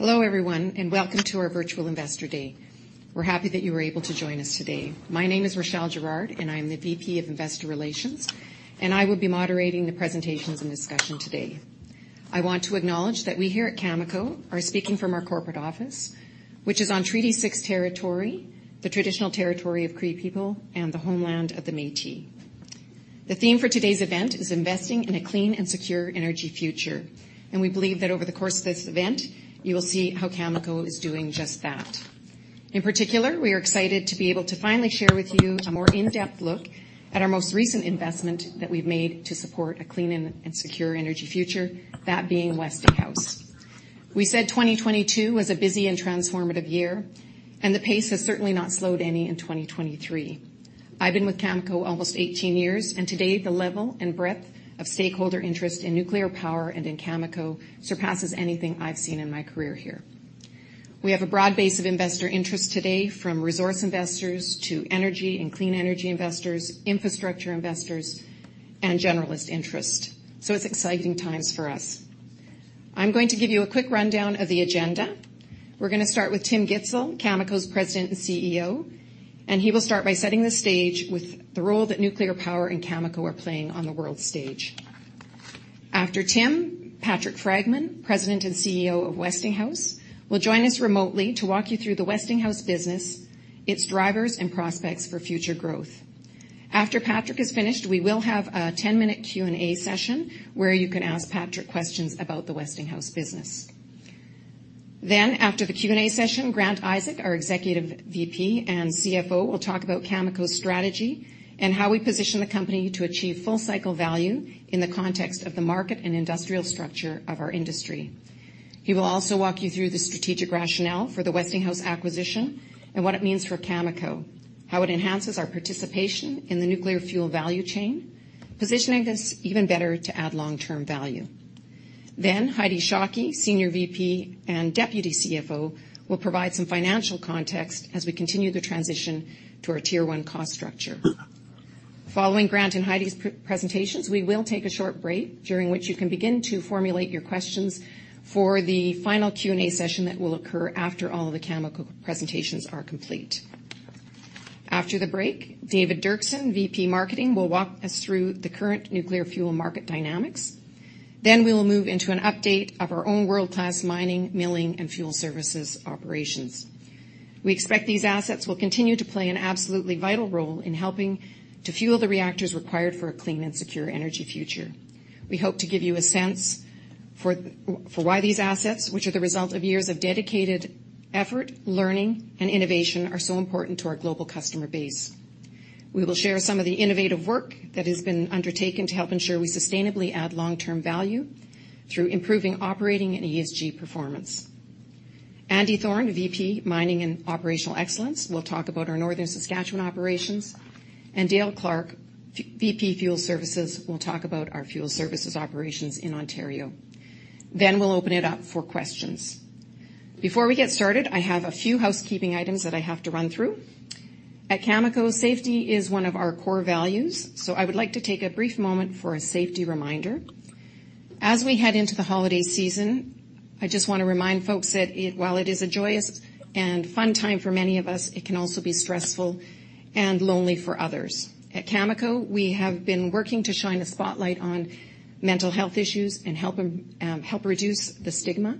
Hello, everyone, and welcome to our virtual Investor Day. We're happy that you were able to join us today. My name is Rachelle Girard, and I'm the VP of Investor Relations, and I will be moderating the presentations and discussion today. I want to acknowledge that we here at Cameco are speaking from our corporate office, which is on Treaty Six territory, the traditional territory of Cree people, and the homeland of the Métis. The theme for today's event is investing in a clean and secure energy future, and we believe that over the course of this event, you will see how Cameco is doing just that. In particular, we are excited to be able to finally share with you a more in-depth look at our most recent investment that we've made to support a clean and secure energy future, that being Westinghouse. We said 2022 was a busy and transformative year, and the pace has certainly not slowed any in 2023. I've been with Cameco almost 18 years, and today, the level and breadth of stakeholder interest in nuclear power and in Cameco surpasses anything I've seen in my career here. We have a broad base of investor interest today, from resource investors to energy and clean energy investors, infrastructure investors, and generalist interest. So it's exciting times for us. I'm going to give you a quick rundown of the agenda. We're going to start with Tim Gitzel, Cameco's President and CEO, and he will start by setting the stage with the role that nuclear power and Cameco are playing on the world stage. After Tim, Patrick Fragman, President and CEO of Westinghouse, will join us remotely to walk you through the Westinghouse business, its drivers, and prospects for future growth. After Patrick is finished, we will have a 10-minute Q&A session where you can ask Patrick questions about the Westinghouse business. Then, after the Q&A session, Grant Isaac, our Executive VP and CFO, will talk about Cameco's strategy and how we position the company to achieve full cycle value in the context of the market and industrial structure of our industry. He will also walk you through the strategic rationale for the Westinghouse acquisition and what it means for Cameco, how it enhances our participation in the nuclear fuel value chain, positioning us even better to add long-term value. Then Heidi Shockey, Senior VP and Deputy CFO, will provide some financial context as we continue the transition to our Tier One cost structure. Following Grant and Heidi's presentations, we will take a short break, during which you can begin to formulate your questions for the final Q&A session that will occur after all of the Cameco presentations are complete. After the break, David Doerksen, VP Marketing, will walk us through the current nuclear fuel market dynamics. Then we will move into an update of our own world-class mining, milling, and fuel services operations. We expect these assets will continue to play an absolutely vital role in helping to fuel the reactors required for a clean and secure energy future. We hope to give you a sense for why these assets, which are the result of years of dedicated effort, learning, and innovation, are so important to our global customer base. We will share some of the innovative work that has been undertaken to help ensure we sustainably add long-term value through improving operating and ESG performance. Andy Thorne, VP Mining and Operational Excellence, will talk about our Northern Saskatchewan operations, and Dale Clark, VP Fuel Services, will talk about our fuel services operations in Ontario. Then we'll open it up for questions. Before we get started, I have a few housekeeping items that I have to run through. At Cameco, safety is one of our core values, so I would like to take a brief moment for a safety reminder. As we head into the holiday season, I just want to remind folks that it, while it is a joyous and fun time for many of us, it can also be stressful and lonely for others. At Cameco, we have been working to shine a spotlight on mental health issues and help reduce the stigma.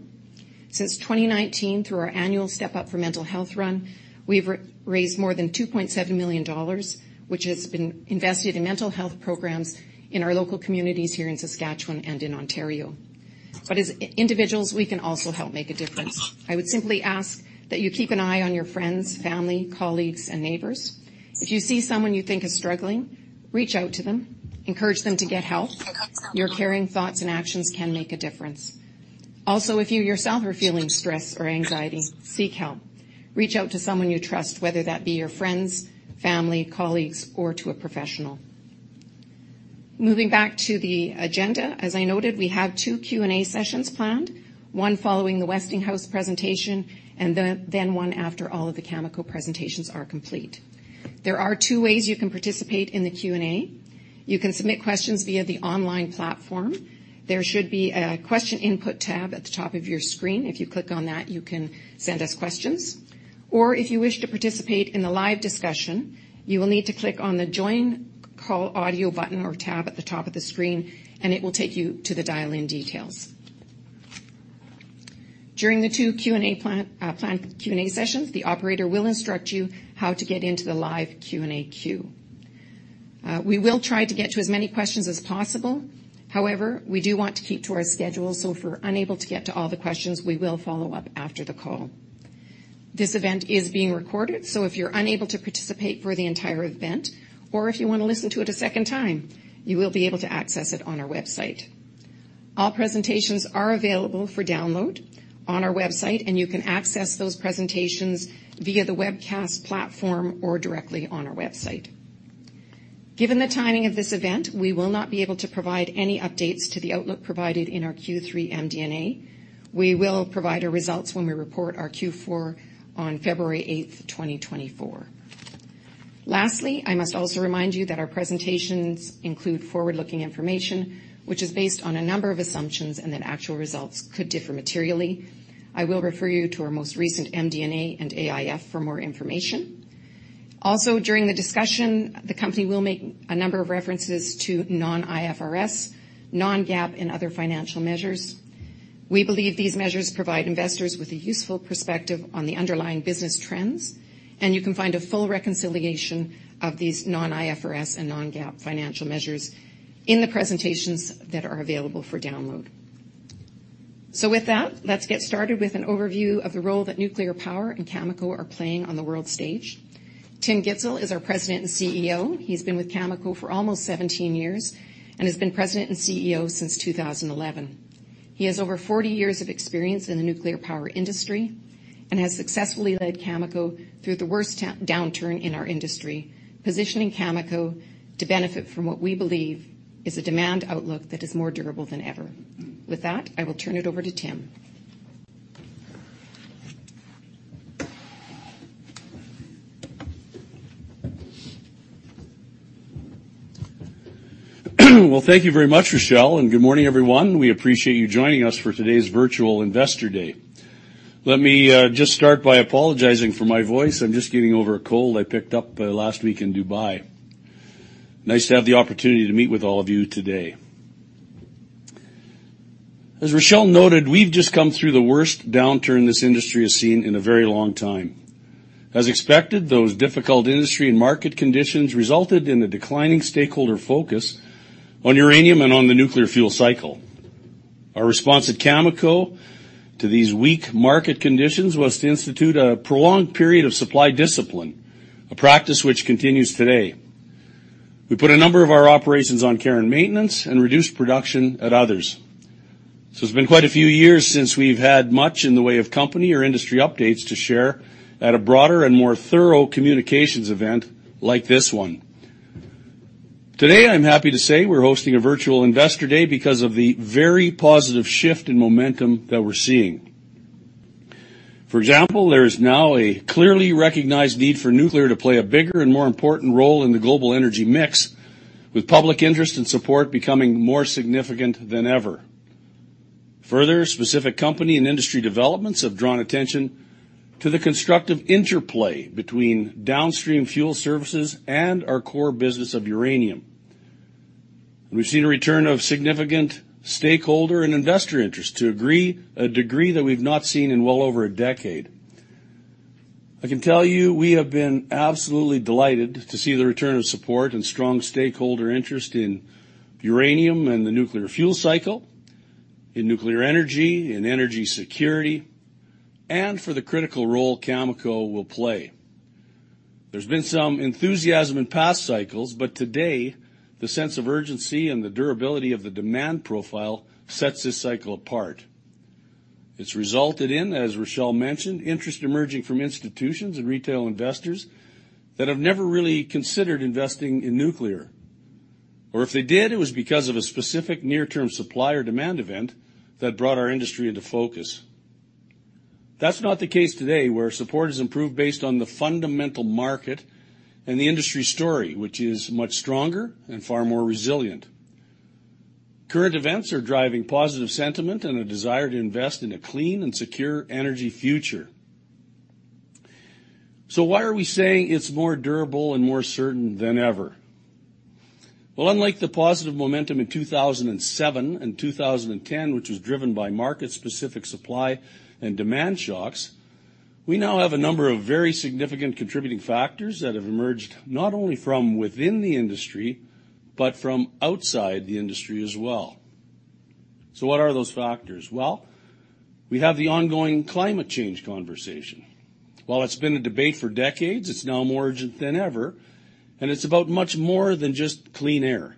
Since 2019, through our annual Step Up for Mental Health run, we've raised more than 2.7 million dollars, which has been invested in mental health programs in our local communities here in Saskatchewan and in Ontario. But as individuals, we can also help make a difference. I would simply ask that you keep an eye on your friends, family, colleagues, and neighbors. If you see someone you think is struggling, reach out to them, encourage them to get help. Your caring thoughts and actions can make a difference. Also, if you yourself are feeling stress or anxiety, seek help. Reach out to someone you trust, whether that be your friends, family, colleagues, or to a professional. Moving back to the agenda, as I noted, we have two Q&A sessions planned, one following the Westinghouse presentation, and then one after all of the Cameco presentations are complete. There are two ways you can participate in the Q&A. You can submit questions via the online platform. There should be a Question Input tab at the top of your screen. If you click on that, you can send us questions. Or if you wish to participate in the live discussion, you will need to click on the Join Call Audio button or tab at the top of the screen, and it will take you to the dial-in details. During the two Q&A planned sessions, the operator will instruct you how to get into the live Q&A queue. We will try to get to as many questions as possible. However, we do want to keep to our schedule, so if we're unable to get to all the questions, we will follow up after the call. This event is being recorded, so if you're unable to participate for the entire event or if you want to listen to it a second time, you will be able to access it on our website. All presentations are available for download on our website, and you can access those presentations via the webcast platform or directly on our website. Given the timing of this event, we will not be able to provide any updates to the outlook provided in our Q3 MD&A. We will provide our results when we report our Q4 on February 8, 2024. Lastly, I must also remind you that our presentations include forward-looking information, which is based on a number of assumptions and that actual results could differ materially. I will refer you to our most recent MD&A and AIF for more information. Also, during the discussion, the company will make a number of references to non-IFRS, non-GAAP, and other financial measures. We believe these measures provide investors with a useful perspective on the underlying business trends, and you can find a full reconciliation of these non-IFRS and non-GAAP financial measures in the presentations that are available for download. So with that, let's get started with an overview of the role that nuclear power and Cameco are playing on the world stage. Tim Gitzel is our President and CEO. He's been with Cameco for almost 17 years and has been President and CEO since 2011. He has over 40 years of experience in the nuclear power industry and has successfully led Cameco through the worst downturn in our industry, positioning Cameco to benefit from what we believe is a demand outlook that is more durable than ever. With that, I will turn it over to Tim. Well, thank you very much, Rachelle, and good morning, everyone. We appreciate you joining us for today's virtual Investor Day. Let me just start by apologizing for my voice. I'm just getting over a cold I picked up last week in Dubai. Nice to have the opportunity to meet with all of you today. As Rachelle noted, we've just come through the worst downturn this industry has seen in a very long time. As expected, those difficult industry and market conditions resulted in a declining stakeholder focus on uranium and on the nuclear fuel cycle. Our response at Cameco to these weak market conditions was to institute a prolonged period of supply discipline, a practice which continues today. We put a number of our operations on care and maintenance and reduced production at others. So it's been quite a few years since we've had much in the way of company or industry updates to share at a broader and more thorough communications event like this one. Today, I'm happy to say we're hosting a virtual Investor Day because of the very positive shift in momentum that we're seeing. For example, there is now a clearly recognized need for nuclear to play a bigger and more important role in the global energy mix, with public interest and support becoming more significant than ever. Further, specific company and industry developments have drawn attention to the constructive interplay between downstream fuel services and our core business of uranium. We've seen a return of significant stakeholder and investor interest to a degree that we've not seen in well over a decade. I can tell you, we have been absolutely delighted to see the return of support and strong stakeholder interest in uranium and the nuclear fuel cycle, in nuclear energy, in energy security, and for the critical role Cameco will play. There's been some enthusiasm in past cycles, but today, the sense of urgency and the durability of the demand profile sets this cycle apart. It's resulted in, as Rachelle mentioned, interest emerging from institutions and retail investors that have never really considered investing in nuclear, or if they did, it was because of a specific near-term supply or demand event that brought our industry into focus. That's not the case today, where support has improved based on the fundamental market and the industry story, which is much stronger and far more resilient. Current events are driving positive sentiment and a desire to invest in a clean and secure energy future. So why are we saying it's more durable and more certain than ever? Well, unlike the positive momentum in 2007 and 2010, which was driven by market-specific supply and demand shocks, we now have a number of very significant contributing factors that have emerged not only from within the industry but from outside the industry as well. So what are those factors? Well, we have the ongoing climate change conversation. While it's been a debate for decades, it's now more urgent than ever, and it's about much more than just clean air.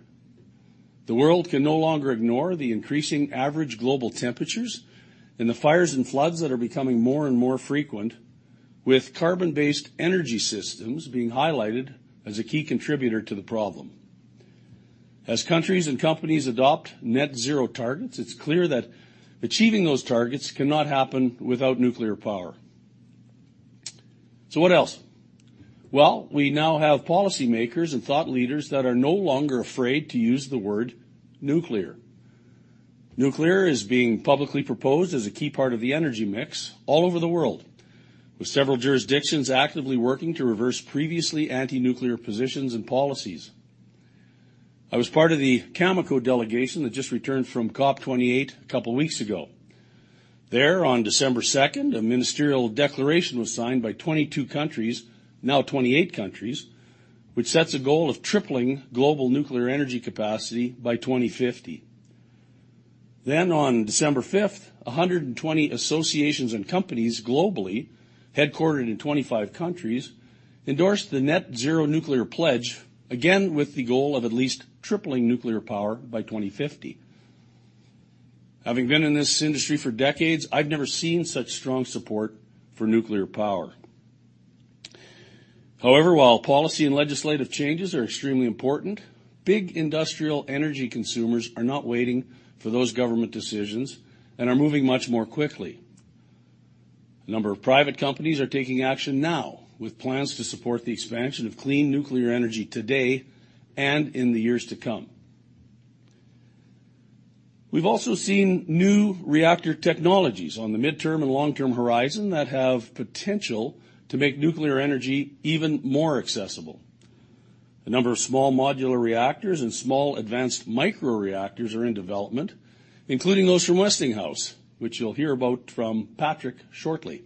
The world can no longer ignore the increasing average global temperatures and the fires and floods that are becoming more and more frequent, with carbon-based energy systems being highlighted as a key contributor to the problem. As countries and companies adopt Net Zero targets, it's clear that achieving those targets cannot happen without nuclear power. So what else? Well, we now have policymakers and thought leaders that are no longer afraid to use the word nuclear. Nuclear is being publicly proposed as a key part of the energy mix all over the world, with several jurisdictions actively working to reverse previously anti-nuclear positions and policies. I was part of the Cameco delegation that just returned from COP 28 a couple weeks ago. There, on December second, a ministerial declaration was signed by 22 countries, now 28 countries, which sets a goal of tripling global nuclear energy capacity by 2050. Then on December fifth, 120 associations and companies globally, headquartered in 25 countries, endorsed the Net Zero Nuclear Pledge, again, with the goal of at least tripling nuclear power by 2050. Having been in this industry for decades, I've never seen such strong support for nuclear power. However, while policy and legislative changes are extremely important, big industrial energy consumers are not waiting for those government decisions and are moving much more quickly. A number of private companies are taking action now, with plans to support the expansion of clean nuclear energy today and in the years to come. We've also seen new reactor technologies on the midterm and long-term horizon that have potential to make nuclear energy even more accessible. A number of small modular reactors and small advanced micro-reactors are in development, including those from Westinghouse, which you'll hear about from Patrick shortly.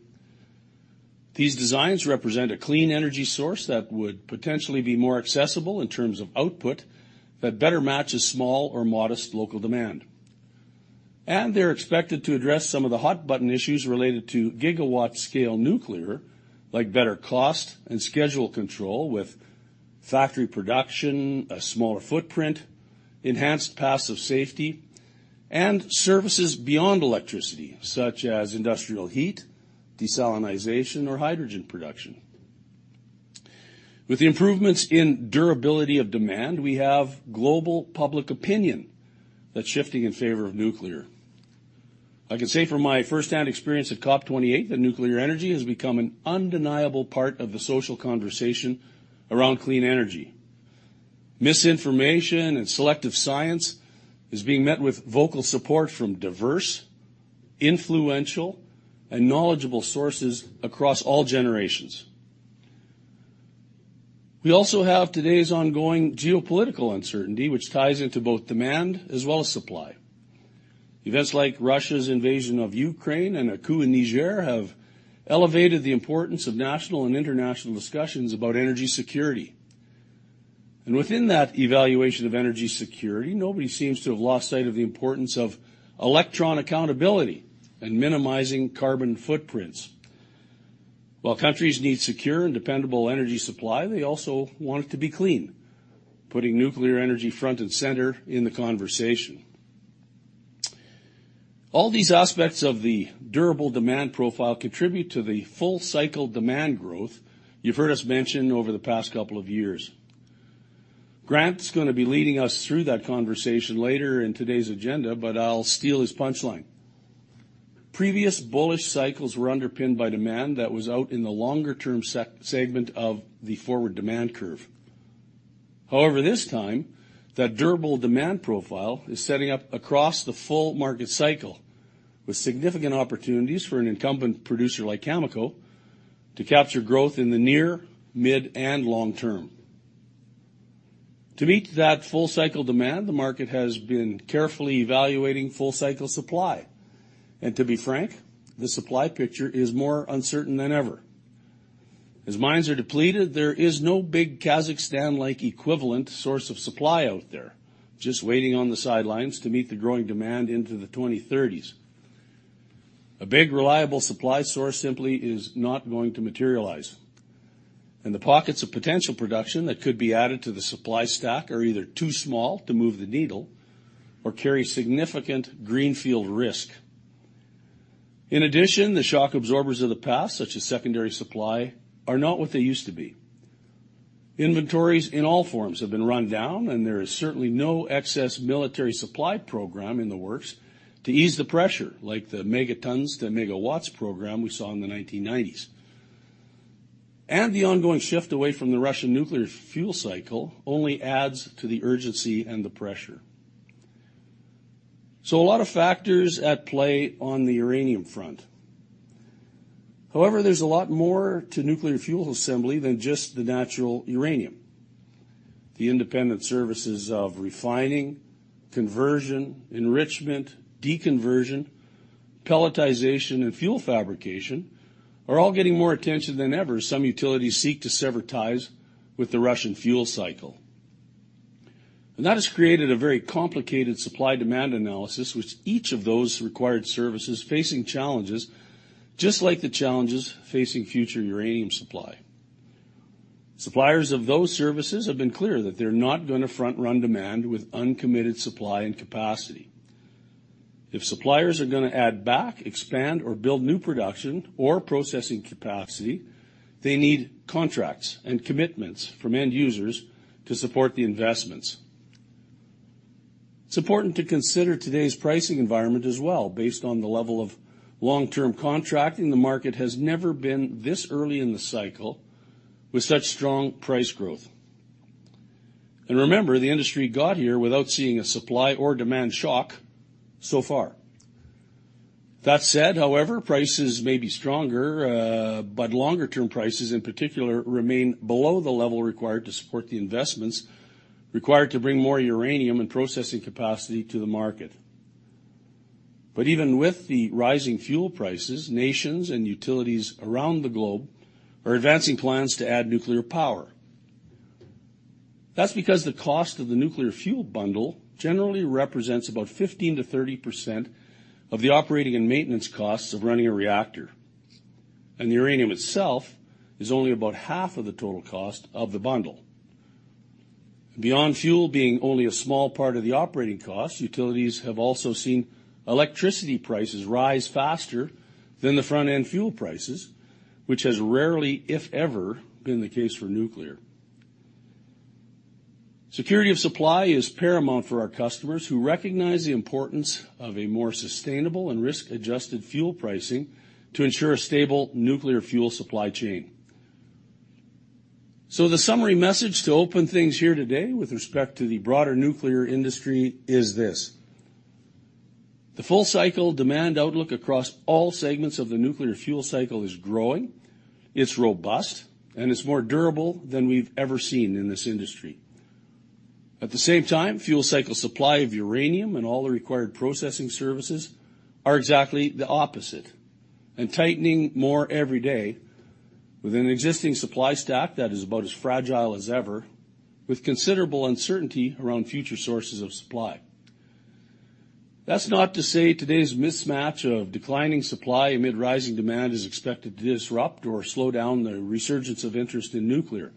These designs represent a clean energy source that would potentially be more accessible in terms of output, that better matches small or modest local demand. They're expected to address some of the hot button issues related to gigawatt scale nuclear, like better cost and schedule control with factory production, a smaller footprint, enhanced passive safety, and services beyond electricity, such as industrial heat, desalination, or hydrogen production. With the improvements in durability of demand, we have global public opinion that's shifting in favor of nuclear. I can say from my firsthand experience at COP28, that nuclear energy has become an undeniable part of the social conversation around clean energy. Misinformation and selective science is being met with vocal support from diverse, influential, and knowledgeable sources across all generations. We also have today's ongoing geopolitical uncertainty, which ties into both demand as well as supply. Events like Russia's invasion of Ukraine and a coup in Niger have elevated the importance of national and international discussions about energy security. Within that evaluation of energy security, nobody seems to have lost sight of the importance of electron accountability and minimizing carbon footprints. While countries need secure and dependable energy supply, they also want it to be clean, putting nuclear energy front and center in the conversation. All these aspects of the durable demand profile contribute to the full cycle demand growth you've heard us mention over the past couple of years. Grant's gonna be leading us through that conversation later in today's agenda, but I'll steal his punchline. Previous bullish cycles were underpinned by demand that was out in the longer term segment of the forward demand curve. However, this time, that durable demand profile is setting up across the full market cycle, with significant opportunities for an incumbent producer like Cameco to capture growth in the near, mid, and long term. To meet that full cycle demand, the market has been carefully evaluating full cycle supply, and to be frank, the supply picture is more uncertain than ever. As mines are depleted, there is no big Kazakhstan-like equivalent source of supply out there, just waiting on the sidelines to meet the growing demand into the 2030s. A big, reliable supply source simply is not going to materialize, and the pockets of potential production that could be added to the supply stack are either too small to move the needle or carry significant greenfield risk. In addition, the shock absorbers of the past, such as secondary supply, are not what they used to be. Inventories in all forms have been run down, and there is certainly no excess military supply program in the works to ease the pressure, like the Megatons to Megawatts program we saw in the 1990s. The ongoing shift away from the Russian nuclear fuel cycle only adds to the urgency and the pressure. A lot of factors at play on the uranium front. However, there's a lot more to nuclear fuel assembly than just the natural uranium. The independent services of refining, conversion, enrichment, deconversion, pelletization, and fuel fabrication are all getting more attention than ever as some utilities seek to sever ties with the Russian fuel cycle. That has created a very complicated supply-demand analysis, with each of those required services facing challenges, just like the challenges facing future uranium supply. Suppliers of those services have been clear that they're not gonna front run demand with uncommitted supply and capacity. If suppliers are gonna add back, expand, or build new production or processing capacity, they need contracts and commitments from end users to support the investments. It's important to consider today's pricing environment as well. Based on the level of long-term contracting, the market has never been this early in the cycle with such strong price growth. And remember, the industry got here without seeing a supply or demand shock so far. That said, however, prices may be stronger, but longer-term prices, in particular, remain below the level required to support the investments required to bring more uranium and processing capacity to the market. But even with the rising fuel prices, nations and utilities around the globe are advancing plans to add nuclear power. That's because the cost of the nuclear fuel bundle generally represents about 15%-30% of the operating and maintenance costs of running a reactor, and the uranium itself is only about half of the total cost of the bundle. Beyond fuel being only a small part of the operating costs, utilities have also seen electricity prices rise faster than the front-end fuel prices, which has rarely, if ever, been the case for nuclear. Security of supply is paramount for our customers, who recognize the importance of a more sustainable and risk-adjusted fuel pricing to ensure a stable nuclear fuel supply chain. So the summary message to open things here today with respect to the broader nuclear industry is this: the full cycle demand outlook across all segments of the nuclear fuel cycle is growing, it's robust, and it's more durable than we've ever seen in this industry. At the same time, fuel cycle supply of uranium and all the required processing services are exactly the opposite, and tightening more every day with an existing supply stack that is about as fragile as ever, with considerable uncertainty around future sources of supply. That's not to say today's mismatch of declining supply amid rising demand is expected to disrupt or slow down the resurgence of interest in nuclear.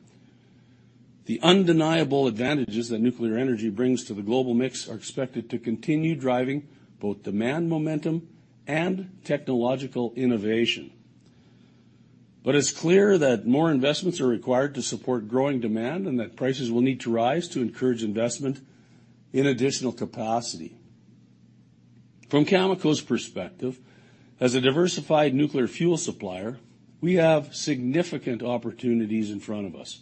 The undeniable advantages that nuclear energy brings to the global mix are expected to continue driving both demand, momentum, and technological innovation. But it's clear that more investments are required to support growing demand, and that prices will need to rise to encourage investment in additional capacity. From Cameco's perspective, as a diversified nuclear fuel supplier, we have significant opportunities in front of us.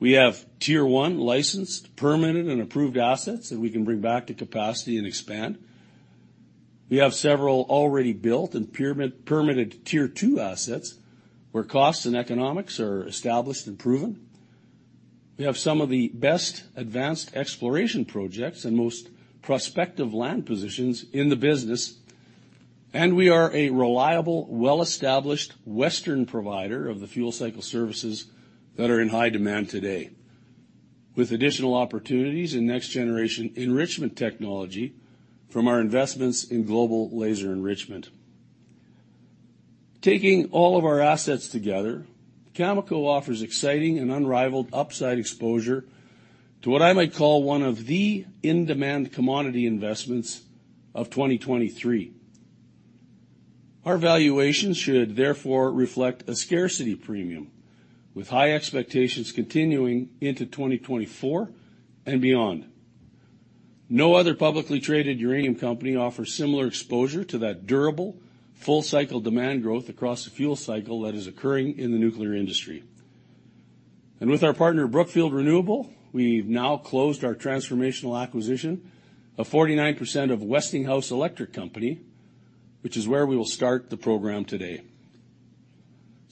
We have Tier One licensed, permitted, and approved assets that we can bring back to capacity and expand. We have several already built and pre-permitted Tier Two assets, where costs and economics are established and proven. We have some of the best advanced exploration projects and most prospective land positions in the business, and we are a reliable, well-established western provider of the fuel cycle services that are in high demand today, with additional opportunities in next-generation enrichment technology from our investments in Global Laser Enrichment. Taking all of our assets together, Cameco offers exciting and unrivaled upside exposure to what I might call one of the in-demand commodity investments of 2023. Our valuation should therefore reflect a scarcity premium, with high expectations continuing into 2024 and beyond. No other publicly traded uranium company offers similar exposure to that durable, full cycle demand growth across the fuel cycle that is occurring in the nuclear industry. And with our partner, Brookfield Renewable, we've now closed our transformational acquisition of 49% of Westinghouse Electric Company, which is where we will start the program today.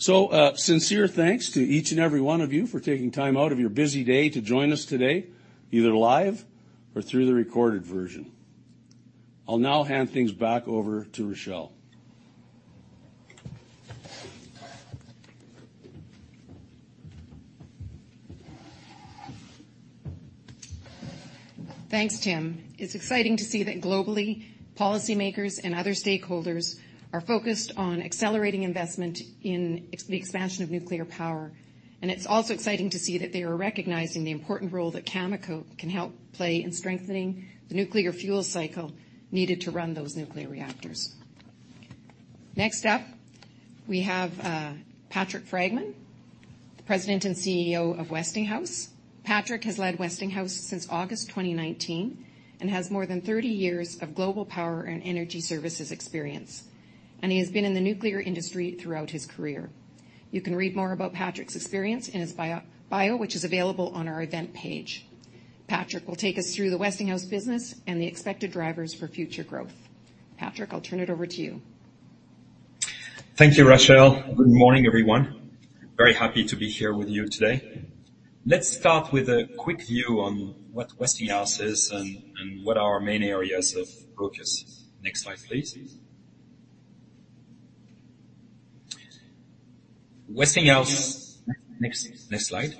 So, sincere thanks to each and every one of you for taking time out of your busy day to join us today, either live or through the recorded version. I'll now hand things back over to Rachelle. Thanks, Tim. It's exciting to see that globally, policymakers and other stakeholders are focused on accelerating investment in the expansion of nuclear power, and it's also exciting to see that they are recognizing the important role that Cameco can help play in strengthening the nuclear fuel cycle needed to run those nuclear reactors. Next up, we have Patrick Fragman, the President and CEO of Westinghouse. Patrick has led Westinghouse since August 2019, and has more than 30 years of global power and energy services experience, and he has been in the nuclear industry throughout his career. You can read more about Patrick's experience in his bio, which is available on our event page. Patrick, I'll turn it over to you. Thank you, Rachelle. Good morning, everyone. Very happy to be here with you today. Let's start with a quick view on what Westinghouse is and what our main areas of focus. Next slide, please. Westinghouse... Next slide.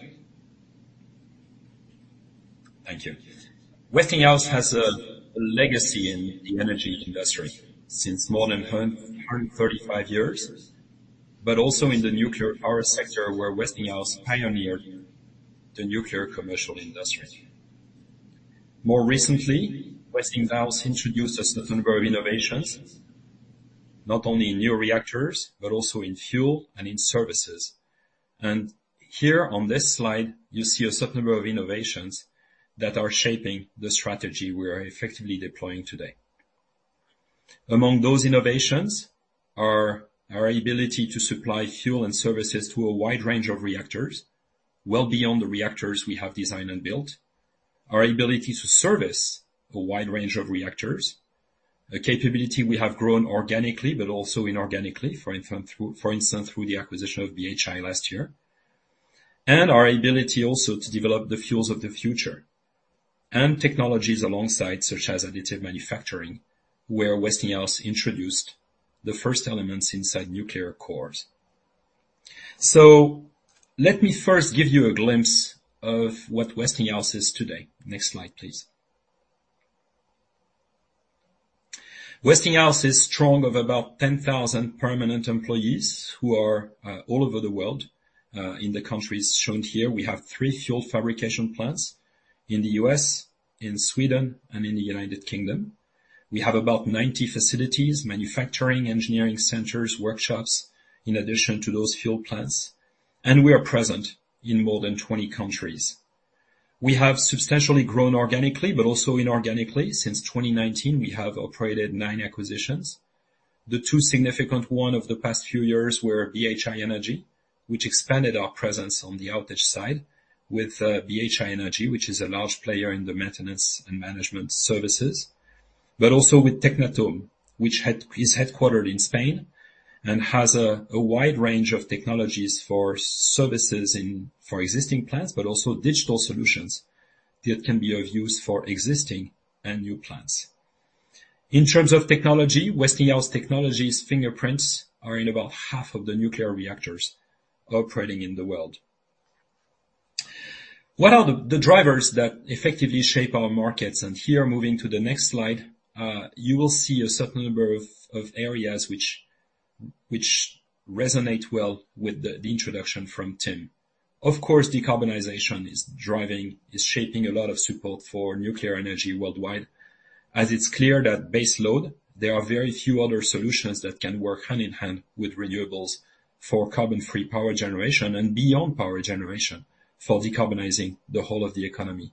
Thank you. Westinghouse has a legacy in the energy industry since more than 135 years, but also in the nuclear power sector, where Westinghouse pioneered the nuclear commercial industry. More recently, Westinghouse introduced us a number of innovations, not only in new reactors, but also in fuel and in services. And here on this slide, you see a certain number of innovations that are shaping the strategy we are effectively deploying today. Among those innovations are our ability to supply fuel and services to a wide range of reactors, well beyond the reactors we have designed and built. Our ability to service a wide range of reactors, a capability we have grown organically but also inorganically, for instance, through the acquisition of BHI last year. And our ability also to develop the fuels of the future and technologies alongside, such as additive manufacturing, where Westinghouse introduced the first elements inside nuclear cores. So let me first give you a glimpse of what Westinghouse is today. Next slide, please. Westinghouse is strong of about 10,000 permanent employees who are all over the world in the countries shown here. We have three fuel fabrication plants in the U.S., in Sweden, and in the United Kingdom. We have about 90 facilities, manufacturing, engineering centers, workshops, in addition to those fuel plants, and we are present in more than 20 countries. We have substantially grown organically, but also inorganically. Since 2019, we have operated 9 acquisitions. The two significant one of the past few years were BHI Energy, which expanded our presence on the outage side with BHI Energy, which is a large player in the maintenance and management services. But also with Tecnatom, which is headquartered in Spain and has a wide range of technologies for services in, for existing plants, but also digital solutions that can be of use for existing and new plants. In terms of technology, Westinghouse Technologies' fingerprints are in about half of the nuclear reactors operating in the world. What are the drivers that effectively shape our markets? Here, moving to the next slide, you will see a certain number of areas which resonate well with the introduction from Tim. Of course, decarbonization is driving, is shaping a lot of support for nuclear energy worldwide, as it's clear that base load, there are very few other solutions that can work hand in hand with renewables for carbon-free power generation and beyond power generation, for decarbonizing the whole of the economy.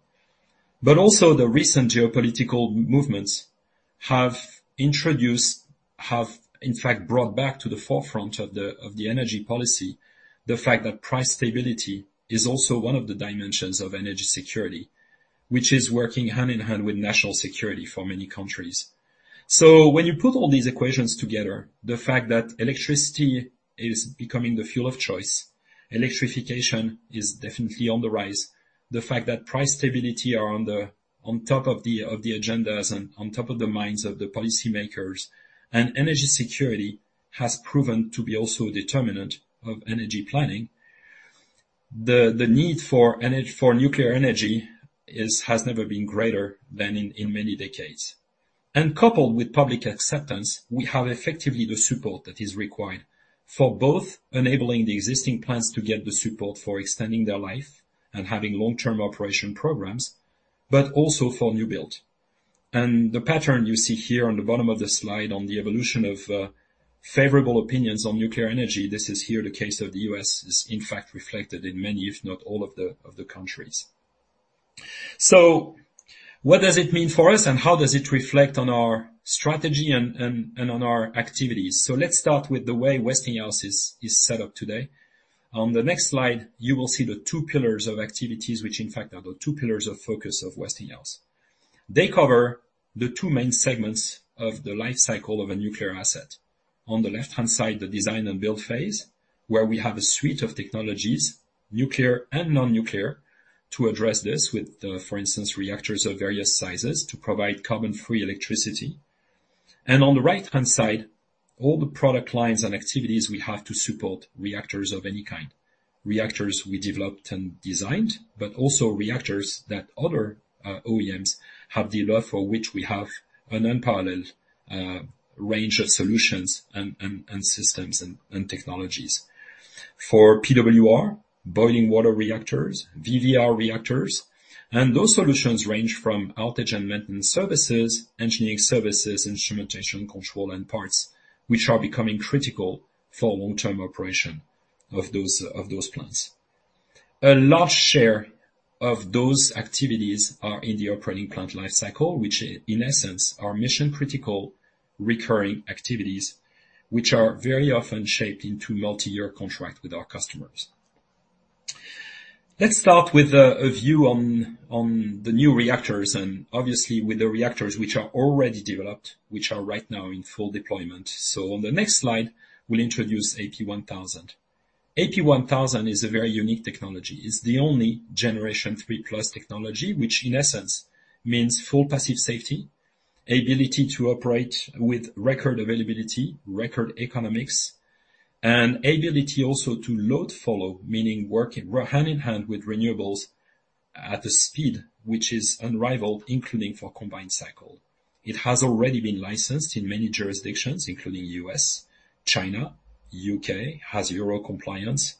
But also the recent geopolitical movements have, in fact, brought back to the forefront of the energy policy, the fact that price stability is also one of the dimensions of energy security, which is working hand in hand with national security for many countries. So when you put all these equations together, the fact that electricity is becoming the fuel of choice, electrification is definitely on the rise. The fact that price stability are on top of the agendas and on top of the minds of the policymakers, and energy security has proven to be also a determinant of energy planning. The need for nuclear energy has never been greater than in many decades. And coupled with public acceptance, we have effectively the support that is required for both enabling the existing plants to get the support for extending their life and having long-term operation programs, but also for new build. And the pattern you see here on the bottom of the slide, on the evolution of favorable opinions on nuclear energy, this is here the case of the U.S., is in fact reflected in many, if not all of the countries. So what does it mean for us and how does it reflect on our strategy and on our activities? So let's start with the way Westinghouse is set up today. On the next slide, you will see the two pillars of activities, which in fact are the two pillars of focus of Westinghouse. They cover the two main segments of the life cycle of a nuclear asset. On the left-hand side, the design and build phase, where we have a suite of technologies, nuclear and non-nuclear, to address this with, for instance, reactors of various sizes to provide carbon-free electricity. And on the right-hand side, all the product lines and activities we have to support reactors of any kind. Reactors we developed and designed, but also reactors that other OEMs have delivered, for which we have an unparalleled range of solutions and systems and technologies. For PWR, boiling water reactors, VVER reactors, and those solutions range from outage and maintenance services, engineering services, instrumentation, control, and parts, which are becoming critical for long-term operation of those plants. A large share of those activities are in the operating plant life cycle, which in essence, are mission-critical, recurring activities, which are very often shaped into multi-year contracts with our customers. Let's start with a view on the new reactors and obviously with the reactors which are already developed, which are right now in full deployment. So on the next slide, we'll introduce AP1000. AP1000 is a very unique technology. It's the only Generation III+ technology, which in essence means full passive safety, ability to operate with record availability, record economics, and ability also to load follow, meaning work hand in hand with renewables at a speed which is unrivaled, including for combined cycle. It has already been licensed in many jurisdictions, including U.S., China, U.K., has Euro compliance.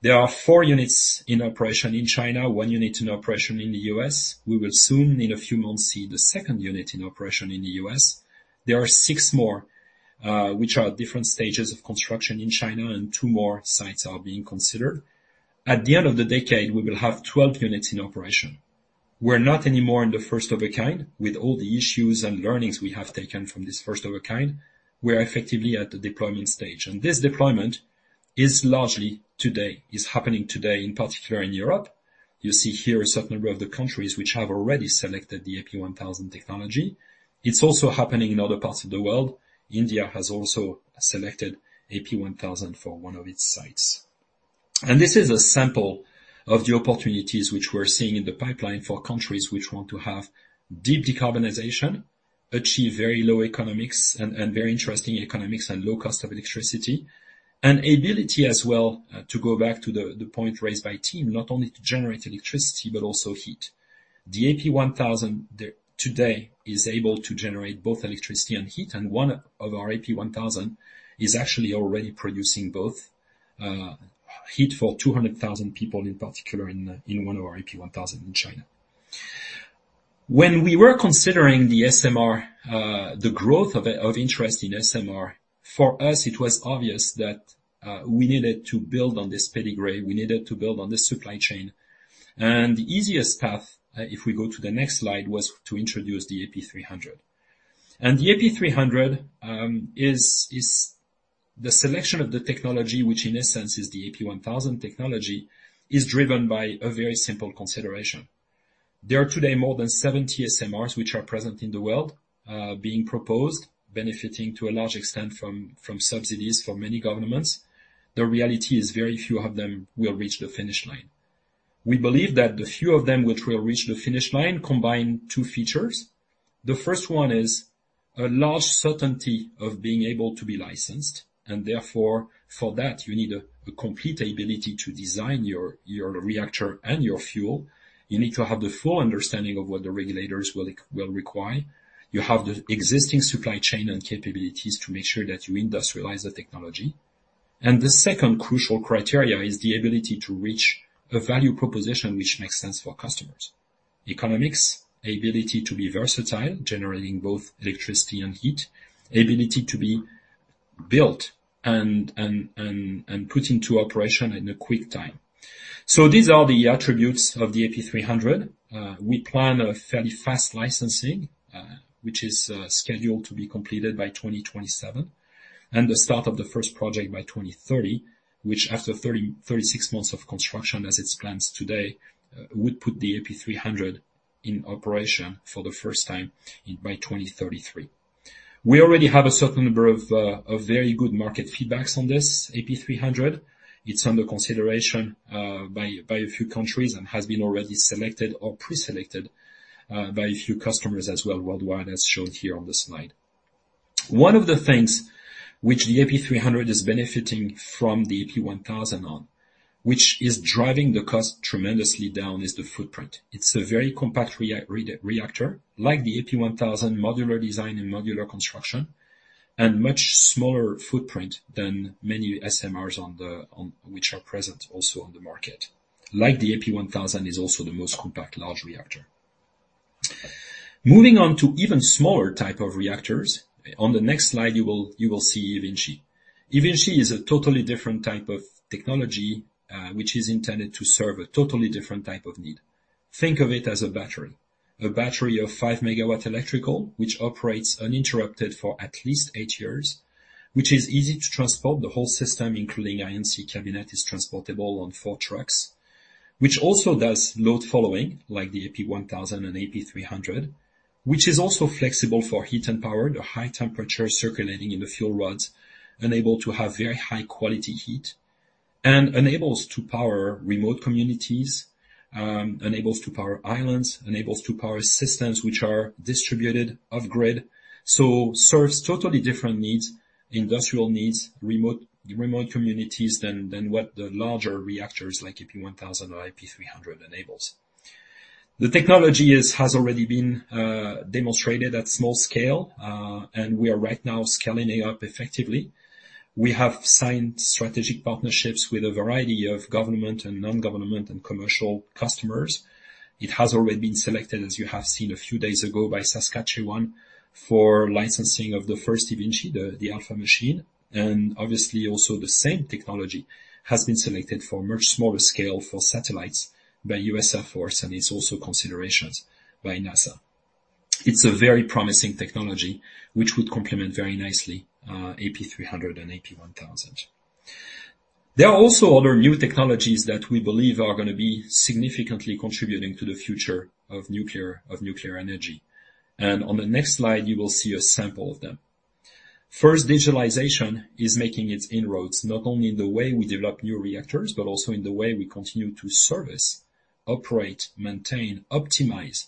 There are 4 units in operation in China, 1 unit in operation in the U.S. We will soon, in a few months, see the second unit in operation in the U.S. There are 6 more, which are at different stages of construction in China, and 2 more sites are being considered. At the end of the decade, we will have 12 units in operation. We're not anymore in the first of a kind. With all the issues and learnings we have taken from this first of a kind, we are effectively at the deployment stage. This deployment is largely today, is happening today, in particular in Europe. You see here a certain number of the countries which have already selected the AP1000 technology. It's also happening in other parts of the world. India has also selected AP1000 for one of its sites. This is a sample of the opportunities which we're seeing in the pipeline for countries which want to have deep decarbonization, achieve very low economics and, and very interesting economics and low cost of electricity, and ability as well, to go back to the, the point raised by Tim, not only to generate electricity, but also heat. The AP1000 today is able to generate both electricity and heat, and one of our AP1000 is actually already producing both heat for 200,000 people, in particular in one of our AP1000 in China. When we were considering the SMR, the growth of interest in SMR, for us, it was obvious that we needed to build on this pedigree. We needed to build on this supply chain. The easiest path, if we go to the next slide, was to introduce the AP300. The AP300 is the selection of the technology, which in essence is the AP1000 technology, is driven by a very simple consideration. There are today more than 70 SMRs, which are present in the world, being proposed, benefiting to a large extent from subsidies for many governments. The reality is very few of them will reach the finish line. We believe that the few of them which will reach the finish line combine two features. The first one is a large certainty of being able to be licensed, and therefore, for that, you need a complete ability to design your reactor and your fuel. You need to have the full understanding of what the regulators will require. You have the existing supply chain and capabilities to make sure that you industrialize the technology. And the second crucial criteria is the ability to reach a value proposition, which makes sense for customers. Economics, ability to be versatile, generating both electricity and heat, ability to be built and put into operation in a quick time. So these are the attributes of the AP300. We plan a fairly fast licensing, which is scheduled to be completed by 2027, and the start of the first project by 2030, which after 36 months of construction, as it's planned today, would put the AP300 in operation for the first time by 2033. We already have a certain number of very good market feedbacks on this AP300. It's under consideration by a few countries and has been already selected or preselected by a few customers as well worldwide, as shown here on the slide. One of the things which the AP300 is benefiting from the AP1000 on, which is driving the cost tremendously down, is the footprint. It's a very compact reactor, like the AP1000 modular design and modular construction, and much smaller footprint than many SMRs which are present also on the market. Like the AP1000 is also the most compact large reactor. Moving on to even smaller type of reactors. On the next slide, you will see eVinci. eVinci is a totally different type of technology, which is intended to serve a totally different type of need. Think of it as a battery. A battery of 5 megawatt electrical, which operates uninterrupted for at least 8 years, which is easy to transport. The whole system, including eVinci cabinet, is transportable on 4 trucks, which also does load following, like the AP1000 and AP300, which is also flexible for heat and power, the high temperature circulating in the fuel rods, and able to have very high quality heat, and enables to power remote communities, enables to power islands, enables to power systems which are distributed off-grid, so serves totally different needs, industrial needs, remote communities than what the larger reactors like AP1000 or AP300 enables. The technology has already been demonstrated at small scale, and we are right now scaling it up effectively. We have signed strategic partnerships with a variety of government and non-government and commercial customers. It has already been selected, as you have seen a few days ago, by Saskatchewan for licensing of the first eVinci, the Alpha machine, and obviously also the same technology has been selected for much smaller scale for satellites by U.S. Air Force, and it's also considerations by NASA. It's a very promising technology which would complement very nicely, AP300 and AP1000. There are also other new technologies that we believe are gonna be significantly contributing to the future of nuclear, of nuclear energy. On the next slide, you will see a sample of them. First, digitalization is making its inroads, not only in the way we develop new reactors, but also in the way we continue to service, operate, maintain, optimize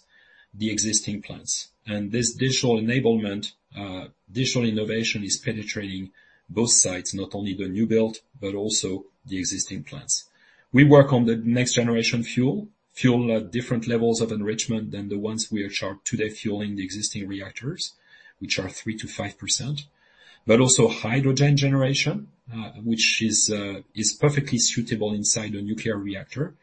the existing plants. And this digital enablement, digital innovation is penetrating both sides, not only the new build, but also the existing plants. We work on the next generation fuel, fuel at different levels of enrichment than the ones we are today fueling the existing reactors, which are 3%-5%, but also hydrogen generation, which is perfectly suitable inside a nuclear reactor.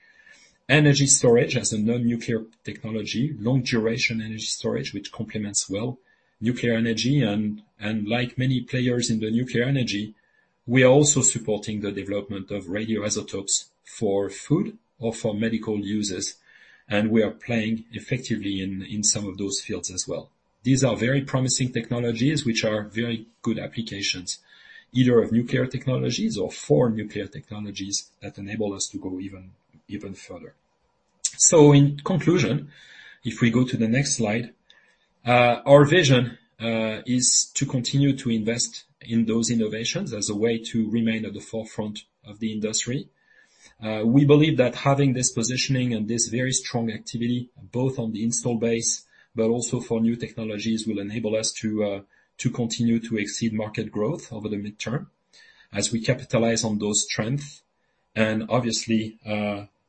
Energy storage as a non-nuclear technology, long duration energy storage, which complements well nuclear energy, and, and like many players in the nuclear energy, we are also supporting the development of radioisotopes for food or for medical uses, and we are playing effectively in some of those fields as well. These are very promising technologies, which are very good applications, either of nuclear technologies or for nuclear technologies that enable us to go even, even further. In conclusion, if we go to the next slide, our vision is to continue to invest in those innovations as a way to remain at the forefront of the industry. We believe that having this positioning and this very strong activity, both on the installed base but also for new technologies, will enable us to continue to exceed market growth over the midterm as we capitalize on those strengths. Obviously,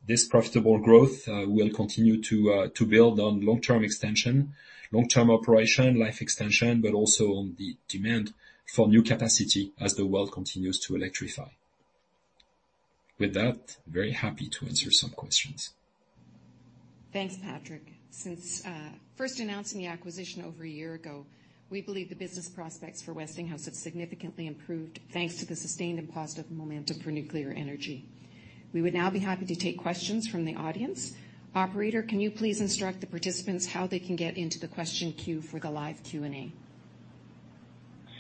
this profitable growth will continue to build on long-term extension, long-term operation, life extension, but also on the demand for new capacity as the world continues to electrify. With that, very happy to answer some questions. Thanks, Patrick. Since first announcing the acquisition over a year ago, we believe the business prospects for Westinghouse have significantly improved, thanks to the sustained and positive momentum for nuclear energy. We would now be happy to take questions from the audience. Operator, can you please instruct the participants how they can get into the question queue for the live Q&A?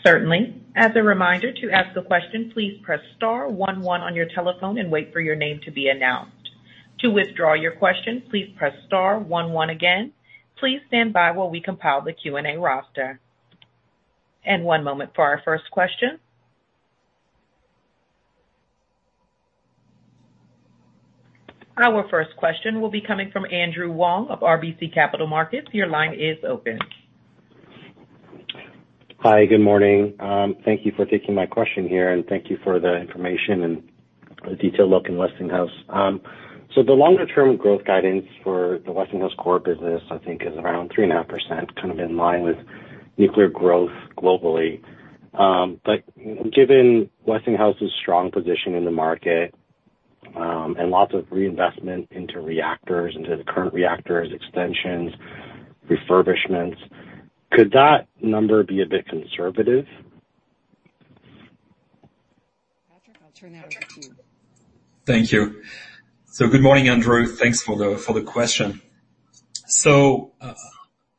Certainly. As a reminder, to ask a question, please press star one one on your telephone and wait for your name to be announced. To withdraw your question, please press star one one again. Please stand by while we compile the Q&A roster. One moment for our first question. Our first question will be coming from Andrew Wong of RBC Capital Markets. Your line is open. Hi, good morning. Thank you for taking my question here, and thank you for the information and the detailed look in Westinghouse. So the longer-term growth guidance for the Westinghouse core business, I think, is around 3.5%, kind of in line with nuclear growth globally. But given Westinghouse's strong position in the market, and lots of reinvestment into reactors, into the current reactors, extensions, refurbishments, could that number be a bit conservative? Patrick, I'll turn that over to you. Thank you. So good morning, Andrew. Thanks for the, for the question. So,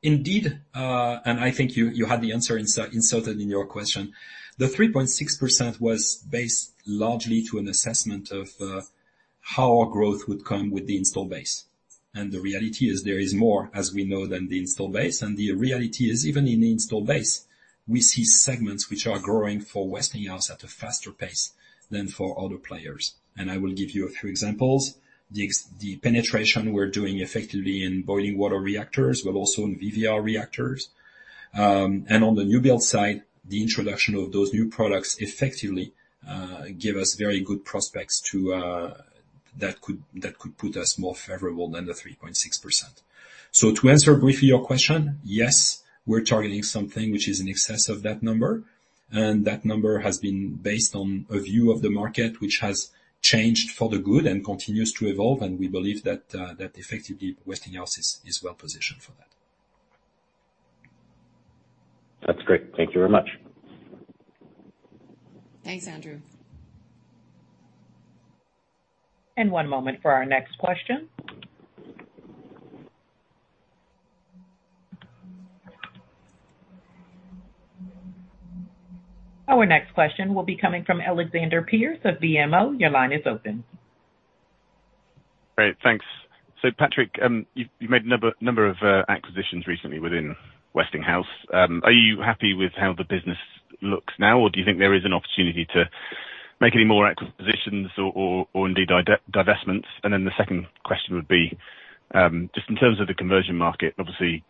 indeed, and I think you, you had the answer inserted in your question. The 3.6% was based largely to an assessment of, how our growth would come with the install base. And the reality is there is more, as we know, than the install base, and the reality is, even in the install base, we see segments which are growing for Westinghouse at a faster pace than for other players. And I will give you a few examples. The penetration we're doing effectively in boiling water reactors, but also in VVER reactors. And on the new build side, the introduction of those new products effectively, give us very good prospects to, that could, that could put us more favorable than the 3.6%. So to answer briefly your question, yes, we're targeting something which is in excess of that number, and that number has been based on a view of the market, which has changed for the good and continues to evolve, and we believe that that effectively, Westinghouse is well positioned for that. That's great. Thank you very much. Thanks, Andrew. One moment for our next question. Our next question will be coming from Alexander Pearce of BMO. Your line is open. Great, thanks. So Patrick, you've made a number of acquisitions recently within Westinghouse. Are you happy with how the business looks now, or do you think there is an opportunity to make any more acquisitions or indeed divestments? And then the second question would be, just in terms of the conversion market, obviously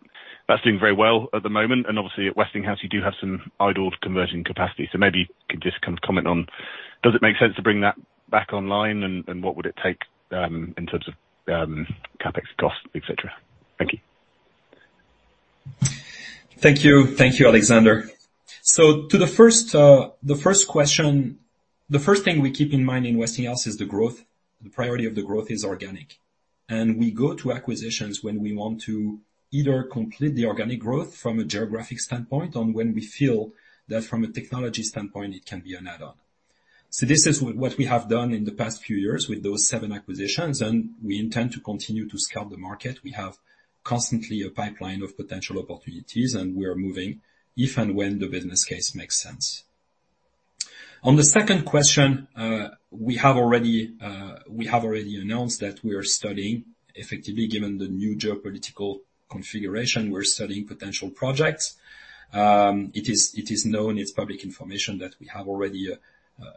that's doing very well at the moment, and obviously at Westinghouse you do have some idled conversion capacity. So maybe you could just kind of comment on, does it make sense to bring that back online, and what would it take in terms of CapEx costs, et cetera? Thank you. Thank you. Thank you, Alexander. So to the first, the first question, the first thing we keep in mind in Westinghouse is the growth. The priority of the growth is organic, and we go to acquisitions when we want to either complete the organic growth from a geographic standpoint on when we feel that from a technology standpoint, it can be an add-on. So this is what, what we have done in the past few years with those seven acquisitions, and we intend to continue to scout the market. We have constantly a pipeline of potential opportunities, and we are moving if and when the business case makes sense. On the second question, we have already, we have already announced that we are studying, effectively, given the new geopolitical configuration, we're studying potential projects. It is known, it's public information, that we have already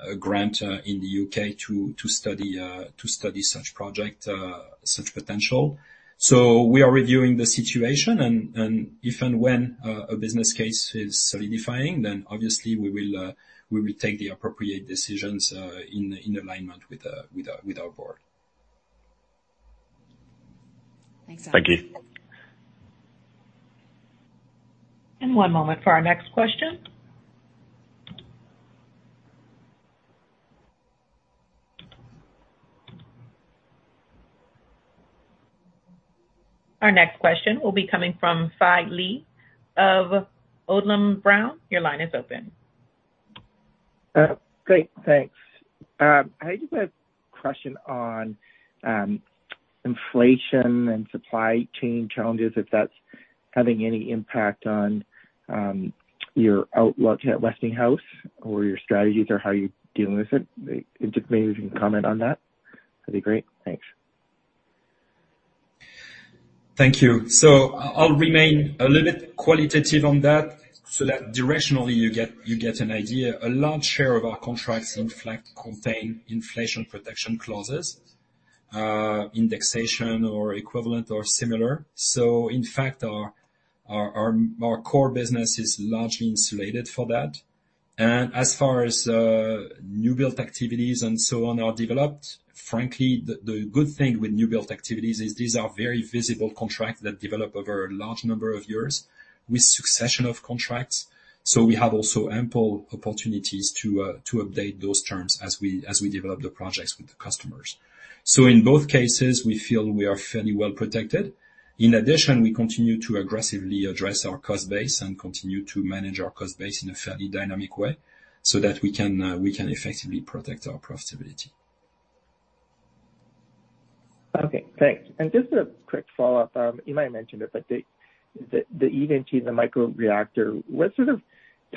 a grant in the UK to study such project, such potential. So we are reviewing the situation, and if and when a business case is solidifying, then obviously we will take the appropriate decisions in alignment with our board. Thanks. Thank you. One moment for our next question. Our next question will be coming from Fai Lee of Odlum Brown. Your line is open. Great, thanks. I just have a question on inflation and supply chain challenges, if that's having any impact on your outlook at Westinghouse or your strategies or how you're dealing with it. Just maybe if you can comment on that, that'd be great. Thanks. Thank you. So I'll remain a little bit qualitative on that so that directionally, you get, you get an idea. A large share of our contracts in fact contain inflation protection clauses, indexation or equivalent or similar. So in fact, our core business is largely insulated for that. And as far as new built activities and so on are developed, frankly, the good thing with new built activities is these are very visible contracts that develop over a large number of years with succession of contracts. So we have also ample opportunities to update those terms as we develop the projects with the customers. So in both cases, we feel we are fairly well protected. In addition, we continue to aggressively address our cost base and continue to manage our cost base in a fairly dynamic way so that we can, we can effectively protect our profitability. Okay, thanks. Just a quick follow-up. You might have mentioned it, but the eVinci, the micro reactor, what sort of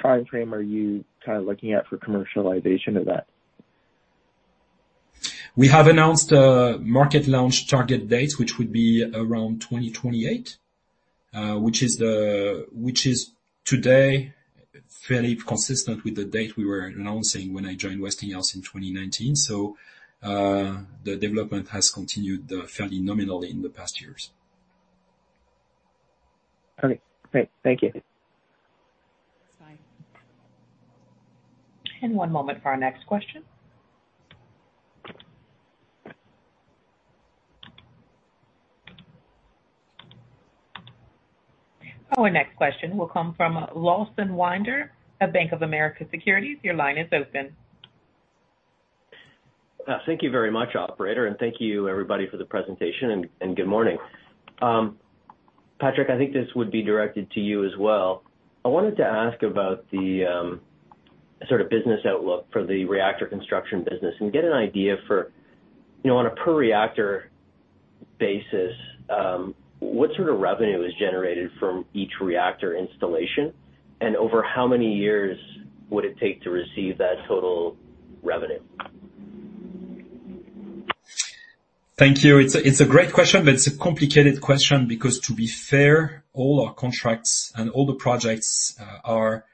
time frame are you kind of looking at for commercialization of that? We have announced a market launch target date, which would be around 2028, which is today, fairly consistent with the date we were announcing when I joined Westinghouse in 2019. So, the development has continued, fairly nominally in the past years. Okay, great. Thank you. One moment for our next question. Our next question will come from Lawson Winder of Bank of America Securities. Your line is open. Thank you very much, operator, and thank you, everybody, for the presentation, and good morning. Patrick, I think this would be directed to you as well. I wanted to ask about the sort of business outlook for the reactor construction business and get an idea for, you know, on a per reactor basis, what sort of revenue is generated from each reactor installation, and over how many years would it take to receive that total revenue? Thank you. It's a great question, but it's a complicated question because to be fair, all our contracts and all the projects are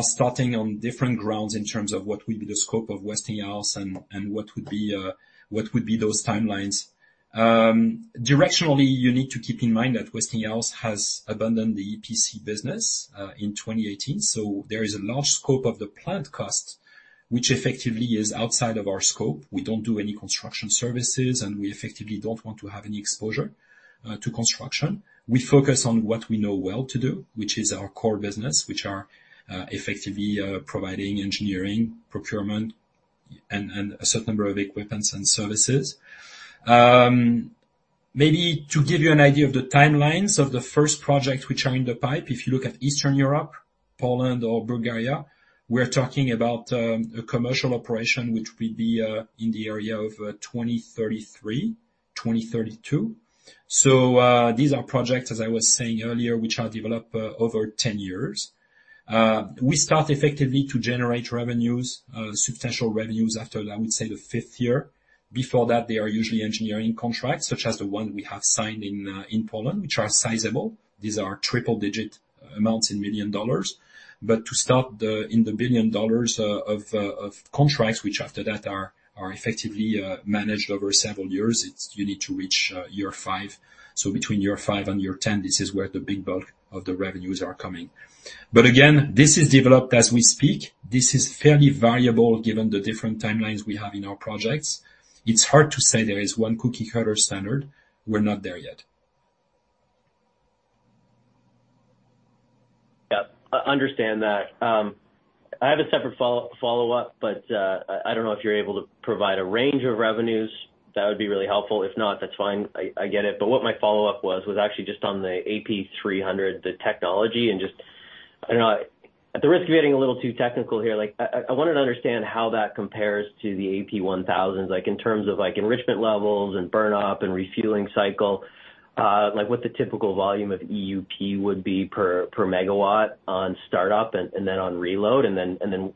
starting on different grounds in terms of what will be the scope of Westinghouse and what would be those timelines. Directionally, you need to keep in mind that Westinghouse has abandoned the EPC business in 2018, so there is a large scope of the plant cost, which effectively is outside of our scope. We don't do any construction services, and we effectively don't want to have any exposure to construction. We focus on what we know well to do, which is our core business, which are effectively providing engineering, procurement, and a certain number of equipments and services. Maybe to give you an idea of the timelines of the first project which are in the pipeline, if you look at Eastern Europe, Poland or Bulgaria, we're talking about a commercial operation, which will be in the area of 2033, 2032. So, these are projects, as I was saying earlier, which are developed over 10 years. We start effectively to generate revenues substantial revenues after, I would say, the fifth year. Before that, they are usually engineering contracts, such as the one we have signed in in Poland, which are sizable. These are triple-digit amounts in $ millions. But to start the, in the billions of dollars of contracts, which after that are effectively managed over several years, it, you need to reach year five. So between year 5 and year 10, this is where the big bulk of the revenues are coming. But again, this is developed as we speak. This is fairly variable given the different timelines we have in our projects. It's hard to say there is one cookie cutter standard. We're not there yet. Yeah, I understand that. I have a separate follow-up, but I don't know if you're able to provide a range of revenues. That would be really helpful. If not, that's fine. I get it. But what my follow-up was actually just on the AP300, the technology, and just, I know at the risk of getting a little too technical here, like I wanted to understand how that compares to the AP1000, like in terms of like enrichment levels and burn up and refueling cycle, like what the typical volume of EUP would be per megawatt on startup and then on reload, and then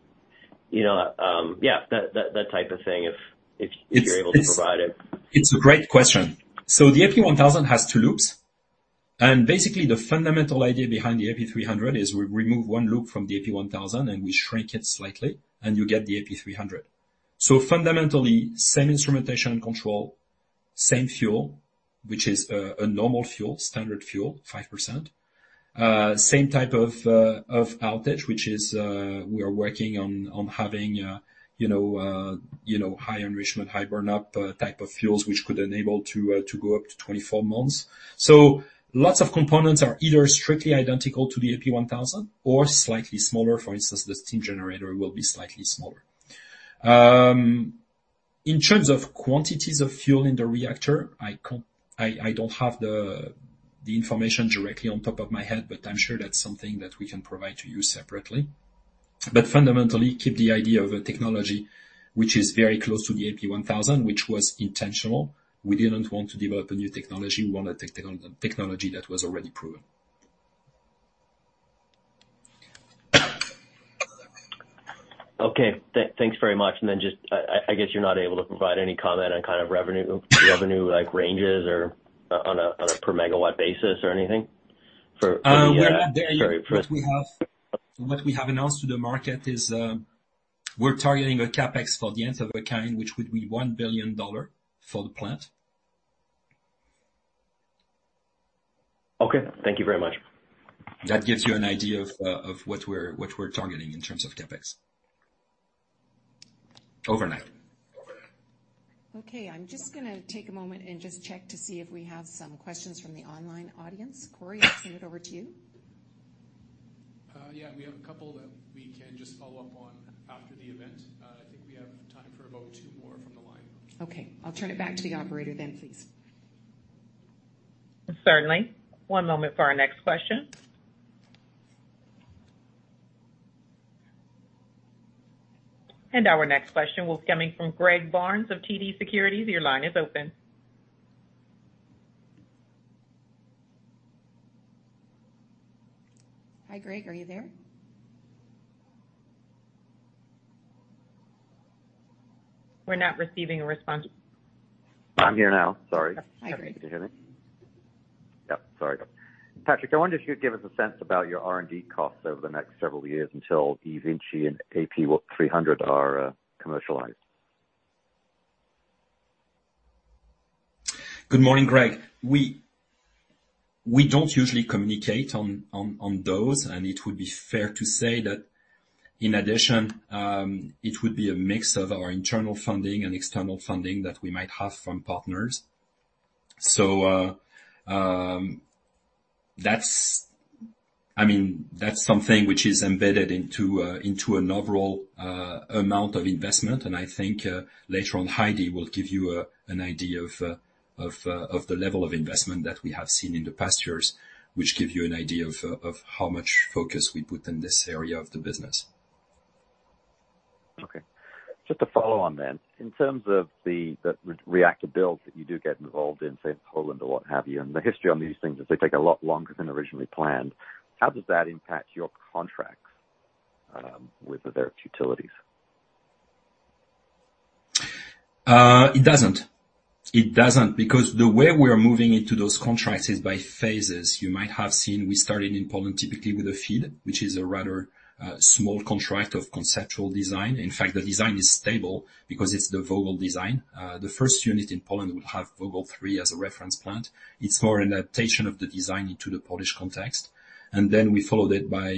you know, yeah, that type of thing, if you're able to provide it. It's a great question. So the AP1000 has two loops, and basically the fundamental idea behind the AP300 is we remove one loop from the AP1000 and we shrink it slightly, and you get the AP300. So fundamentally, same instrumentation and control, same fuel, which is a normal fuel, standard fuel, 5%. Same type of outage, which is, we are working on having, you know, high enrichment, high burn up, type of fuels, which could enable to go up to 24 months. So lots of components are either strictly identical to the AP1000 or slightly smaller. For instance, the steam generator will be slightly smaller. In terms of quantities of fuel in the reactor, I don't have the information directly on top of my head, but I'm sure that's something that we can provide to you separately. But fundamentally, keep the idea of a technology which is very close to the AP1000, which was intentional. We didn't want to develop a new technology. We wanted technology that was already proven. Okay, thanks very much. And then just, I guess you're not able to provide any comment on kind of revenue like ranges or on a per megawatt basis or anything for- We're not there yet. What we have announced to the market is, we're targeting a CapEx for the Nth of a kind, which would be $1 billion for the plant. Okay, thank you very much. That gives you an idea of what we're, what we're targeting in terms of CapEx. Overnight. Okay. I'm just gonna take a moment and just check to see if we have some questions from the online audience. Cory, I'll send it over to you. Yeah, we have a couple that we can just follow up on after the event. I think we have time for about two more from the line. Okay. I'll turn it back to the operator then, please. Certainly. One moment for our next question. Our next question will be coming from Greg Barnes of TD Securities. Your line is open. Hi, Greg, are you there? We're not receiving a response. I'm here now. Sorry. Hi, Greg. Can you hear me? Yep, sorry. Patrick, I wonder if you'd give us a sense about your R&D costs over the next several years until eVinci and AP300 are commercialized. Good morning, Greg. We don't usually communicate on those, and it would be fair to say that in addition, it would be a mix of our internal funding and external funding that we might have from partners. So, that's—I mean, that's something which is embedded into an overall amount of investment, and I think later on, Heidi will give you an idea of the level of investment that we have seen in the past years, which give you an idea of how much focus we put in this area of the business. Okay. Just to follow on then, in terms of the reactor builds that you do get involved in, say, Poland or what have you, and the history on these things is they take a lot longer than originally planned. How does that impact your contracts with the various utilities? It doesn't. It doesn't, because the way we are moving into those contracts is by phases. You might have seen, we started in Poland, typically with a FEED, which is a rather small contract of conceptual design. In fact, the design is stable because it's the Vogtle design. The first unit in Poland will have Vogtle 3 as a reference plant. It's more an adaptation of the design into the Polish context. And then we followed it by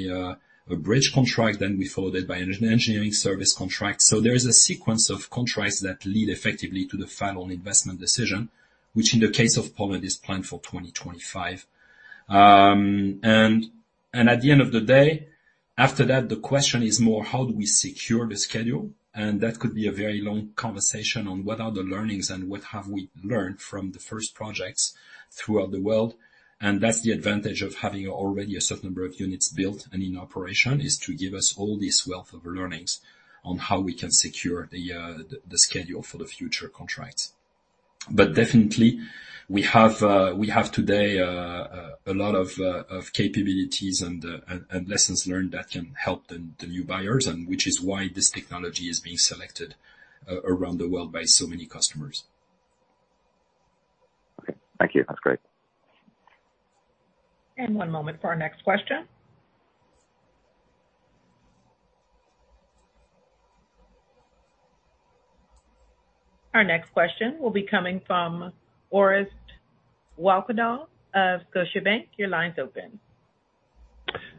a bridge contract, then we followed it by an engineering service contract. So there is a sequence of contracts that lead effectively to the final investment decision, which in the case of Poland, is planned for 2025. And at the end of the day, after that, the question is more, how do we secure the schedule? That could be a very long conversation on what are the learnings and what have we learned from the first projects throughout the world. That's the advantage of having already a certain number of units built and in operation, is to give us all this wealth of learnings on how we can secure the schedule for the future contracts. Definitely we have today a lot of capabilities and lessons learned that can help the new buyers, and which is why this technology is being selected around the world by so many customers. Okay. Thank you. That's great. One moment for our next question. Our next question will be coming from Orest Wowkodaw of Scotiabank. Your line's open.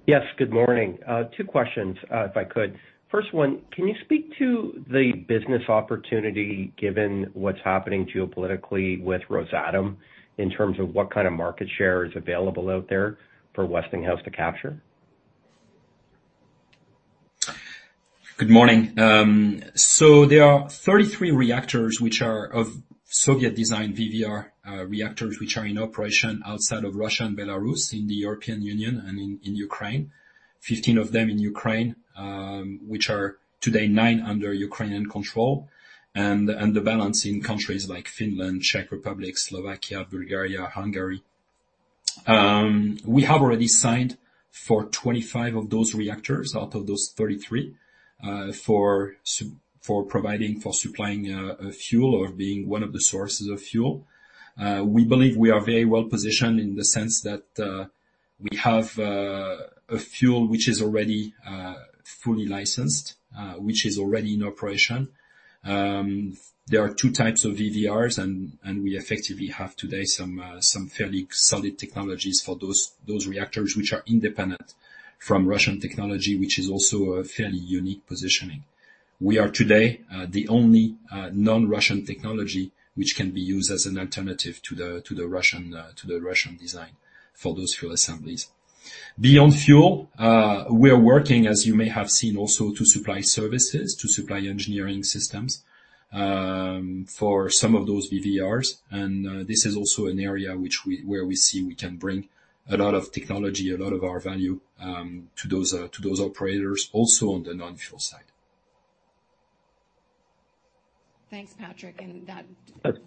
Yes, good morning. Two questions, if I could. First one, can you speak to the business opportunity, given what's happening geopolitically with Rosatom, in terms of what kind of market share is available out there for Westinghouse to capture? Good morning. So there are 33 reactors which are of Soviet design, VVER reactors, which are in operation outside of Russia and Belarus, in the European Union and in Ukraine. 15 of them in Ukraine, which are today nine under Ukrainian control, and the balance in countries like Finland, Czech Republic, Slovakia, Bulgaria, Hungary. We have already signed for 25 of those reactors out of those 33, for providing, for supplying, fuel or being one of the sources of fuel. We believe we are very well positioned in the sense that, we have a fuel which is already fully licensed, which is already in operation. There are two types of VVERs, and we effectively have today some fairly solid technologies for those reactors, which are independent from Russian technology, which is also a fairly unique positioning. We are today the only non-Russian technology, which can be used as an alternative to the Russian design for those fuel assemblies. Beyond fuel, we are working, as you may have seen, also to supply services, to supply engineering systems, for some of those VVERs, and this is also an area where we see we can bring a lot of technology, a lot of our value, to those operators, also on the non-fuel side. Thanks, Patrick, and that...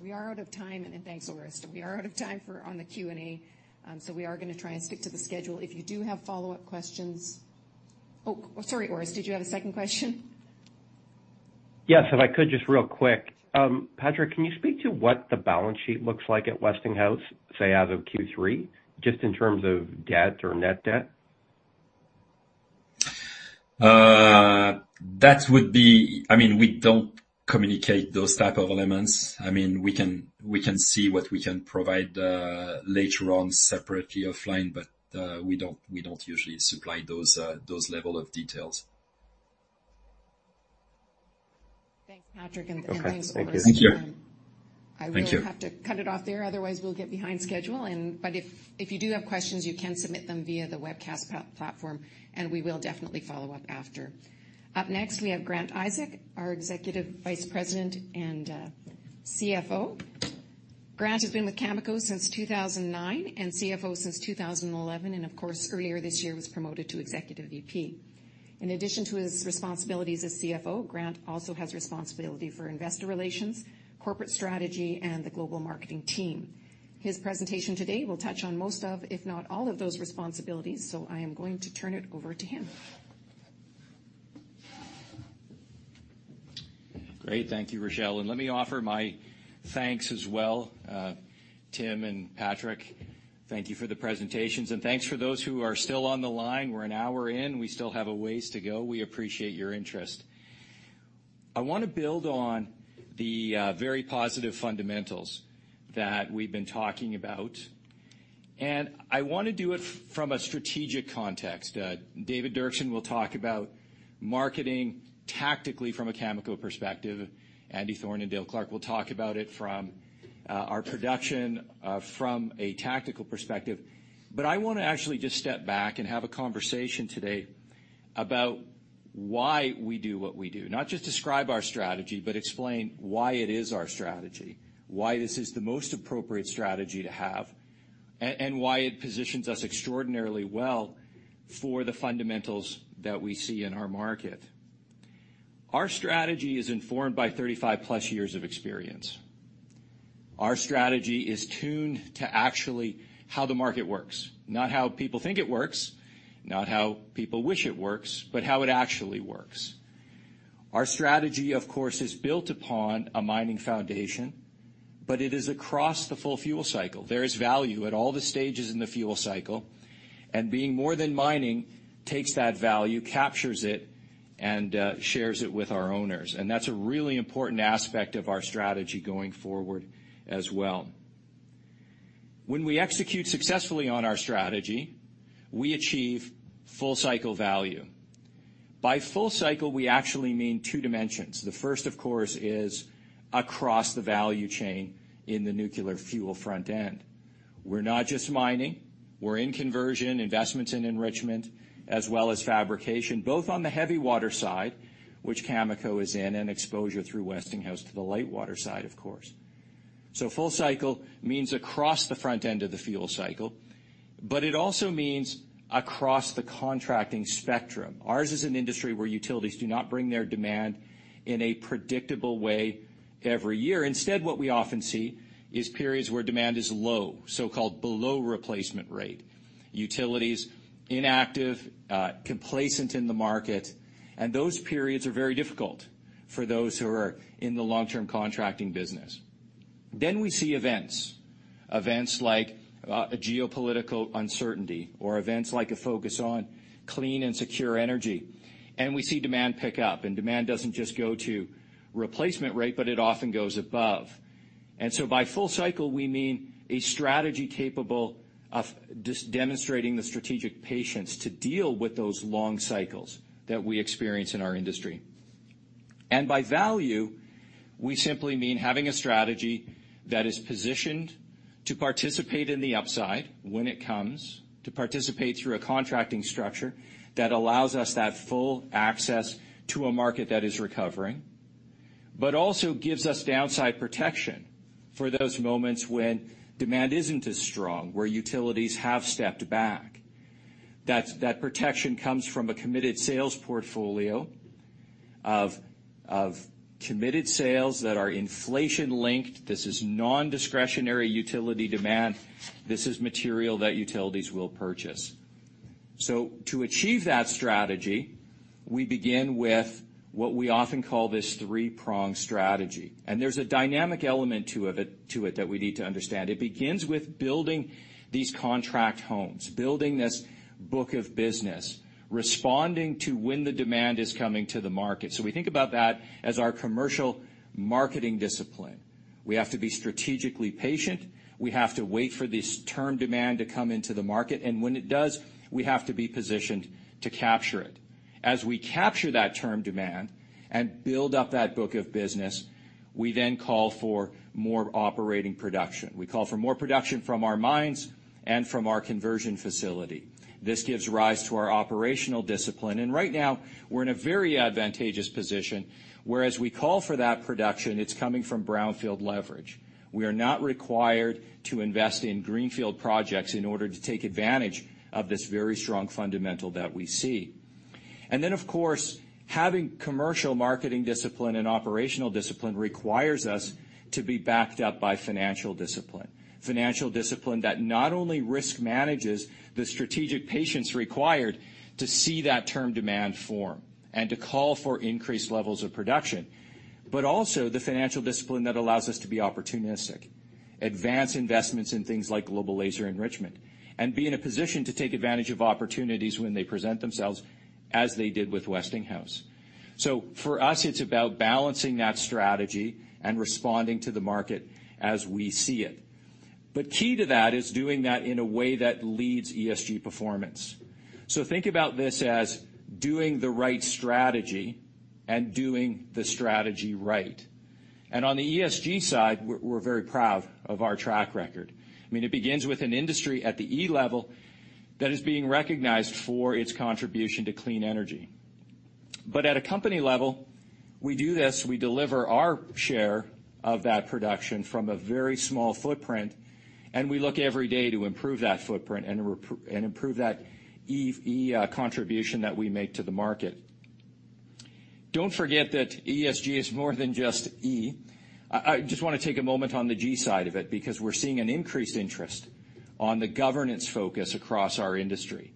We are out of time, and thanks, Orest. We are out of time for on the Q&A, so we are gonna try and stick to the schedule. If you do have follow-up questions—Oh, sorry, Orest, did you have a second question? Yes, if I could, just real quick. Patrick, can you speak to what the balance sheet looks like at Westinghouse, say, as of Q3, just in terms of debt or net debt? That would be—I mean, we don't communicate those type of elements. I mean, we can, we can see what we can provide, later on, separately, offline, but, we don't, we don't usually supply those, those level of details. Thanks, Patrick, and thanks for your time. Thank you. I really have to cut it off there, otherwise we'll get behind schedule, but if you do have questions, you can submit them via the webcast platform, and we will definitely follow up after. Up next, we have Grant Isaac, our Executive Vice President and CFO. Grant has been with Cameco since 2009, and CFO since 2011, and of course, earlier this year, was promoted to Executive VP. In addition to his responsibilities as CFO, Grant also has responsibility for investor relations, corporate strategy, and the global marketing team. His presentation today will touch on most of, if not all, of those responsibilities, so I am going to turn it over to him. Great. Thank you, Rachelle, and let me offer my thanks as well. Tim and Patrick, thank you for the presentations, and thanks for those who are still on the line. We're an hour in, we still have a ways to go. We appreciate your interest. I want to build on the very positive fundamentals that we've been talking about, and I want to do it from a strategic context. David Doerksen will talk about marketing tactically from a chemical perspective. Andy Thorne and Dale Clark will talk about it from our production from a tactical perspective. But I want to actually just step back and have a conversation today about why we do what we do. Not just describe our strategy, but explain why it is our strategy, why this is the most appropriate strategy to have, and why it positions us extraordinarily well for the fundamentals that we see in our market. Our strategy is informed by 35+ years of experience. Our strategy is tuned to actually how the market works, not how people think it works, not how people wish it works, but how it actually works. Our strategy, of course, is built upon a mining foundation, but it is across the full fuel cycle. There is value at all the stages in the fuel cycle, and being more than mining takes that value, captures it, and shares it with our owners. And that's a really important aspect of our strategy going forward as well. When we execute successfully on our strategy, we achieve full cycle value. By full cycle, we actually mean two dimensions. The first, of course, is across the value chain in the nuclear fuel front end. We're not just mining, we're in conversion, investments in enrichment, as well as fabrication, both on the heavy water side, which Cameco is in, and exposure through Westinghouse to the light water side, of course. So full cycle means across the front end of the fuel cycle, but it also means across the contracting spectrum. Ours is an industry where utilities do not bring their demand in a predictable way every year. Instead, what we often see is periods where demand is low, so-called below replacement rate. Utilities, inactive, complacent in the market, and those periods are very difficult for those who are in the long-term contracting business. Then we see events, events like a geopolitical uncertainty or events like a focus on clean and secure energy, and we see demand pick up, and demand doesn't just go to replacement rate, but it often goes above. And so by full cycle, we mean a strategy capable of just demonstrating the strategic patience to deal with those long cycles that we experience in our industry. And by value, we simply mean having a strategy that is positioned to participate in the upside when it comes, to participate through a contracting structure that allows us that full access to a market that is recovering, but also gives us downside protection for those moments when demand isn't as strong, where utilities have stepped back. That protection comes from a committed sales portfolio of committed sales that are inflation-linked. This is non-discretionary utility demand. This is material that utilities will purchase. So to achieve that strategy, we begin with what we often call this three-pronged strategy, and there's a dynamic element to it that we need to understand. It begins with building these contract homes, building this book of business, responding to when the demand is coming to the market. So we think about that as our commercial marketing discipline. We have to be strategically patient. We have to wait for this term demand to come into the market, and when it does, we have to be positioned to capture it. As we capture that term demand and build up that book of business, we then call for more operating production. We call for more production from our mines and from our conversion facility. This gives rise to our operational discipline, and right now we're in a very advantageous position, whereas we call for that production, it's coming from Brownfield leverage. We are not required to invest in Greenfield projects in order to take advantage of this very strong fundamental that we see. And then, of course, having commercial marketing discipline and operational discipline requires us to be backed up by financial discipline... financial discipline that not only risk manages the strategic patience required to see that term demand form and to call for increased levels of production, but also the financial discipline that allows us to be opportunistic, advance investments in things like Global Laser Enrichment, and be in a position to take advantage of opportunities when they present themselves, as they did with Westinghouse. So for us, it's about balancing that strategy and responding to the market as we see it. But key to that is doing that in a way that leads ESG performance. So think about this as doing the right strategy and doing the strategy right. And on the ESG side, we're very proud of our track record. I mean, it begins with an industry at the E level that is being recognized for its contribution to clean energy. But at a company level, we do this, we deliver our share of that production from a very small footprint, and we look every day to improve that footprint and improve that E contribution that we make to the market. Don't forget that ESG is more than just E. I just wanna take a moment on the G side of it, because we're seeing an increased interest on the governance focus across our industry.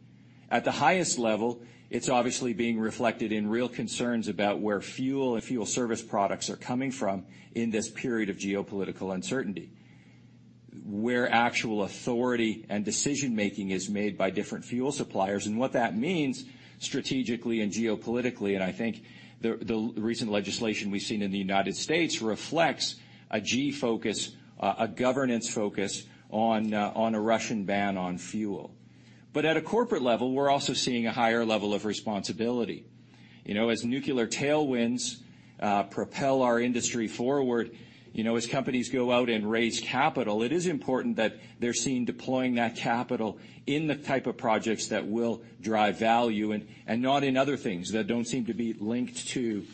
At the highest level, it's obviously being reflected in real concerns about where fuel and fuel service products are coming from in this period of geopolitical uncertainty, where actual authority and decision-making is made by different fuel suppliers, and what that means strategically and geopolitically. I think the recent legislation we've seen in the United States reflects a governance focus on a Russian ban on fuel. But at a corporate level, we're also seeing a higher level of responsibility. You know, as nuclear tailwinds propel our industry forward, you know, as companies go out and raise capital, it is important that they're seen deploying that capital in the type of projects that will drive value and not in other things that don't seem to be linked to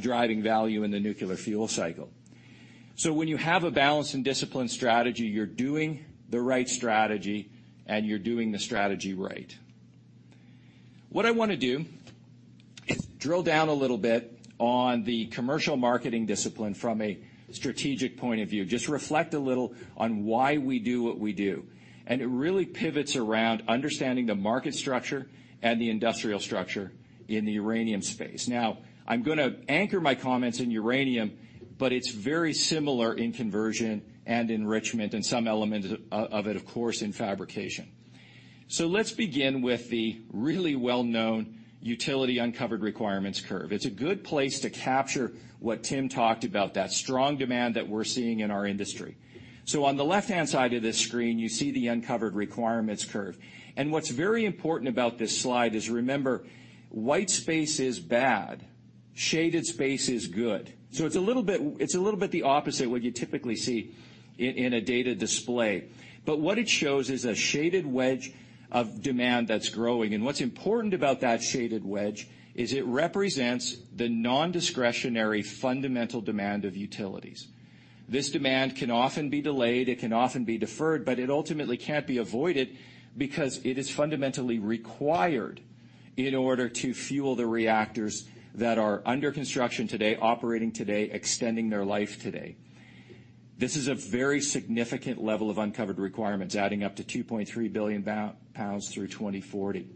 driving value in the nuclear fuel cycle. So when you have a balance and discipline strategy, you're doing the right strategy, and you're doing the strategy right. What I wanna do is drill down a little bit on the commercial marketing discipline from a strategic point of view, just reflect a little on why we do what we do. It really pivots around understanding the market structure and the industrial structure in the uranium space. Now, I'm gonna anchor my comments in uranium, but it's very similar in conversion and enrichment, and some elements of it, of course, in fabrication. Let's begin with the really well-known utility uncovered requirements curve. It's a good place to capture what Tim talked about, that strong demand that we're seeing in our industry. So on the left-hand side of this screen, you see the uncovered requirements curve. And what's very important about this slide is, remember, white space is bad, shaded space is good. So it's a little bit, it's a little bit the opposite what you typically see in a data display. But what it shows is a shaded wedge of demand that's growing. And what's important about that shaded wedge is it represents the nondiscretionary fundamental demand of utilities. This demand can often be delayed, it can often be deferred, but it ultimately can't be avoided because it is fundamentally required in order to fuel the reactors that are under construction today, operating today, extending their life today. This is a very significant level of uncovered requirements, adding up to 2.3 billion pounds through 2040.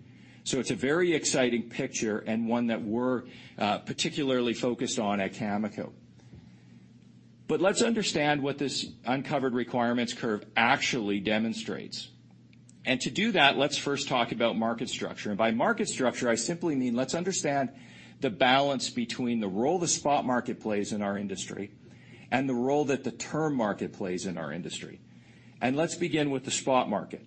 So it's a very exciting picture and one that we're particularly focused on at Cameco. Let's understand what this uncovered requirements curve actually demonstrates. To do that, let's first talk about market structure. By market structure, I simply mean let's understand the balance between the role the spot market plays in our industry and the role that the term market plays in our industry. Let's begin with the spot market.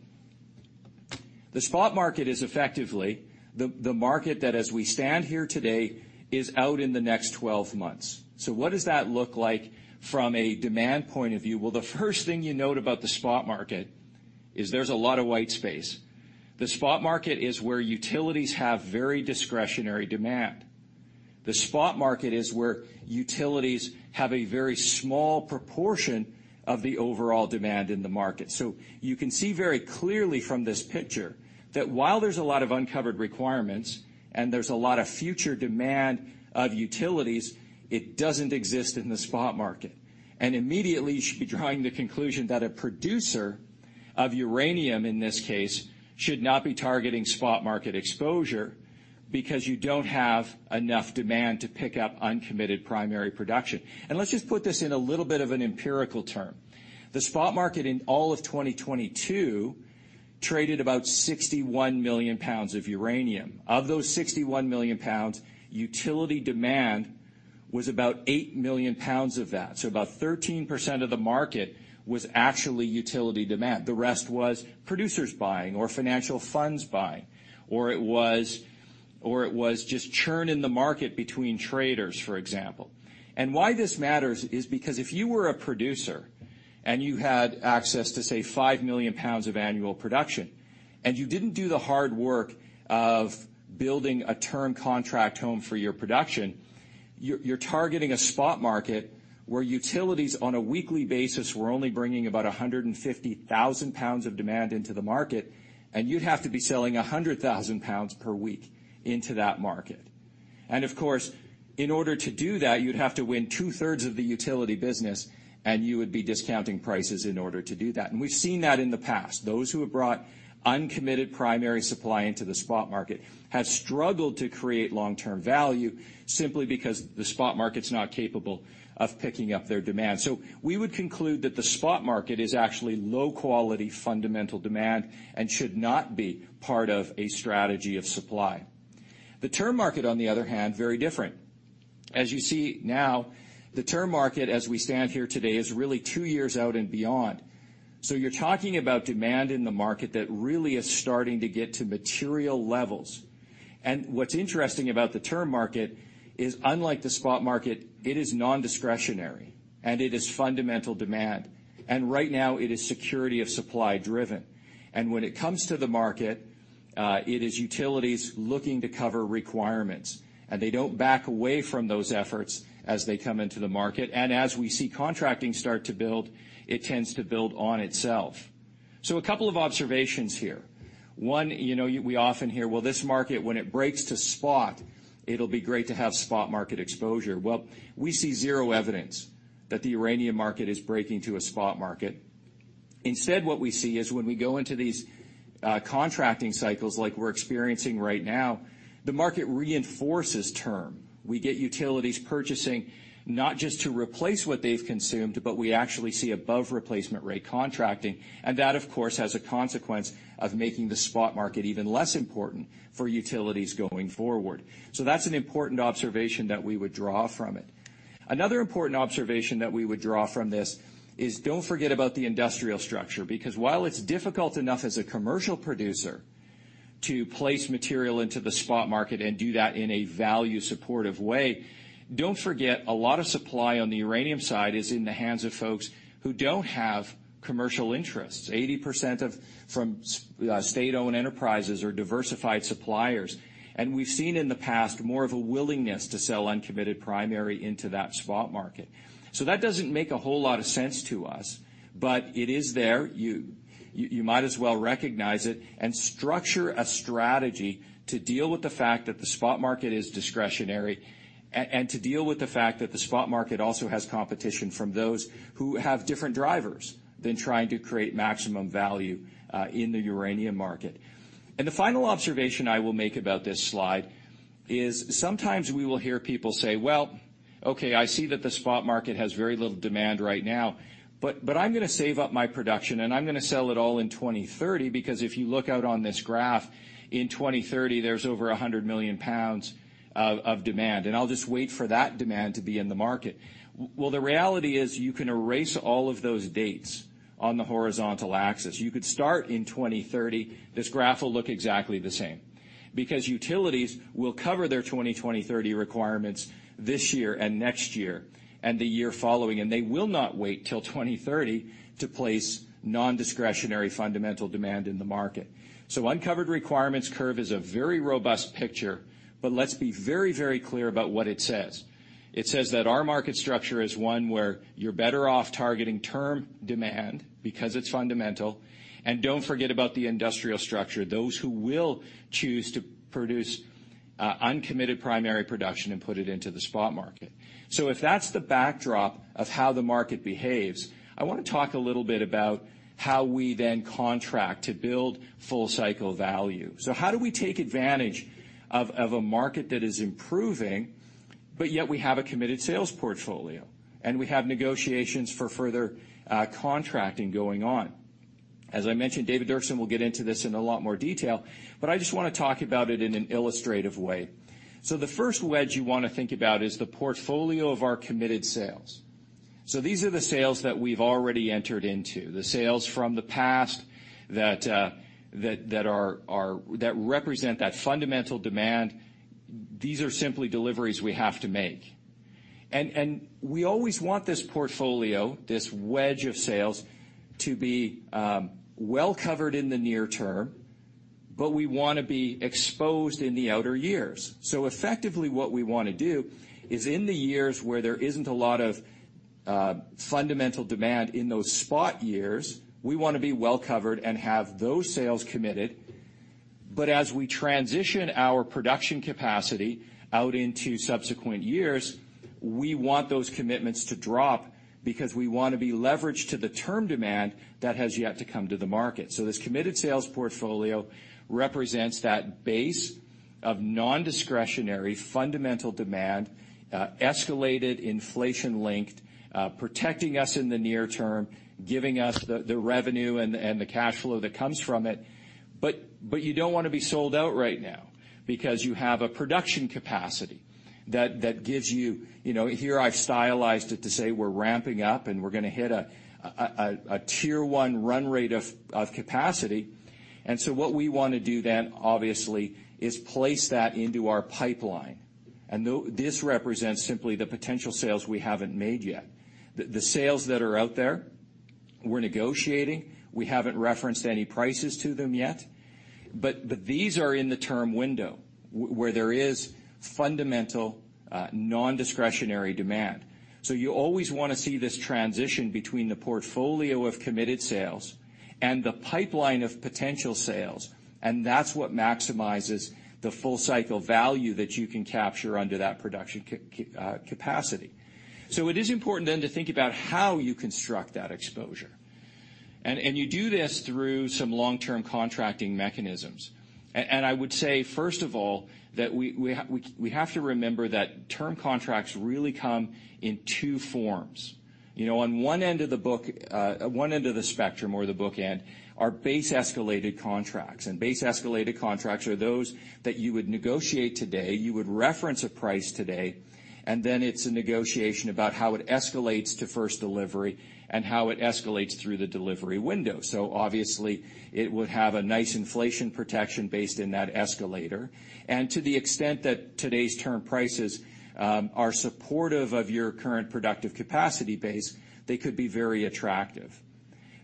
The spot market is effectively the, the market that, as we stand here today, is out in the next 12 months. So what does that look like from a demand point of view? Well, the first thing you note about the spot market is there's a lot of white space. The spot market is where utilities have very discretionary demand. The spot market is where utilities have a very small proportion of the overall demand in the market. So you can see very clearly from this picture that while there's a lot of uncovered requirements and there's a lot of future demand of utilities, it doesn't exist in the spot market. Immediately, you should be drawing the conclusion that a producer of uranium, in this case, should not be targeting spot market exposure because you don't have enough demand to pick up uncommitted primary production. Let's just put this in a little bit of an empirical term. The spot market in all of 2022 traded about 61 million pounds of uranium. Of those 61 million pounds, utility demand was about 8 million pounds of that. So about 13% of the market was actually utility demand. The rest was producers buying or financial funds buying, or it was, or it was just churn in the market between traders, for example. Why this matters is because if you were a producer and you had access to, say, 5 million pounds of annual production, and you didn't do the hard work of building a term contract home for your production, you're targeting a spot market where utilities, on a weekly basis, were only bringing about 150,000 pounds of demand into the market, and you'd have to be selling 100,000 pounds per week into that market. And of course, in order to do that, you'd have to win two-thirds of the utility business, and you would be discounting prices in order to do that. And we've seen that in the past. Those who have brought uncommitted primary supply into the spot market have struggled to create long-term value simply because the spot market's not capable of picking up their demand. So we would conclude that the spot market is actually low-quality, fundamental demand and should not be part of a strategy of supply. The term market, on the other hand, very different. As you see now, the term market, as we stand here today, is really two years out and beyond. So you're talking about demand in the market that really is starting to get to material levels. And what's interesting about the term market is, unlike the spot market, it is nondiscretionary, and it is fundamental demand. And right now, it is security of supply-driven. And when it comes to the market, it is utilities looking to cover requirements, and they don't back away from those efforts as they come into the market. And as we see contracting start to build, it tends to build on itself. So a couple of observations here. One, you know, we often hear, "Well, this market, when it breaks to spot, it'll be great to have spot market exposure." Well, we see zero evidence that the uranium market is breaking to a spot market. Instead, what we see is when we go into these contracting cycles like we're experiencing right now, the market reinforces term. We get utilities purchasing, not just to replace what they've consumed, but we actually see above replacement rate contracting, and that, of course, has a consequence of making the spot market even less important for utilities going forward. So that's an important observation that we would draw from it. Another important observation that we would draw from this is don't forget about the industrial structure, because while it's difficult enough as a commercial producer to place material into the spot market and do that in a value-supportive way, don't forget, a lot of supply on the uranium side is in the hands of folks who don't have commercial interests. 80% of state-owned enterprises are diversified suppliers, and we've seen in the past more of a willingness to sell uncommitted primary into that spot market. So that doesn't make a whole lot of sense to us, but it is there. You might as well recognize it and structure a strategy to deal with the fact that the spot market is discretionary and to deal with the fact that the spot market also has competition from those who have different drivers than trying to create maximum value in the uranium market. And the final observation I will make about this slide is sometimes we will hear people say, "Well, okay, I see that the spot market has very little demand right now, but I'm gonna save up my production, and I'm gonna sell it all in 2030, because if you look out on this graph, in 2030, there's over 100 million pounds of demand, and I'll just wait for that demand to be in the market." Well, the reality is you can erase all of those dates on the horizontal axis. You could start in 2030, this graph will look exactly the same, because utilities will cover their 2020-2030 requirements this year and next year and the year following, and they will not wait till 2030 to place nondiscretionary fundamental demand in the market. So uncovered requirements curve is a very robust picture, but let's be very, very clear about what it says. It says that our market structure is one where you're better off targeting term demand because it's fundamental, and don't forget about the industrial structure, those who will choose to produce uncommitted primary production and put it into the spot market. So if that's the backdrop of how the market behaves, I want to talk a little bit about how we then contract to build Full Cycle Value. So how do we take advantage of a market that is improving, but yet we have a committed sales portfolio, and we have negotiations for further contracting going on? As I mentioned, David Doerksen will get into this in a lot more detail, but I just want to talk about it in an illustrative way. So the first wedge you want to think about is the portfolio of our committed sales. So these are the sales that we've already entered into, the sales from the past that represent that fundamental demand. These are simply deliveries we have to make. And we always want this portfolio, this wedge of sales, to be well-covered in the near term, but we want to be exposed in the outer years. So effectively, what we want to do is in the years where there isn't a lot of fundamental demand in those spot years, we want to be well-covered and have those sales committed. But as we transition our production capacity out into subsequent years, we want those commitments to drop because we want to be leveraged to the term demand that has yet to come to the market. So this committed sales portfolio represents that base of nondiscretionary, fundamental demand, escalated, inflation-linked, protecting us in the near term, giving us the revenue and the cash flow that comes from it. But you don't want to be sold out right now because you have a production capacity that gives you... You know, here I've stylized it to say we're ramping up, and we're gonna hit a Tier One run rate of capacity. And so what we want to do then, obviously, is place that into our pipeline, and this represents simply the potential sales we haven't made yet. The sales that are out there, we're negotiating. We haven't referenced any prices to them yet, but these are in the term window where there is fundamental, nondiscretionary demand.... So you always want to see this transition between the portfolio of committed sales and the pipeline of potential sales, and that's what maximizes the Full Cycle Value that you can capture under that production capacity. So it is important then to think about how you construct that exposure, and you do this through some long-term contracting mechanisms. I would say, first of all, that we have to remember that term contracts really come in two forms. You know, on one end of the book, one end of the spectrum or the bookend, are Base-Escalated Contracts, and Base-Escalated Contracts are those that you would negotiate today, you would reference a price today, and then it's a negotiation about how it escalates to first delivery and how it escalates through the delivery window. So obviously, it would have a nice inflation protection based in that escalator. And to the extent that today's term prices are supportive of your current productive capacity base, they could be very attractive.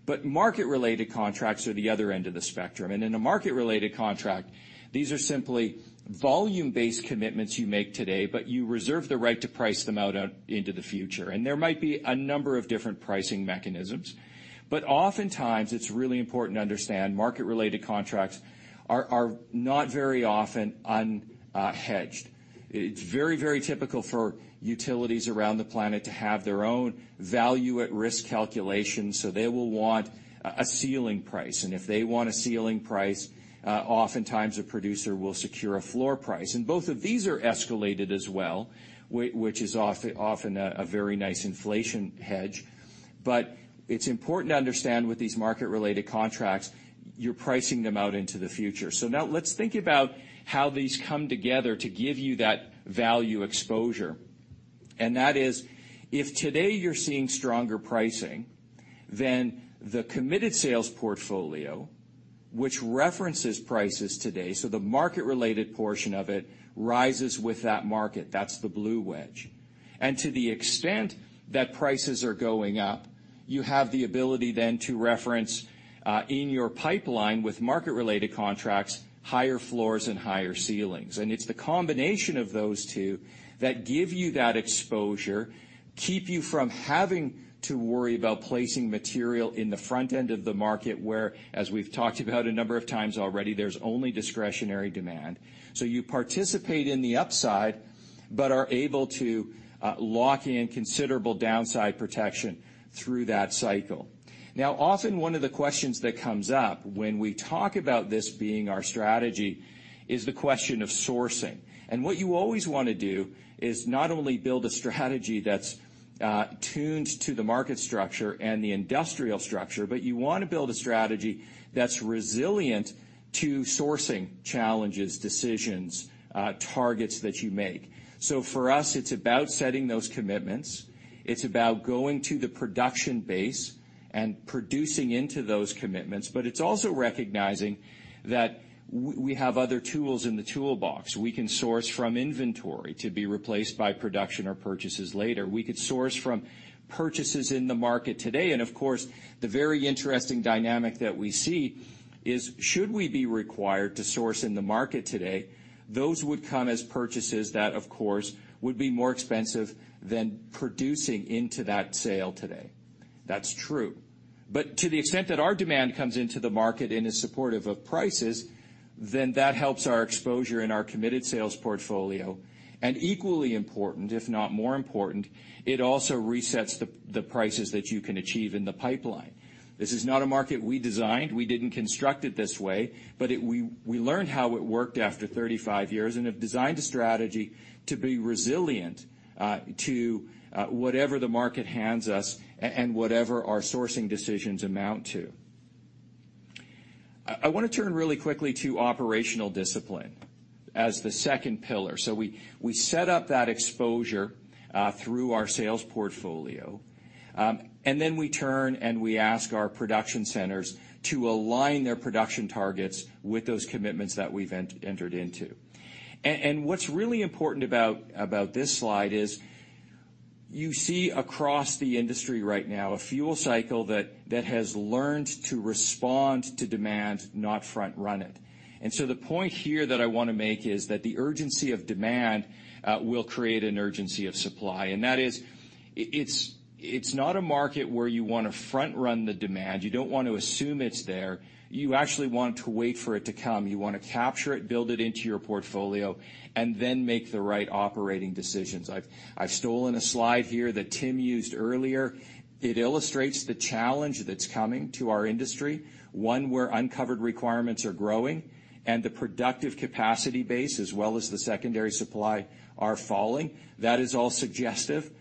But market-related contracts are the other end of the spectrum, and in a market-related contract, these are simply volume-based commitments you make today, but you reserve the right to price them out into the future. And there might be a number of different pricing mechanisms, but oftentimes, it's really important to understand market-related contracts are not very often unhedged. It's very, very typical for utilities around the planet to have their own value at risk calculation, so they will want a ceiling price. And if they want a ceiling price, oftentimes, a producer will secure a floor price. And both of these are escalated as well, which is often a very nice inflation hedge. But it's important to understand with these market-related contracts, you're pricing them out into the future. So now let's think about how these come together to give you that value exposure. And that is, if today you're seeing stronger pricing, then the committed sales portfolio, which references prices today, so the market-related portion of it rises with that market. That's the blue wedge. And to the extent that prices are going up, you have the ability then to reference in your pipeline with market-related contracts, higher floors and higher ceilings. And it's the combination of those two that give you that exposure, keep you from having to worry about placing material in the front end of the market, where, as we've talked about a number of times already, there's only discretionary demand. So you participate in the upside, but are able to lock in considerable downside protection through that cycle. Now, often one of the questions that comes up when we talk about this being our strategy is the question of sourcing. What you always want to do is not only build a strategy that's tuned to the market structure and the industrial structure, but you want to build a strategy that's resilient to sourcing challenges, decisions, targets that you make. For us, it's about setting those commitments. It's about going to the production base and producing into those commitments, but it's also recognizing that we have other tools in the toolbox. We can source from inventory to be replaced by production or purchases later. We could source from purchases in the market today. And of course, the very interesting dynamic that we see is, should we be required to source in the market today, those would come as purchases that, of course, would be more expensive than producing into that sale today. That's true. But to the extent that our demand comes into the market and is supportive of prices, then that helps our exposure and our committed sales portfolio. And equally important, if not more important, it also resets the prices that you can achieve in the pipeline. This is not a market we designed. We didn't construct it this way, but it, we learned how it worked after 35 years and have designed a strategy to be resilient to whatever the market hands us and whatever our sourcing decisions amount to. I want to turn really quickly to operational discipline as the second pillar. So we set up that exposure through our sales portfolio, and then we turn and we ask our production centers to align their production targets with those commitments that we've entered into. And what's really important about this slide is, you see across the industry right now, a fuel cycle that has learned to respond to demand, not front run it. And so the point here that I want to make is that the urgency of demand will create an urgency of supply. And that is, it's not a market where you want to front run the demand. You don't want to assume it's there. You actually want to wait for it to come. You want to capture it, build it into your portfolio, and then make the right operating decisions. I've stolen a slide here that Tim used earlier. It illustrates the challenge that's coming to our industry, one where uncovered requirements are growing and the productive capacity base, as well as the secondary supply, are falling. That is all suggestive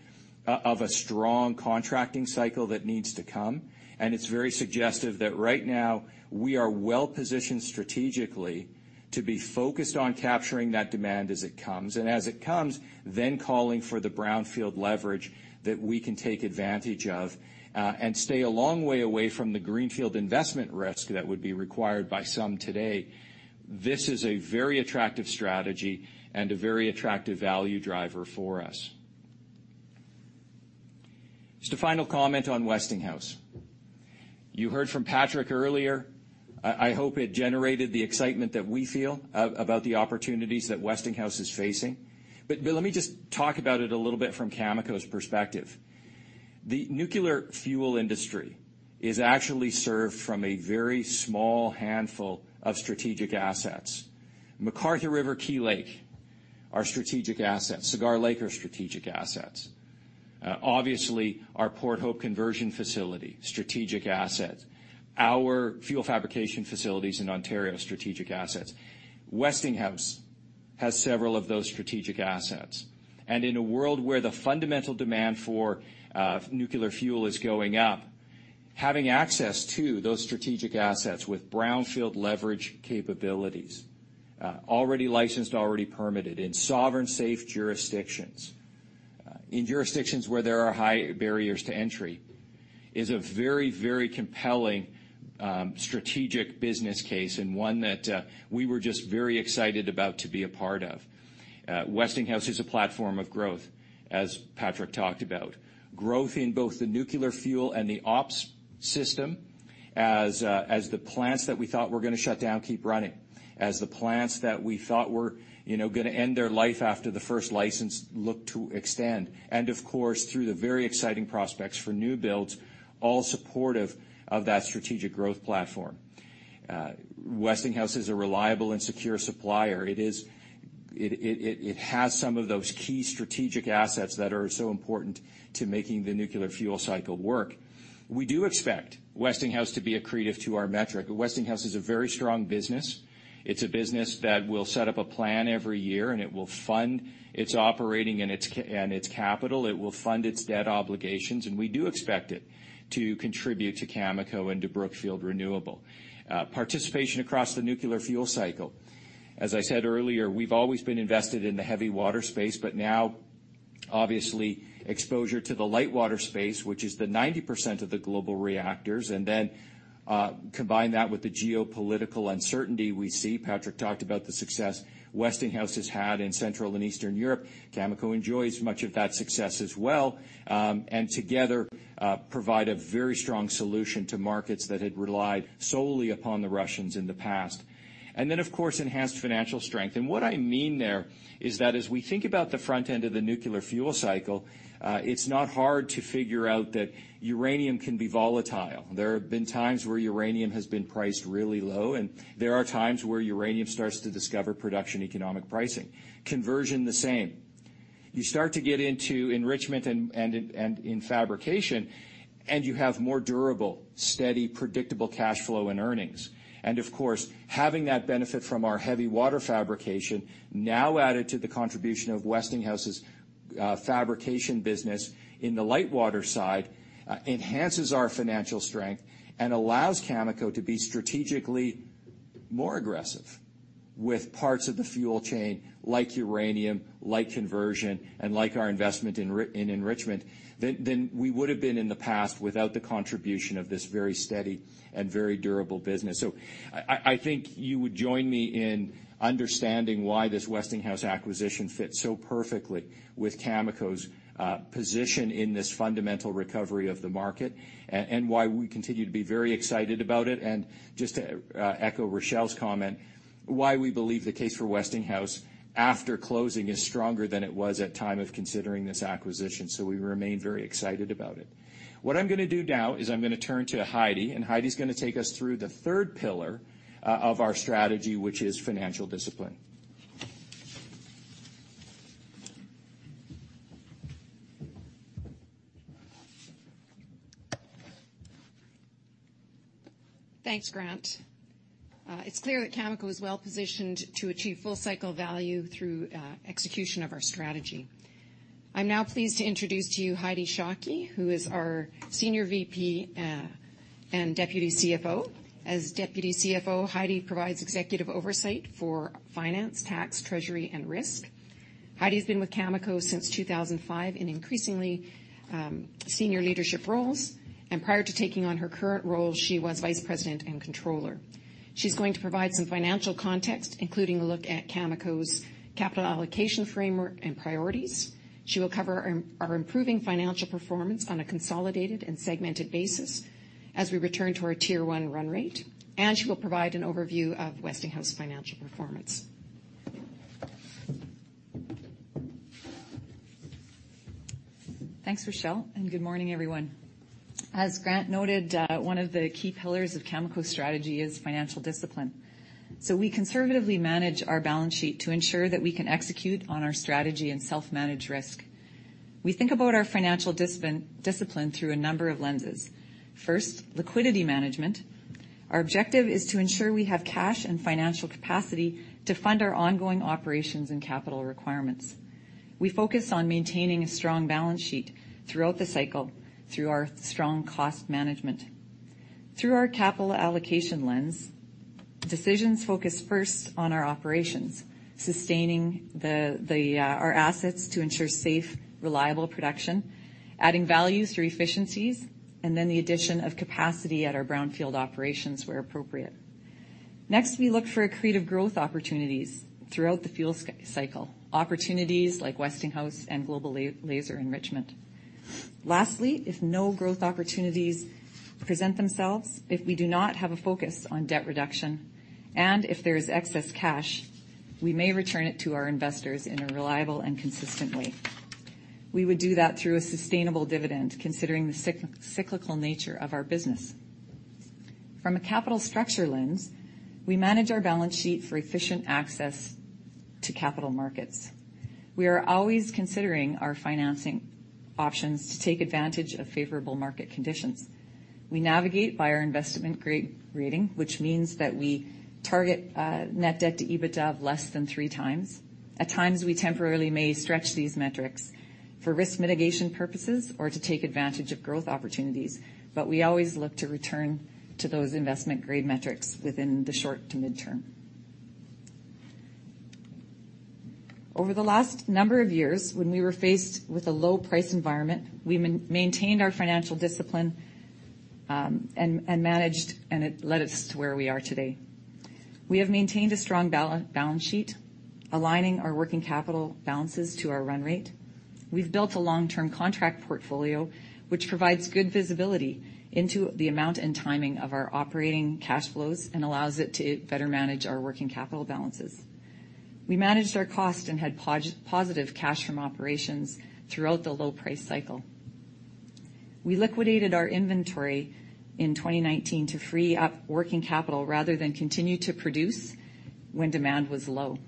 of a strong contracting cycle that needs to come, and it's very suggestive that right now, we are well-positioned strategically to be focused on capturing that demand as it comes, and as it comes, then calling for the brownfield leverage that we can take advantage of, and stay a long way away from the greenfield investment risk that would be required by some today. This is a very attractive strategy and a very attractive value driver for us. Just a final comment on Westinghouse. You heard from Patrick earlier. I hope it generated the excitement that we feel about the opportunities that Westinghouse is facing. But let me just talk about it a little bit from Cameco's perspective. The nuclear fuel industry is actually served from a very small handful of strategic assets. McArthur River, Key Lake are strategic assets. Cigar Lake are strategic assets. Obviously, our Port Hope conversion facility, strategic asset. Our fuel fabrication facilities in Ontario, strategic assets. Westinghouse has several of those strategic assets, and in a world where the fundamental demand for nuclear fuel is going up, having access to those strategic assets with brownfield leverage capabilities, already licensed, already permitted in sovereign, safe jurisdictions, in jurisdictions where there are high barriers to entry, is a very, very compelling strategic business case, and one that we were just very excited about to be a part of. Westinghouse is a platform of growth, as Patrick talked about. Growth in both the nuclear fuel and the ops system as the plants that we thought were going to shut down, keep running, as the plants that we thought were, you know, going to end their life after the first license look to extend, and of course, through the very exciting prospects for new builds, all supportive of that strategic growth platform. Westinghouse is a reliable and secure supplier. It has some of those key strategic assets that are so important to making the nuclear fuel cycle work. We do expect Westinghouse to be accretive to our metric. Westinghouse is a very strong business. It's a business that will set up a plan every year, and it will fund its operating and its capital. It will fund its debt obligations, and we do expect it to contribute to Cameco and to Brookfield Renewable. Participation across the nuclear fuel cycle. As I said earlier, we've always been invested in the heavy water space, but now, obviously, exposure to the light water space, which is the 90% of the global reactors, and then, combine that with the geopolitical uncertainty we see. Patrick talked about the success Westinghouse has had in Central and Eastern Europe. Cameco enjoys much of that success as well, and together provide a very strong solution to markets that had relied solely upon the Russians in the past. And then, of course, enhanced financial strength. And what I mean there is that as we think about the front end of the nuclear fuel cycle, it's not hard to figure out that uranium can be volatile. There have been times where uranium has been priced really low, and there are times where uranium starts to discover production, economic pricing. Conversion, the same. You start to get into enrichment and fabrication, and you have more durable, steady, predictable cash flow and earnings. And of course, having that benefit from our heavy water fabrication now added to the contribution of Westinghouse's fabrication business in the light water side, enhances our financial strength and allows Cameco to be strategically more aggressive with parts of the fuel chain like uranium, like conversion, and like our investment in in enrichment, than we would have been in the past without the contribution of this very steady and very durable business. So I think you would join me in understanding why this Westinghouse acquisition fits so perfectly with Cameco's position in this fundamental recovery of the market, and why we continue to be very excited about it. And just to echo Rachelle's comment, why we believe the case for Westinghouse after closing is stronger than it was at time of considering this acquisition. So we remain very excited about it. What I'm going to do now is I'm going to turn to Heidi, and Heidi is going to take us through the third pillar of our strategy, which is financial discipline. Thanks, Grant. It's clear that Cameco is well-positioned to achieve full cycle value through execution of our strategy. I'm now pleased to introduce to you Heidi Shockey, who is our Senior VP and Deputy CFO. As Deputy CFO, Heidi provides executive oversight for finance, tax, treasury, and risk. Heidi's been with Cameco since 2005 in increasingly senior leadership roles, and prior to taking on her current role, she was Vice President and Controller. She's going to provide some financial context, including a look at Cameco's capital allocation framework and priorities. She will cover our improving financial performance on a consolidated and segmented basis as we return to our Tier One run rate, and she will provide an overview of Westinghouse financial performance. Thanks, Rachelle, and good morning, everyone. As Grant noted, one of the key pillars of Cameco's strategy is financial discipline. So we conservatively manage our balance sheet to ensure that we can execute on our strategy and self-manage risk. We think about our financial discipline through a number of lenses. First, liquidity management. Our objective is to ensure we have cash and financial capacity to fund our ongoing operations and capital requirements. We focus on maintaining a strong balance sheet throughout the cycle through our strong cost management. Through our capital allocation lens, decisions focus first on our operations, sustaining our assets to ensure safe, reliable production, adding value through efficiencies, and then the addition of capacity at our brownfield operations where appropriate.... Next, we look for accretive growth opportunities throughout the fuel cycle, opportunities like Westinghouse and Global Laser Enrichment. Lastly, if no growth opportunities present themselves, if we do not have a focus on debt reduction, and if there is excess cash, we may return it to our investors in a reliable and consistent way. We would do that through a sustainable dividend, considering the cyclical nature of our business. From a capital structure lens, we manage our balance sheet for efficient access to capital markets. We are always considering our financing options to take advantage of favorable market conditions. We navigate by our investment grade rating, which means that we target net debt to EBITDA of less than three times. At times, we temporarily may stretch these metrics for risk mitigation purposes or to take advantage of growth opportunities, but we always look to return to those investment grade metrics within the short to midterm. Over the last number of years, when we were faced with a low price environment, we maintained our financial discipline, and managed, and it led us to where we are today. We have maintained a strong balance sheet, aligning our working capital balances to our run rate. We've built a long-term contract portfolio, which provides good visibility into the amount and timing of our operating cash flows and allows it to better manage our working capital balances. We managed our cost and had positive cash from operations throughout the low price cycle. We liquidated our inventory in 2019 to free up working capital rather than continue to produce when demand was low,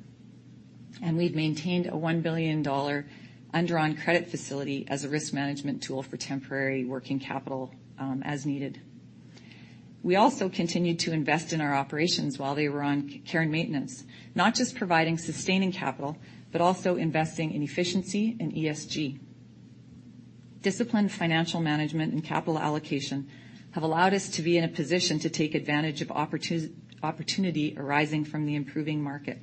and we've maintained a 1 billion dollar undrawn credit facility as a risk management tool for temporary working capital, as needed. We also continued to invest in our operations while they were on Care and Maintenance, not just providing sustaining capital, but also investing in efficiency and ESG. Disciplined financial management and capital allocation have allowed us to be in a position to take advantage of opportunity arising from the improving market,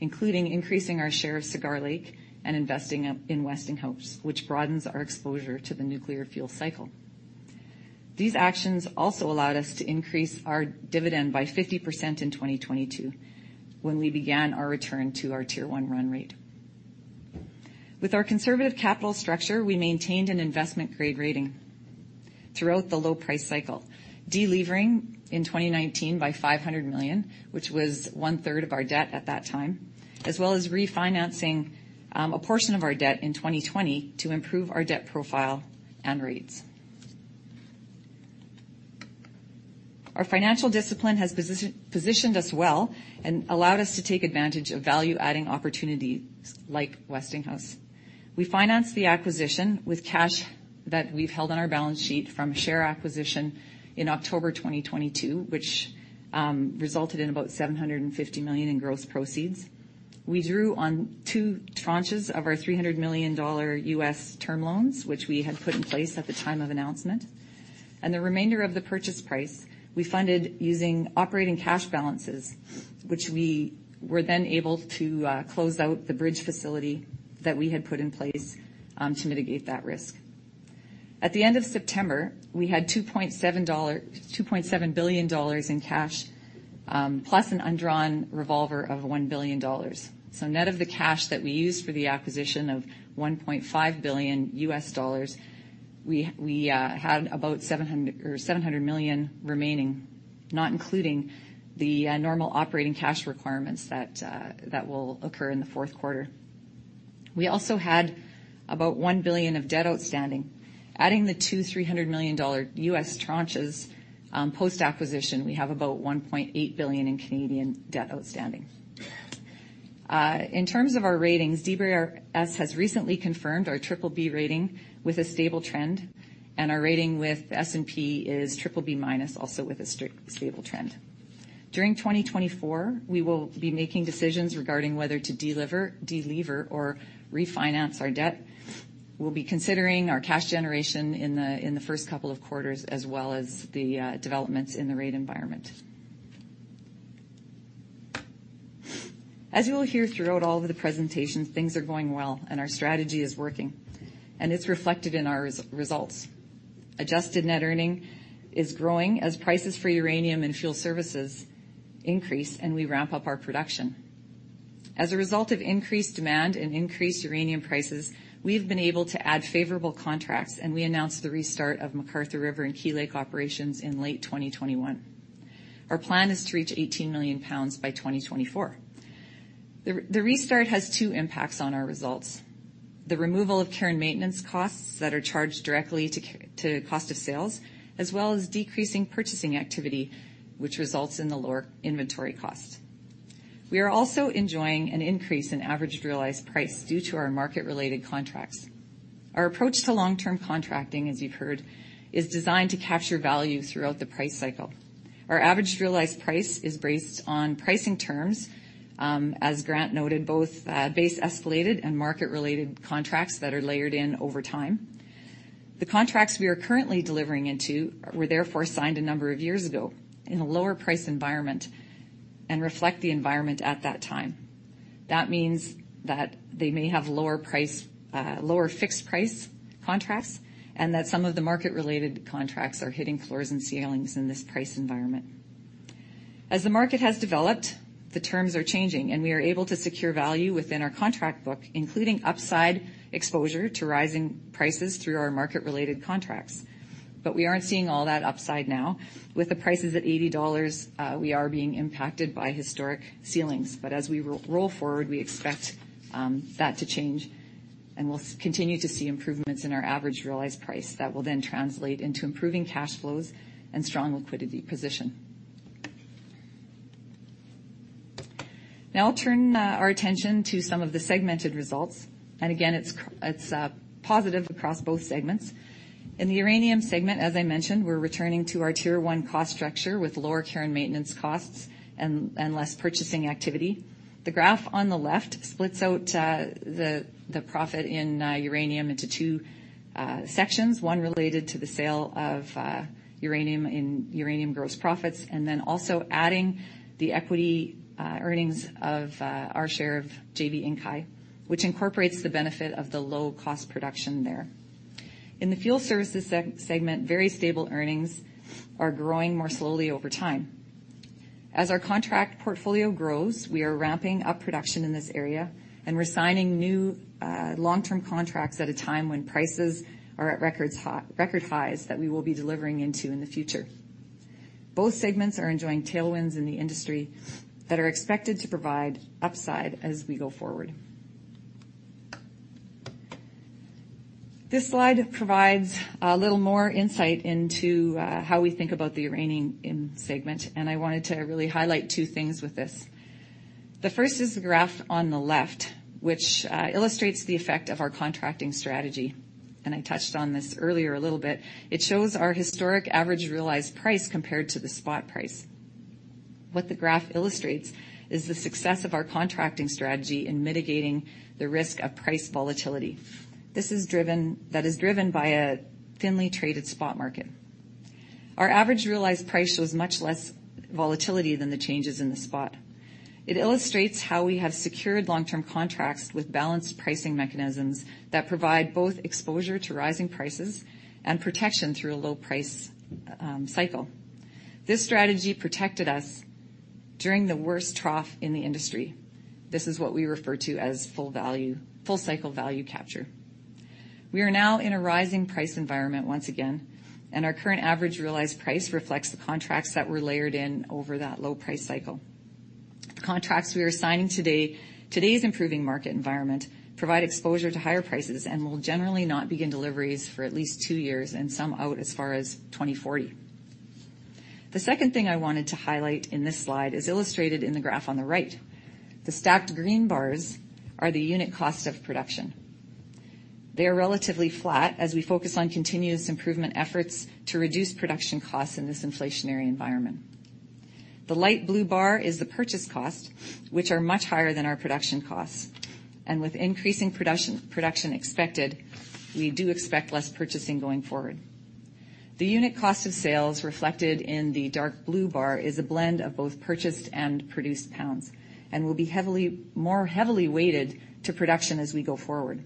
including increasing our share of Cigar Lake and investing in Westinghouse, which broadens our exposure to the nuclear fuel cycle. These actions also allowed us to increase our dividend by 50% in 2022, when we began our return to our Tier One run rate. With our conservative capital structure, we maintained an investment-grade rating throughout the low price cycle, delevering in 2019 by 500 million, which was one-third of our debt at that time, as well as refinancing a portion of our debt in 2020 to improve our debt profile and rates. Our financial discipline has positioned us well and allowed us to take advantage of value-adding opportunities like Westinghouse. We financed the acquisition with cash that we've held on our balance sheet from share acquisition in October 2022, which resulted in about 750 million in gross proceeds. We drew on two tranches of our $300 million US dollar term loans, which we had put in place at the time of announcement, and the remainder of the purchase price, we funded using operating cash balances, which we were then able to close out the bridge facility that we had put in place to mitigate that risk. At the end of September, we had $2.7 billion in cash, plus an undrawn revolver of $1 billion. So net of the cash that we used for the acquisition of $1.5 billion US dollars, we had about 700 or 700 million remaining, not including the normal operating cash requirements that will occur in the fourth quarter. We also had about $1 billion of debt outstanding. Adding the two $300 million USD tranches, post-acquisition, we have about 1.8 billion in Canadian debt outstanding. In terms of our ratings, DBRS has recently confirmed our BBB rating with a stable trend, and our rating with S&P is BBB-, also with a stable trend. During 2024, we will be making decisions regarding whether to delever or refinance our debt. We'll be considering our cash generation in the first couple of quarters, as well as the developments in the rate environment. As you will hear throughout all of the presentations, things are going well, and our strategy is working, and it's reflected in our results. Adjusted net earnings is growing as prices for uranium and fuel services increase, and we ramp up our production. As a result of increased demand and increased uranium prices, we've been able to add favorable contracts, and we announced the restart of McArthur River and Key Lake operations in late 2021. Our plan is to reach 18 million pounds by 2024. The restart has two impacts on our results: the removal of care and maintenance costs that are charged directly to cost of sales, as well as decreasing purchasing activity, which results in the lower inventory costs. We are also enjoying an increase in average realized price due to our market-related contracts. Our approach to long-term contracting, as you've heard, is designed to capture value throughout the price cycle. Our average realized price is based on pricing terms, as Grant noted, both base-escalated and market-related contracts that are layered in over time. The contracts we are currently delivering into were therefore signed a number of years ago in a lower price environment and reflect the environment at that time. That means that they may have lower price, lower fixed price contracts, and that some of the market-related contracts are hitting floors and ceilings in this price environment. As the market has developed, the terms are changing, and we are able to secure value within our contract book, including upside exposure to rising prices through our market-related contracts. But we aren't seeing all that upside now. With the prices at $80, we are being impacted by historic ceilings. But as we roll forward, we expect that to change, and we'll continue to see improvements in our average realized price that will then translate into improving cash flows and strong liquidity position. Now I'll turn our attention to some of the segmented results, and again, it's positive across both segments. In the uranium segment, as I mentioned, we're returning to our Tier One cost structure with lower care and maintenance costs and less purchasing activity. The graph on the left splits out the profit in uranium into two sections, one related to the sale of uranium in uranium gross profits, and then also adding the equity earnings of our share of JV Inkai, which incorporates the benefit of the low-cost production there. In the fuel services segment, very stable earnings are growing more slowly over time. As our contract portfolio grows, we are ramping up production in this area, and we're signing new long-term contracts at a time when prices are at record highs that we will be delivering into in the future. Both segments are enjoying tailwinds in the industry that are expected to provide upside as we go forward. This slide provides a little more insight into how we think about the uranium segment, and I wanted to really highlight two things with this. The first is the graph on the left, which illustrates the effect of our contracting strategy, and I touched on this earlier a little bit. It shows our historic average realized price compared to the spot price. What the graph illustrates is the success of our contracting strategy in mitigating the risk of price volatility. This is driven by a thinly traded spot market. Our average realized price shows much less volatility than the changes in the spot. It illustrates how we have secured long-term contracts with balanced pricing mechanisms that provide both exposure to rising prices and protection through a low-price cycle. This strategy protected us during the worst trough in the industry. This is what we refer to as full cycle value capture. We are now in a rising price environment once again, and our current average realized price reflects the contracts that were layered in over that low price cycle. The contracts we are signing today, today's improving market environment, provide exposure to higher prices and will generally not begin deliveries for at least 2 years, and some out as far as 2040. The second thing I wanted to highlight in this slide is illustrated in the graph on the right. The stacked green bars are the unit cost of production. They are relatively flat as we focus on continuous improvement efforts to reduce production costs in this inflationary environment. The light blue bar is the purchase cost, which are much higher than our production costs, and with increasing production, production expected, we do expect less purchasing going forward. The unit cost of sales, reflected in the dark blue bar, is a blend of both purchased and produced pounds and will be heavily more heavily weighted to production as we go forward.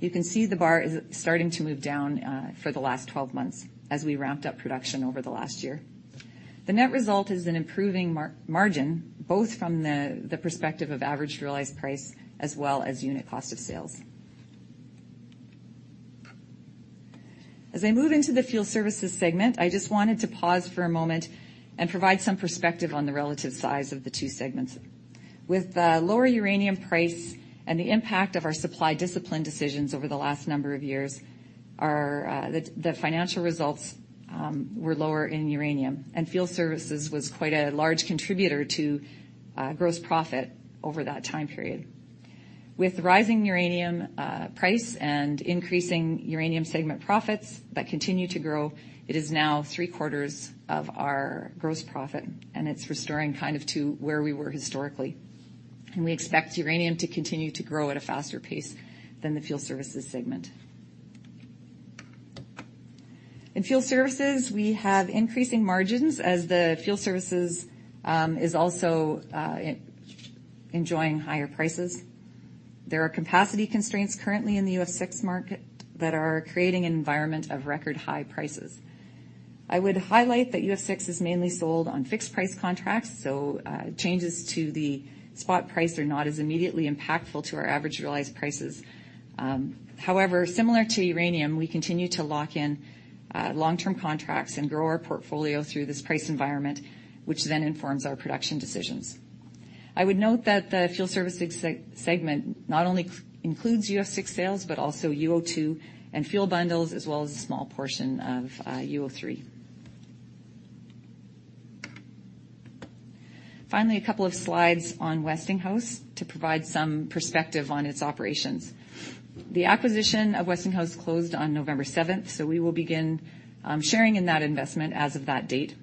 You can see the bar is starting to move down for the last 12 months as we ramped up production over the last year. The net result is an improving margin, both from the perspective of average realized price as well as unit cost of sales. As I move into the fuel services segment, I just wanted to pause for a moment and provide some perspective on the relative size of the two segments. With the lower uranium price and the impact of our supply discipline decisions over the last number of years, our financial results were lower in uranium, and fuel services was quite a large contributor to gross profit over that time period. With rising uranium price and increasing uranium segment profits that continue to grow, it is now three-quarters of our gross profit, and it's restoring kind of to where we were historically. We expect uranium to continue to grow at a faster pace than the fuel services segment. In fuel services, we have increasing margins as the fuel services is also enjoying higher prices. There are capacity constraints currently in the UF6 market that are creating an environment of record high prices. I would highlight that UF6 is mainly sold on fixed price contracts, so changes to the spot price are not as immediately impactful to our average realized prices. However, similar to uranium, we continue to lock in long-term contracts and grow our portfolio through this price environment, which then informs our production decisions. I would note that the fuel services segment not only includes UF6 sales, but also UO2 and fuel bundles, as well as a small portion of UO3. Finally, a couple of slides on Westinghouse to provide some perspective on its operations. The acquisition of Westinghouse closed on November 7th, so we will begin sharing in that investment as of that date.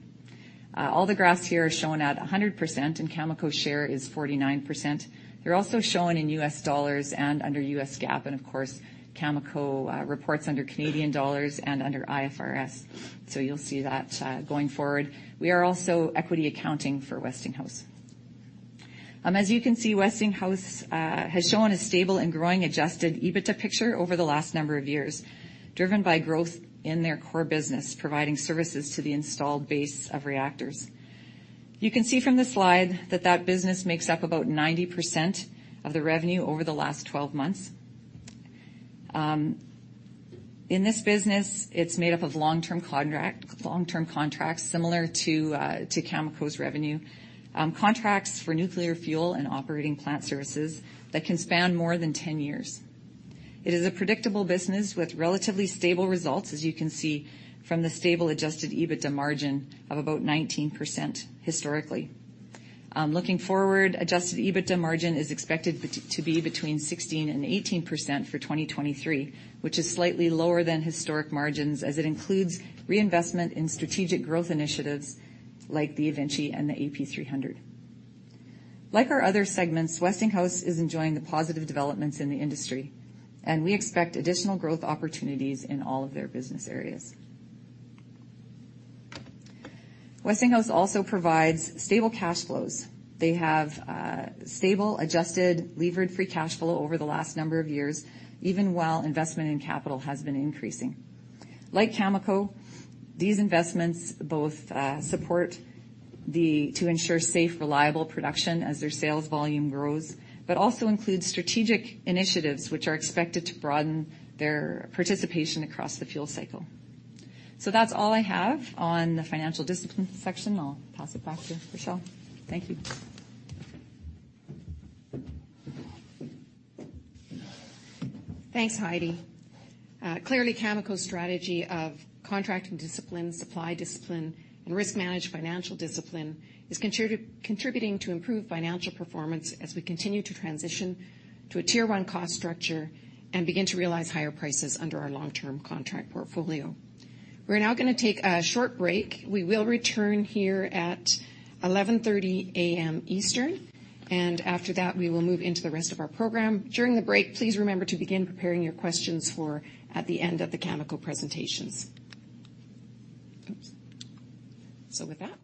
All the graphs here are shown at 100%, and Cameco share is 49%. They're also shown in U.S. dollars and under U.S. GAAP, and of course, Cameco reports under Canadian dollars and under IFRS, so you'll see that going forward. We are also equity accounting for Westinghouse. As you can see, Westinghouse has shown a stable and growing adjusted EBITDA picture over the last number of years, driven by growth in their core business, providing services to the installed base of reactors. You can see from the slide that that business makes up about 90% of the revenue over the last 12 months. In this business, it's made up of long-term contract, long-term contracts similar to, to Cameco's revenue, contracts for nuclear fuel and operating plant services that can span more than 10 years. It is a predictable business with relatively stable results, as you can see from the stable adjusted EBITDA margin of about 19% historically. Looking forward, adjusted EBITDA margin is expected to be between 16% and 18% for 2023, which is slightly lower than historic margins, as it includes reinvestment in strategic growth initiatives like the eVinci and the AP300. Like our other segments, Westinghouse is enjoying the positive developments in the industry, and we expect additional growth opportunities in all of their business areas. Westinghouse also provides stable cash flows. They have stable, adjusted, levered free cash flow over the last number of years, even while investment in capital has been increasing. Like Cameco, these investments both support to ensure safe, reliable production as their sales volume grows, but also includes strategic initiatives, which are expected to broaden their participation across the fuel cycle. So that's all I have on the financial discipline section. I'll pass it back to Rachelle. Thank you. Thanks, Heidi. Clearly, Cameco's strategy of contracting discipline, supply discipline, and risk-managed financial discipline is contributing to improved financial performance as we continue to transition to a Tier One cost structure and begin to realize higher prices under our long-term contract portfolio. We're now going to take a short break. We will return here at 11:30 A.M. Eastern, and after that, we will move into the rest of our program. During the break, please remember to begin preparing your questions for the end of the Cameco presentations. Oops. So with that,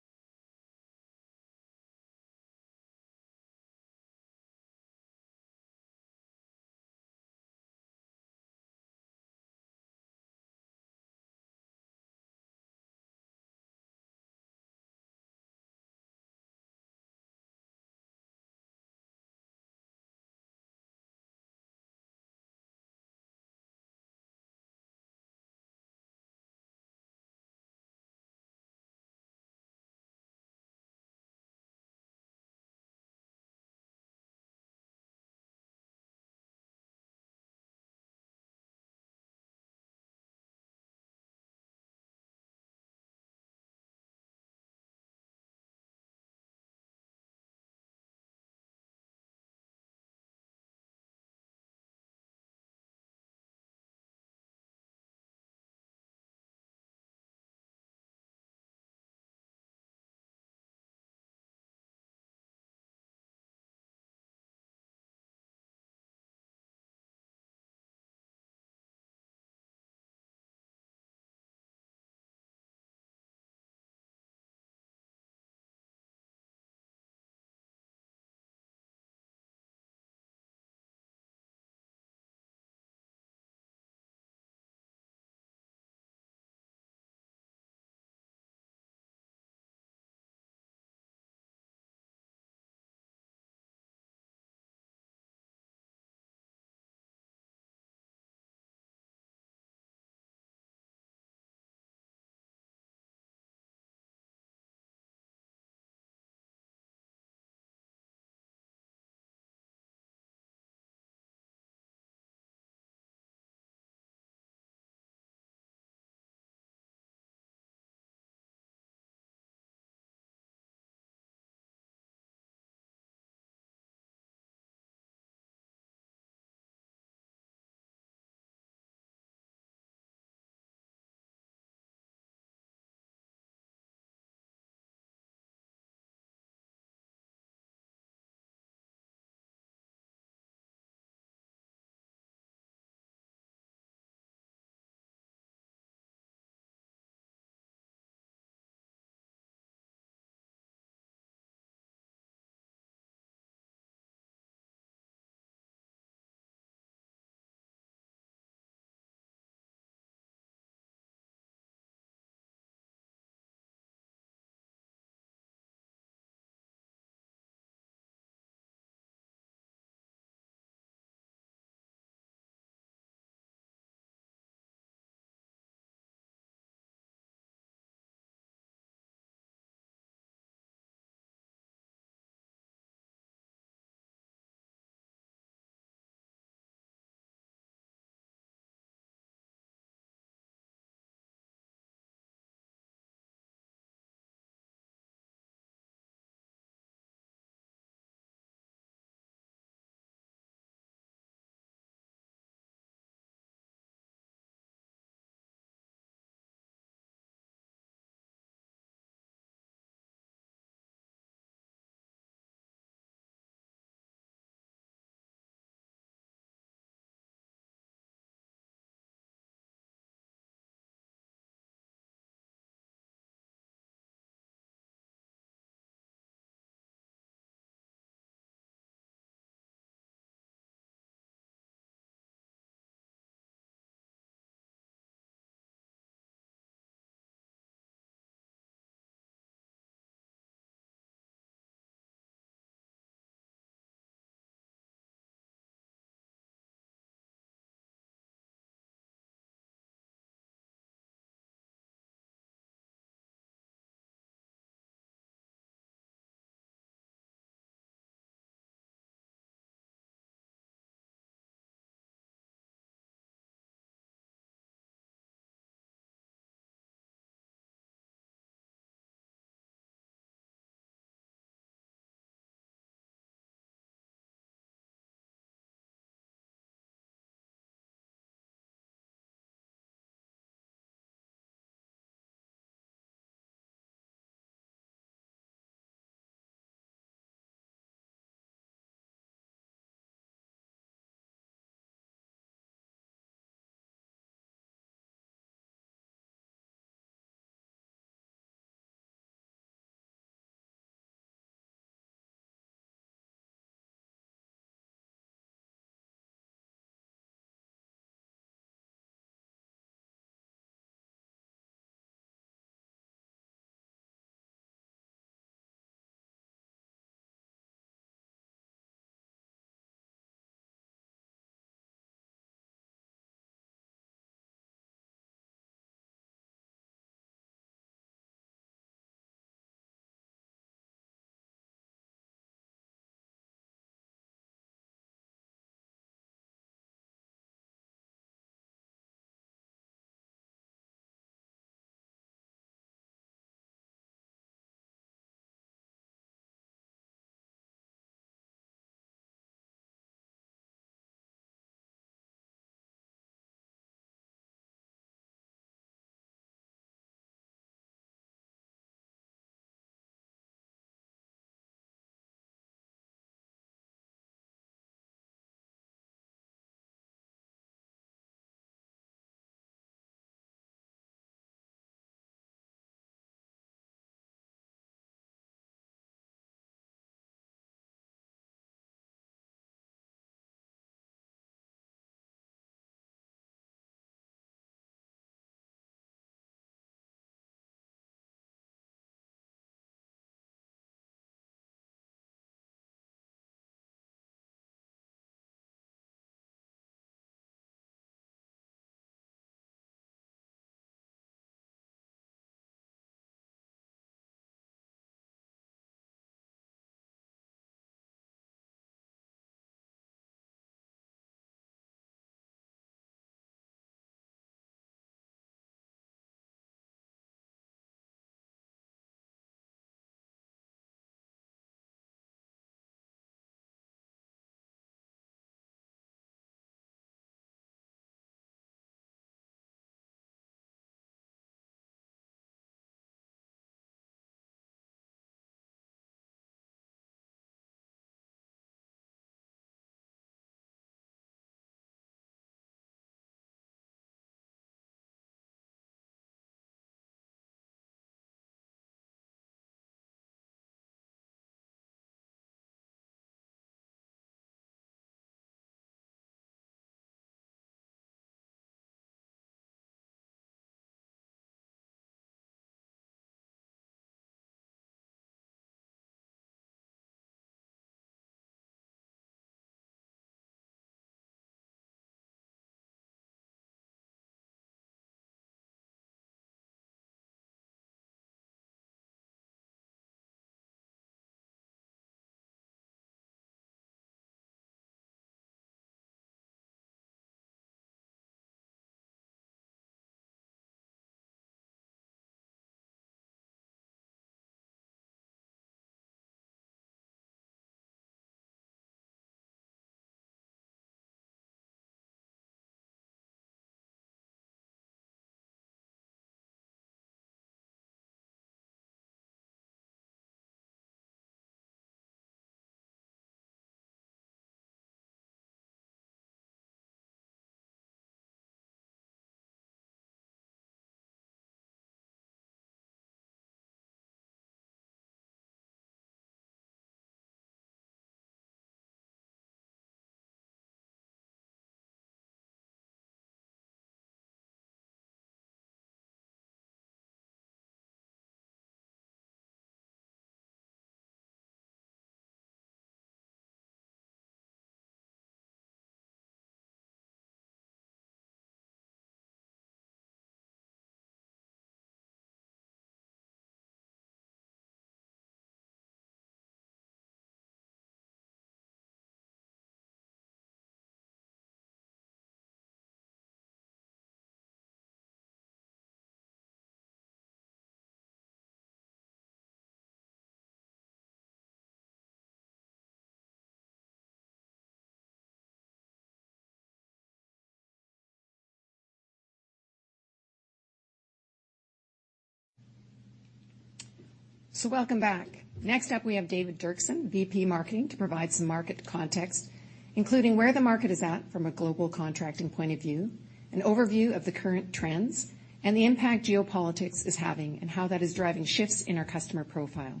we'll. So welcome back. Next up, we have David Doerksen, VP Marketing, to provide some market context, including where the market is at from a global contracting point of view, an overview of the current trends, and the impact geopolitics is having and how that is driving shifts in our customer profile.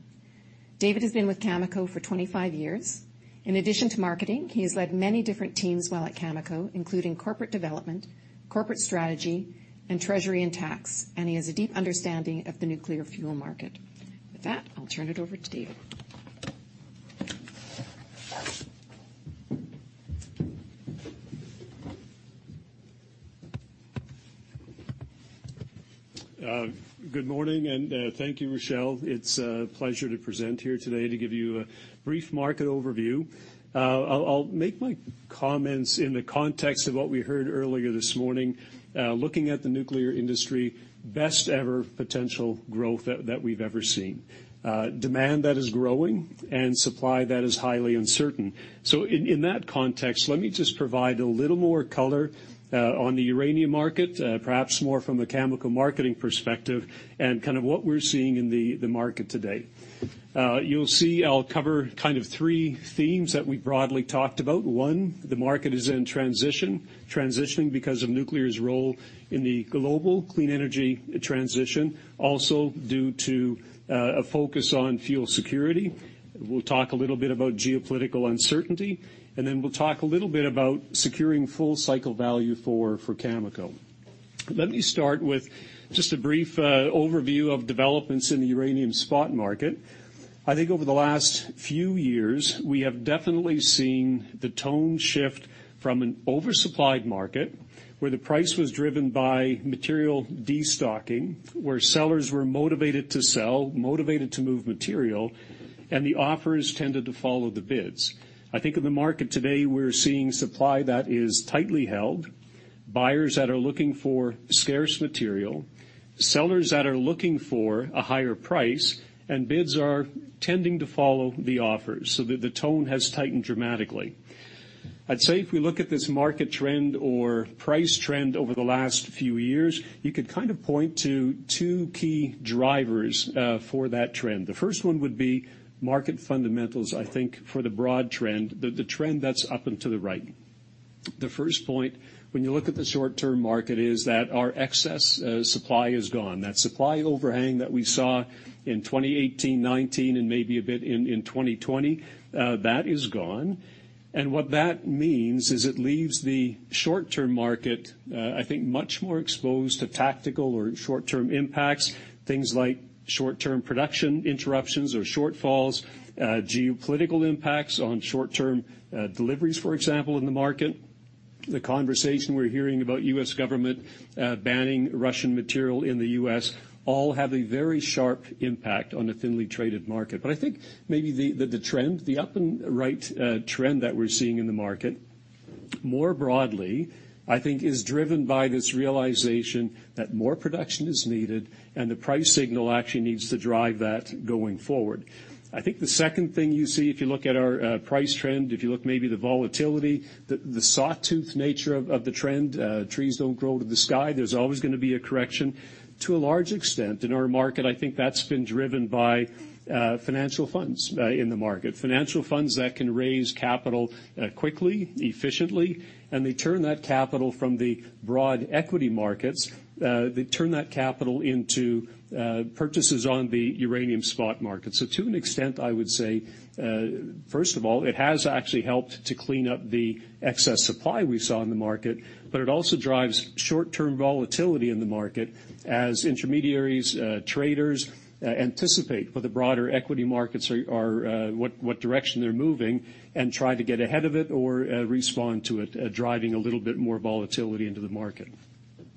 David has been with Cameco for 25 years. In addition to marketing, he has led many different teams while at Cameco, including corporate development, corporate strategy, and treasury and tax, and he has a deep understanding of the nuclear fuel market. With that, I'll turn it over to David. Good morning, and thank you, Rachelle. It's a pleasure to present here today to give you a brief market overview. I'll make my comments in the context of what we heard earlier this morning, looking at the nuclear industry, best-ever potential growth that we've ever seen, demand that is growing and supply that is highly uncertain. In that context, let me just provide a little more color on the uranium market, perhaps more from a Cameco marketing perspective and kind of what we're seeing in the market today. You'll see I'll cover kind of three themes that we broadly talked about. One, the market is in transition, transitioning because of nuclear's role in the global clean energy transition, also due to a focus on fuel security. We'll talk a little bit about geopolitical uncertainty, and then we'll talk a little bit about securing full cycle value for Cameco. Let me start with just a brief overview of developments in the uranium spot market. I think over the last few years, we have definitely seen the tone shift from an oversupplied market, where the price was driven by material destocking, where sellers were motivated to sell, motivated to move material, and the offers tended to follow the bids. I think in the market today, we're seeing supply that is tightly held, buyers that are looking for scarce material, sellers that are looking for a higher price, and bids are tending to follow the offers, so the tone has tightened dramatically. I'd say if we look at this market trend or price trend over the last few years, you could kind of point to two key drivers, for that trend. The first one would be market fundamentals, I think, for the broad trend, the trend that's up and to the right. The first point, when you look at the short-term market, is that our excess supply is gone. That supply overhang that we saw in 2018, 2019, and maybe a bit in 2020, that is gone. And what that means is it leaves the short-term market, I think, much more exposed to tactical or short-term impacts, things like short-term production interruptions or shortfalls, geopolitical impacts on short-term deliveries, for example, in the market. The conversation we're hearing about U.S. government banning Russian material in the U.S. all have a very sharp impact on a thinly traded market. But I think maybe the trend, the up and right trend that we're seeing in the market. More broadly, I think, is driven by this realization that more production is needed and the price signal actually needs to drive that going forward. I think the second thing you see, if you look at our price trend, if you look maybe the volatility, the sawtooth nature of the trend, trees don't grow to the sky. There's always gonna be a correction. To a large extent in our market, I think that's been driven by financial funds in the market, financial funds that can raise capital quickly, efficiently, and they turn that capital from the broad equity markets. They turn that capital into purchases on the uranium spot market. So to an extent, I would say, first of all, it has actually helped to clean up the excess supply we saw in the market, but it also drives short-term volatility in the market as intermediaries, traders, anticipate where the broader equity markets are, what direction they're moving and try to get ahead of it or respond to it, driving a little bit more volatility into the market.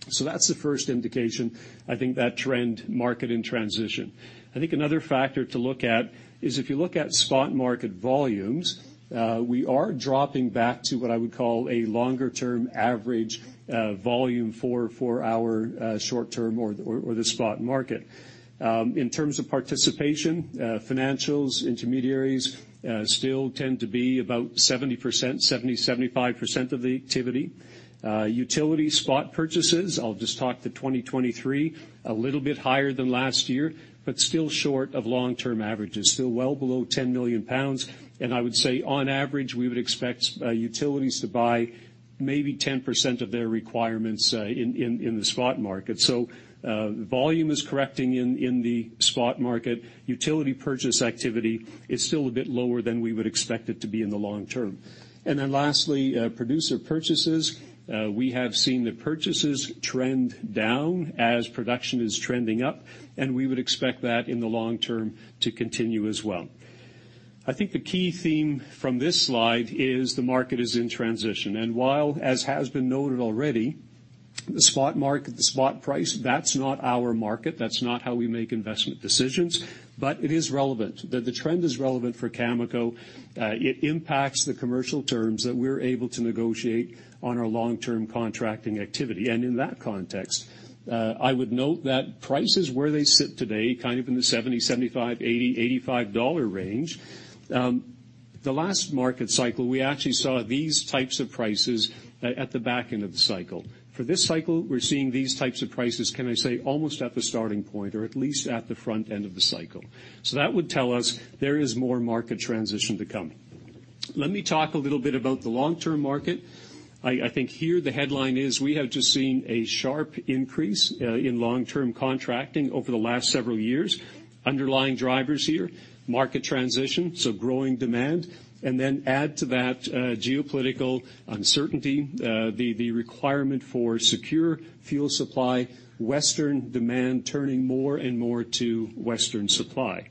So that's the first indication, I think, that term market in transition. I think another factor to look at is if you look at spot market volumes, we are dropping back to what I would call a longer-term average, volume for our short term or the spot market. In terms of participation, financials, intermediaries, still tend to be about 70%, 70-75% of the activity. Utility spot purchases, I'll just talk to 2023, a little bit higher than last year, but still short of long-term averages, still well below 10 million pounds. And I would say, on average, we would expect, utilities to buy maybe 10% of their requirements, in the spot market. So, volume is correcting in the spot market. Utility purchase activity is still a bit lower than we would expect it to be in the long term. And then lastly, producer purchases. We have seen the purchases trend down as production is trending up, and we would expect that in the long term to continue as well. I think the key theme from this slide is the market is in transition, and while, as has been noted already, the spot market, the spot price, that's not our market, that's not how we make investment decisions, but it is relevant. The trend is relevant for Cameco. It impacts the commercial terms that we're able to negotiate on our long-term contracting activity. And in that context, I would note that prices where they sit today, kind of in the $70, $75, $80, $85 range, the last market cycle, we actually saw these types of prices at the back end of the cycle. For this cycle, we're seeing these types of prices, can I say, almost at the starting point, or at least at the front end of the cycle. So that would tell us there is more market transition to come. Let me talk a little bit about the long-term market. I think here the headline is we have just seen a sharp increase in long-term contracting over the last several years. Underlying drivers here, market transition, so growing demand, and then add to that, geopolitical uncertainty, the requirement for secure fuel supply, Western demand turning more and more to Western supply.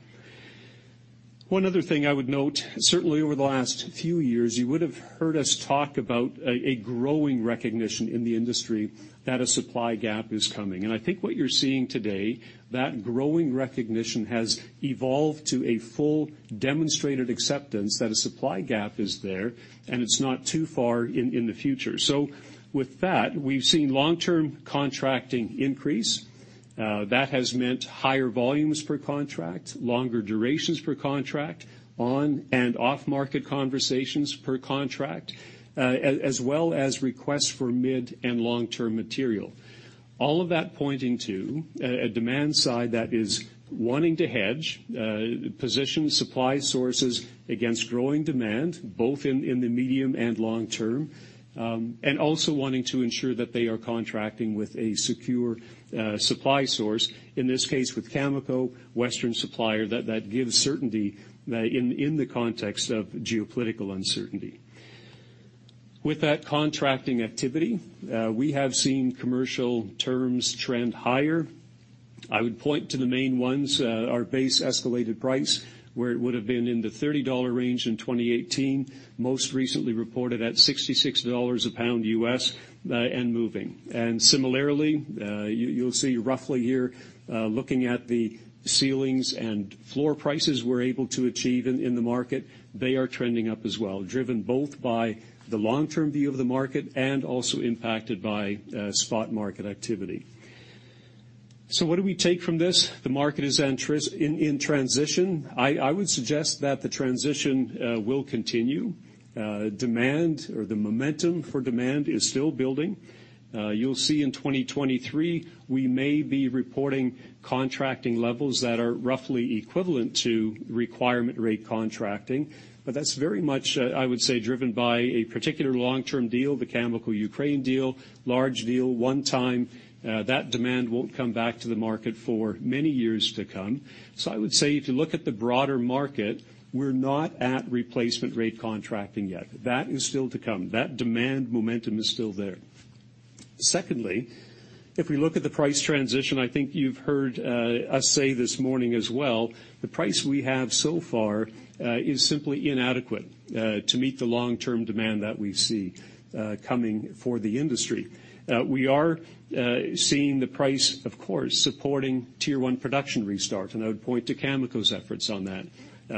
One other thing I would note, certainly over the last few years, you would have heard us talk about a growing recognition in the industry that a supply gap is coming. I think what you're seeing today, that growing recognition has evolved to a full demonstrated acceptance that a supply gap is there, and it's not too far in the future. With that, we've seen long-term contracting increase. That has meant higher volumes per contract, longer durations per contract, on and off-market conversations per contract, as well as requests for mid and long-term material. All of that pointing to a demand side that is wanting to hedge, position supply sources against growing demand, both in the medium and long term, and also wanting to ensure that they are contracting with a secure supply source, in this case, with Cameco, Western supplier, that gives certainty, in the context of geopolitical uncertainty. With that contracting activity, we have seen commercial terms trend higher. I would point to the main ones, our base escalated price, where it would have been in the $30 range in 2018, most recently reported at $66 a pound US, and moving. And similarly, you'll see roughly here, looking at the ceilings and floor prices we're able to achieve in the market, they are trending up as well, driven both by the long-term view of the market and also impacted by spot market activity. So what do we take from this? The market is in transition. I would suggest that the transition will continue. Demand or the momentum for demand is still building. You'll see in 2023, we may be reporting contracting levels that are roughly equivalent to replacement rate contracting, but that's very much, I would say, driven by a particular long-term deal, the Cameco Ukraine deal, large deal, one time. That demand won't come back to the market for many years to come. So I would say, if you look at the broader market, we're not at replacement rate contracting yet. That is still to come. That demand momentum is still there. Secondly, if we look at the price transition, I think you've heard, us say this morning as well, the price we have so far, is simply inadequate, to meet the long-term demand that we see, coming for the industry. We are seeing the price, of course, supporting Tier One production restart, and I would point to Cameco's efforts on that.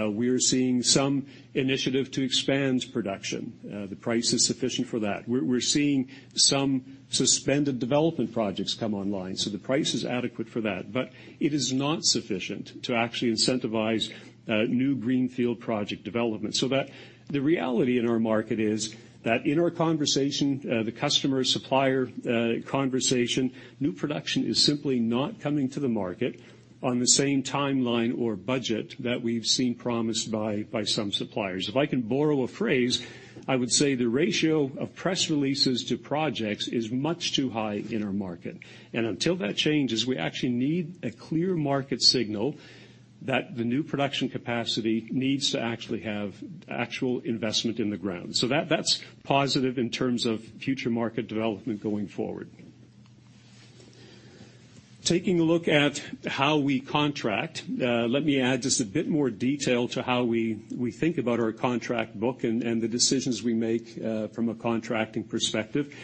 We are seeing some initiative to expand production. The price is sufficient for that. We're seeing some suspended development projects come online, so the price is adequate for that. But it is not sufficient to actually incentivize new greenfield project development. So that the reality in our market is that in our conversation, the customer-supplier conversation, new production is simply not coming to the market on the same timeline or budget that we've seen promised by some suppliers. If I can borrow a phrase, I would say the ratio of press releases to projects is much too high in our market. Until that changes, we actually need a clear market signal that the new production capacity needs to actually have actual investment in the ground. So, that's positive in terms of future market development going forward. Taking a look at how we contract, let me add just a bit more detail to how we think about our contract book and the decisions we make from a contracting perspective.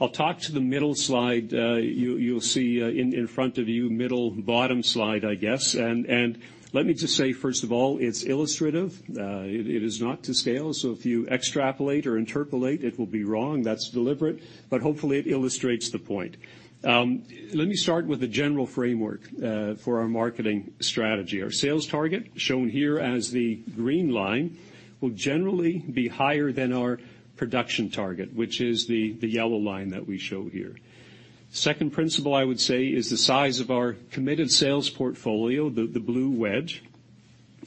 I'll talk to the middle slide. You'll see, in front of you, middle bottom slide, I guess. Let me just say, first of all, it's illustrative. It is not to scale, so if you extrapolate or interpolate, it will be wrong. That's deliberate, but hopefully it illustrates the point. Let me start with the general framework for our marketing strategy. Our sales target, shown here as the green line, will generally be higher than our production target, which is the yellow line that we show here. Second principle, I would say, is the size of our committed sales portfolio, the blue wedge,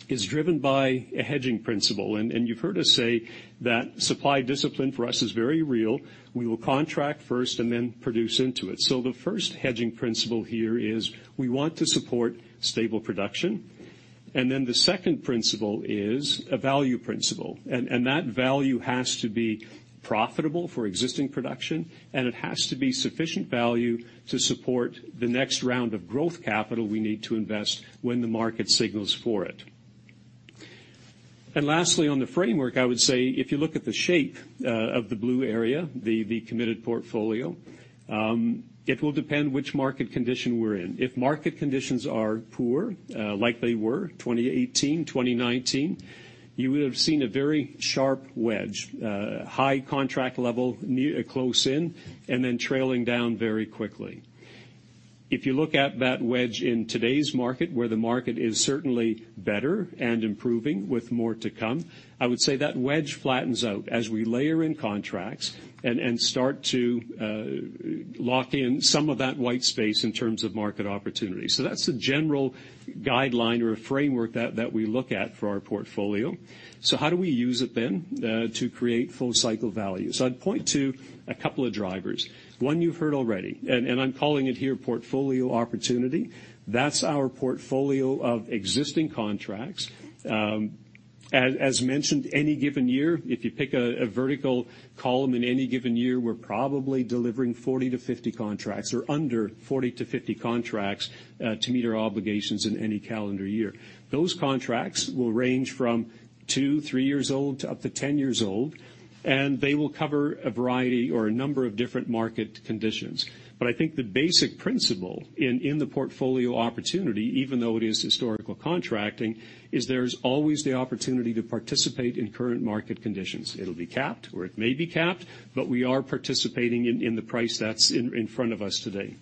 is driven by a hedging principle. And you've heard us say that supply discipline for us is very real. We will contract first and then produce into it. So the first hedging principle here is we want to support stable production, and then the second principle is a value principle, and that value has to be profitable for existing production, and it has to be sufficient value to support the next round of growth capital we need to invest when the market signals for it. And lastly, on the framework, I would say if you look at the shape of the blue area, the committed portfolio, it will depend which market condition we're in. If market conditions are poor, like they were 2018, 2019, you would have seen a very sharp wedge, high contract level close in, and then trailing down very quickly. If you look at that wedge in today's market, where the market is certainly better and improving with more to come, I would say that wedge flattens out as we layer in contracts and start to lock in some of that white space in terms of market opportunity. So that's the general guideline or a framework that we look at for our portfolio. So how do we use it then to create Full Cycle Value? So I'd point to a couple of drivers. One you've heard already, and I'm calling it here portfolio opportunity. That's our portfolio of existing contracts. As mentioned, any given year, if you pick a vertical column in any given year, we're probably delivering 40-50 contracts, or under 40-50 contracts, to meet our obligations in any calendar year. Those contracts will range from 2, 3 years old to up to 10 years old, and they will cover a variety or a number of different market conditions. But I think the basic principle in the portfolio opportunity, even though it is historical contracting, is there's always the opportunity to participate in current market conditions. It'll be capped, or it may be capped, but we are participating in the price that's in front of us today.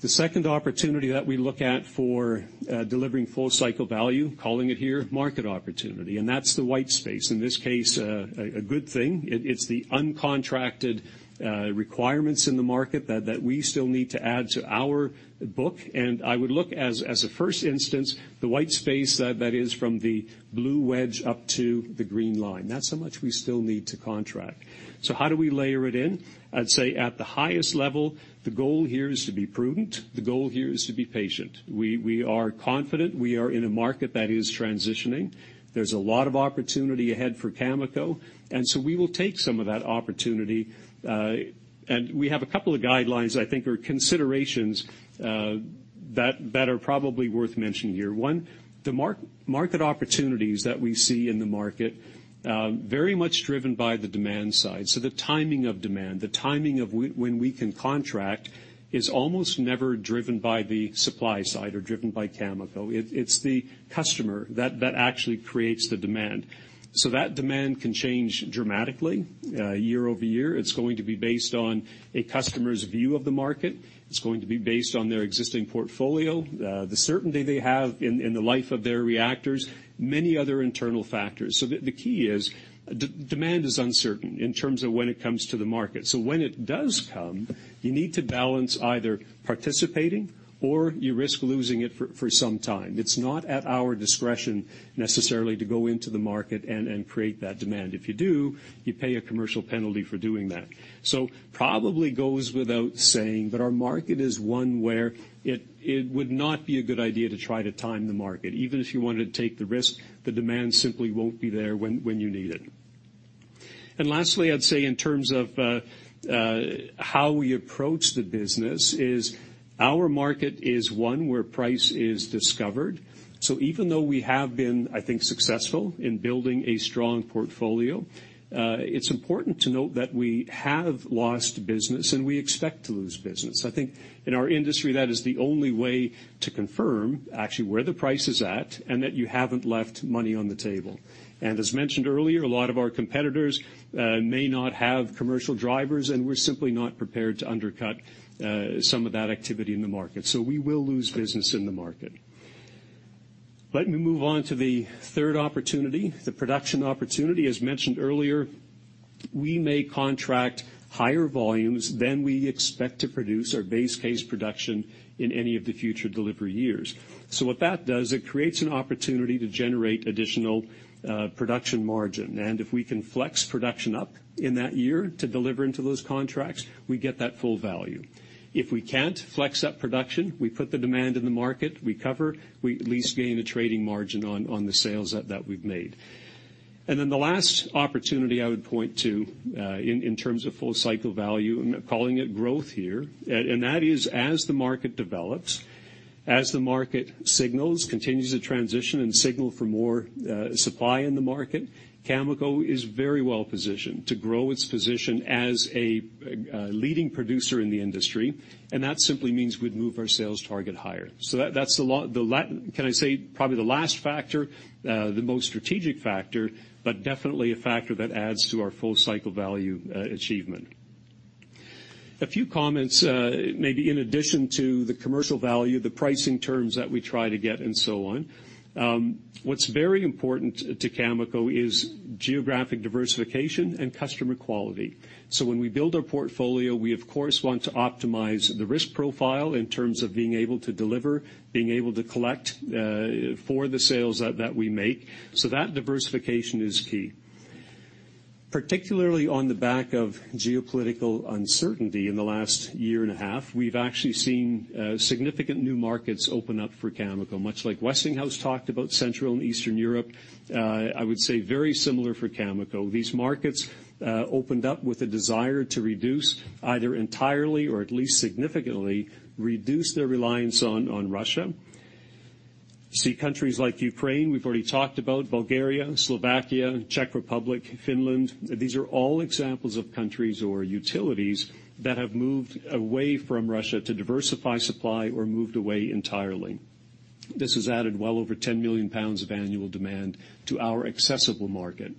The second opportunity that we look at for delivering full cycle value, calling it here, market opportunity, and that's the white space. In this case, a good thing. It's the uncontracted requirements in the market that we still need to add to our book. And I would look as a first instance, the white space that is from the blue wedge up to the green line. That's how much we still need to contract. So how do we layer it in? I'd say at the highest level, the goal here is to be prudent. The goal here is to be patient. We are confident. We are in a market that is transitioning. There's a lot of opportunity ahead for Cameco, and so we will take some of that opportunity. We have a couple of guidelines I think are considerations that are probably worth mentioning here. One, the market opportunities that we see in the market very much driven by the demand side. So the timing of demand, the timing of when we can contract is almost never driven by the supply side or driven by Cameco. It's the customer that actually creates the demand. So that demand can change dramatically year over year. It's going to be based on a customer's view of the market. It's going to be based on their existing portfolio, the certainty they have in the life of their reactors, many other internal factors. So the key is, demand is uncertain in terms of when it comes to the market. So when it does come, you need to balance either participating or you risk losing it for some time. It's not at our discretion necessarily to go into the market and create that demand. If you do, you pay a commercial penalty for doing that. So probably goes without saying, but our market is one where it would not be a good idea to try to time the market. Even if you wanted to take the risk, the demand simply won't be there when you need it. And lastly, I'd say in terms of how we approach the business, our market is one where price is discovered. So even though we have been, I think, successful in building a strong portfolio, it's important to note that we have lost business, and we expect to lose business. I think in our industry, that is the only way to confirm actually where the price is at and that you haven't left money on the table. As mentioned earlier, a lot of our competitors may not have commercial drivers, and we're simply not prepared to undercut some of that activity in the market. So we will lose business in the market. Let me move on to the third opportunity, the production opportunity. As mentioned earlier, we may contract higher volumes than we expect to produce our base case production in any of the future delivery years. What that does, it creates an opportunity to generate additional production margin. And if we can flex production up in that year to deliver into those contracts, we get that full value. If we can't flex that production, we put the demand in the market, we cover, we at least gain a trading margin on the sales that we've made. And then the last opportunity I would point to, in terms of Full Cycle Value, I'm calling it growth here, and that is, as the market develops, as the market signals, continues to transition and signal for more supply in the market, Cameco is very well-positioned to grow its position as a leading producer in the industry, and that simply means we'd move our sales target higher. So that's the last, can I say, probably the last factor, the most strategic factor, but definitely a factor that adds to our Full Cycle Value achievement. A few comments, maybe in addition to the commercial value, the pricing terms that we try to get and so on. What's very important to Cameco is geographic diversification and customer quality. So when we build our portfolio, we, of course, want to optimize the risk profile in terms of being able to deliver, being able to collect, for the sales that we make. So that diversification is key. Particularly on the back of geopolitical uncertainty in the last year and a half, we've actually seen, significant new markets open up for Cameco, much like Westinghouse talked about Central and Eastern Europe, I would say very similar for Cameco. These markets, opened up with a desire to reduce, either entirely or at least significantly, reduce their reliance on Russia. See countries like Ukraine, we've already talked about Bulgaria, Slovakia, Czech Republic, Finland. These are all examples of countries or utilities that have moved away from Russia to diversify supply or moved away entirely. This has added well over 10 million pounds of annual demand to our accessible market.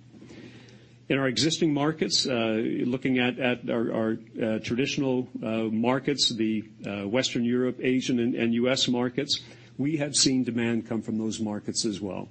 In our existing markets, looking at our traditional markets, the Western Europe, Asian, and U.S. markets, we have seen demand come from those markets as well,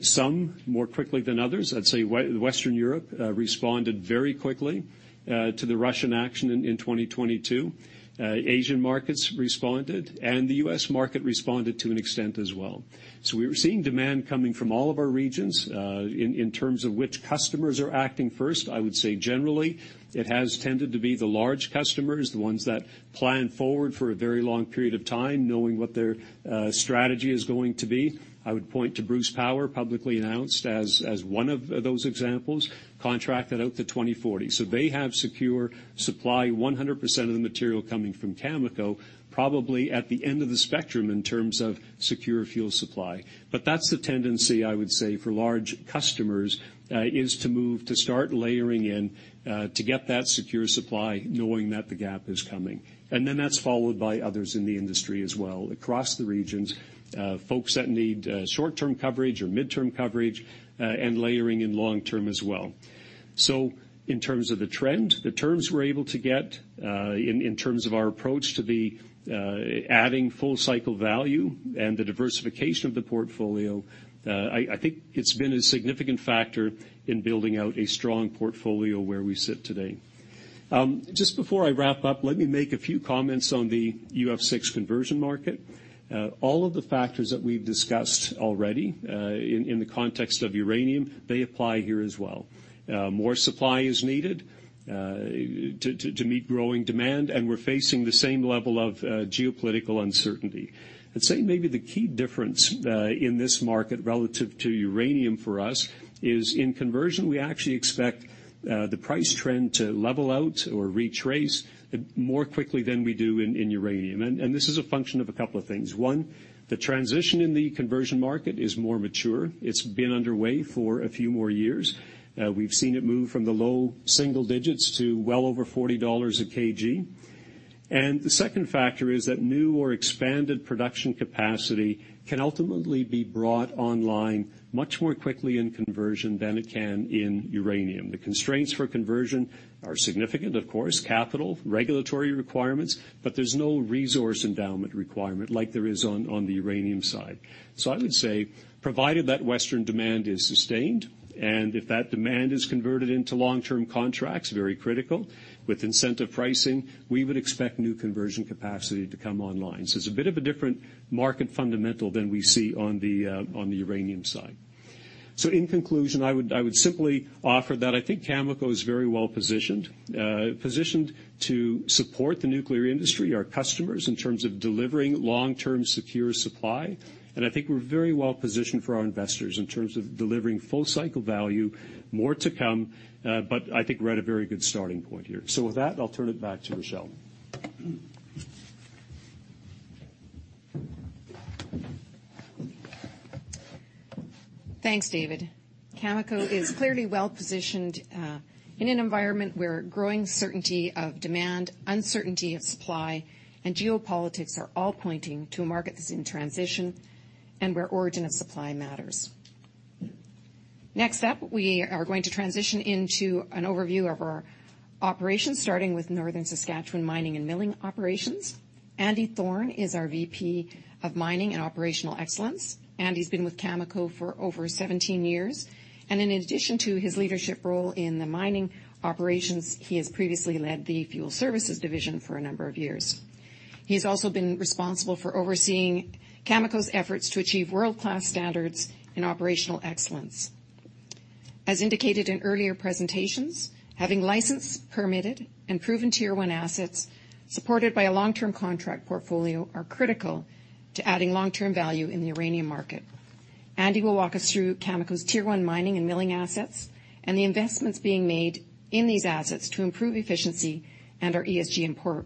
some more quickly than others. I'd say Western Europe responded very quickly to the Russian action in 2022. Asian markets responded, and the U.S. market responded to an extent as well. So we were seeing demand coming from all of our regions. In terms of which customers are acting first, I would say generally, it has tended to be the large customers, the ones that plan forward for a very long period of time, knowing what their strategy is going to be. I would point to Bruce Power, publicly announced as one of those examples, contracted out to 2040. So they have secure supply, 100% of the material coming from Cameco, probably at the end of the spectrum in terms of secure fuel supply. But that's the tendency, I would say, for large customers, is to move, to start layering in, to get that secure supply, knowing that the gap is coming. And then that's followed by others in the industry as well. Across the regions, folks that need short-term coverage or midterm coverage, and layering in long-term as well. So in terms of the trend, the terms we're able to get, in terms of our approach to the adding full cycle value and the diversification of the portfolio, I think it's been a significant factor in building out a strong portfolio where we sit today. Just before I wrap up, let me make a few comments on the UF6 conversion market. All of the factors that we've discussed already, in the context of uranium, they apply here as well. More supply is needed to meet growing demand, and we're facing the same level of geopolitical uncertainty. I'd say maybe the key difference, in this market relative to uranium for us, is in conversion, we actually expect the price trend to level out or retrace more quickly than we do in uranium. This is a function of a couple of things. One, the transition in the conversion market is more mature. It's been underway for a few more years. We've seen it move from the low single digits to well over $40/kg. And the second factor is that new or expanded production capacity can ultimately be brought online much more quickly in conversion than it can in uranium. The constraints for conversion are significant, of course, capital, regulatory requirements, but there's no resource endowment requirement like there is on the uranium side. So I would say, provided that Western demand is sustained, and if that demand is converted into long-term contracts, very critical, with incentive pricing, we would expect new conversion capacity to come online. So it's a bit of a different market fundamental than we see on the uranium side. So in conclusion, I would, I would simply offer that I think Cameco is very well-positioned, positioned to support the nuclear industry, our customers, in terms of delivering long-term, secure supply. And I think we're very well-positioned for our investors in terms of delivering full cycle value, more to come, but I think we're at a very good starting point here. So with that, I'll turn it back to Rachelle. Thanks, David. Cameco is clearly well-positioned in an environment where growing certainty of demand, uncertainty of supply, and geopolitics are all pointing to a market that's in transition and where origin of supply matters. Next up, we are going to transition into an overview of our operations, starting with Northern Saskatchewan mining and milling operations. Andy Thorne is our VP of Mining and Operational Excellence, and he's been with Cameco for over 17 years. And in addition to his leadership role in the mining operations, he has previously led the fuel services division for a number of years. He has also been responsible for overseeing Cameco's efforts to achieve world-class standards in operational excellence. As indicated in earlier presentations, having licensed, permitted, and proven Tier One assets, supported by a long-term contract portfolio, are critical to adding long-term value in the uranium market. Andy will walk us through Cameco's Tier One mining and milling assets, and the investments being made in these assets to improve efficiency and our ESG and core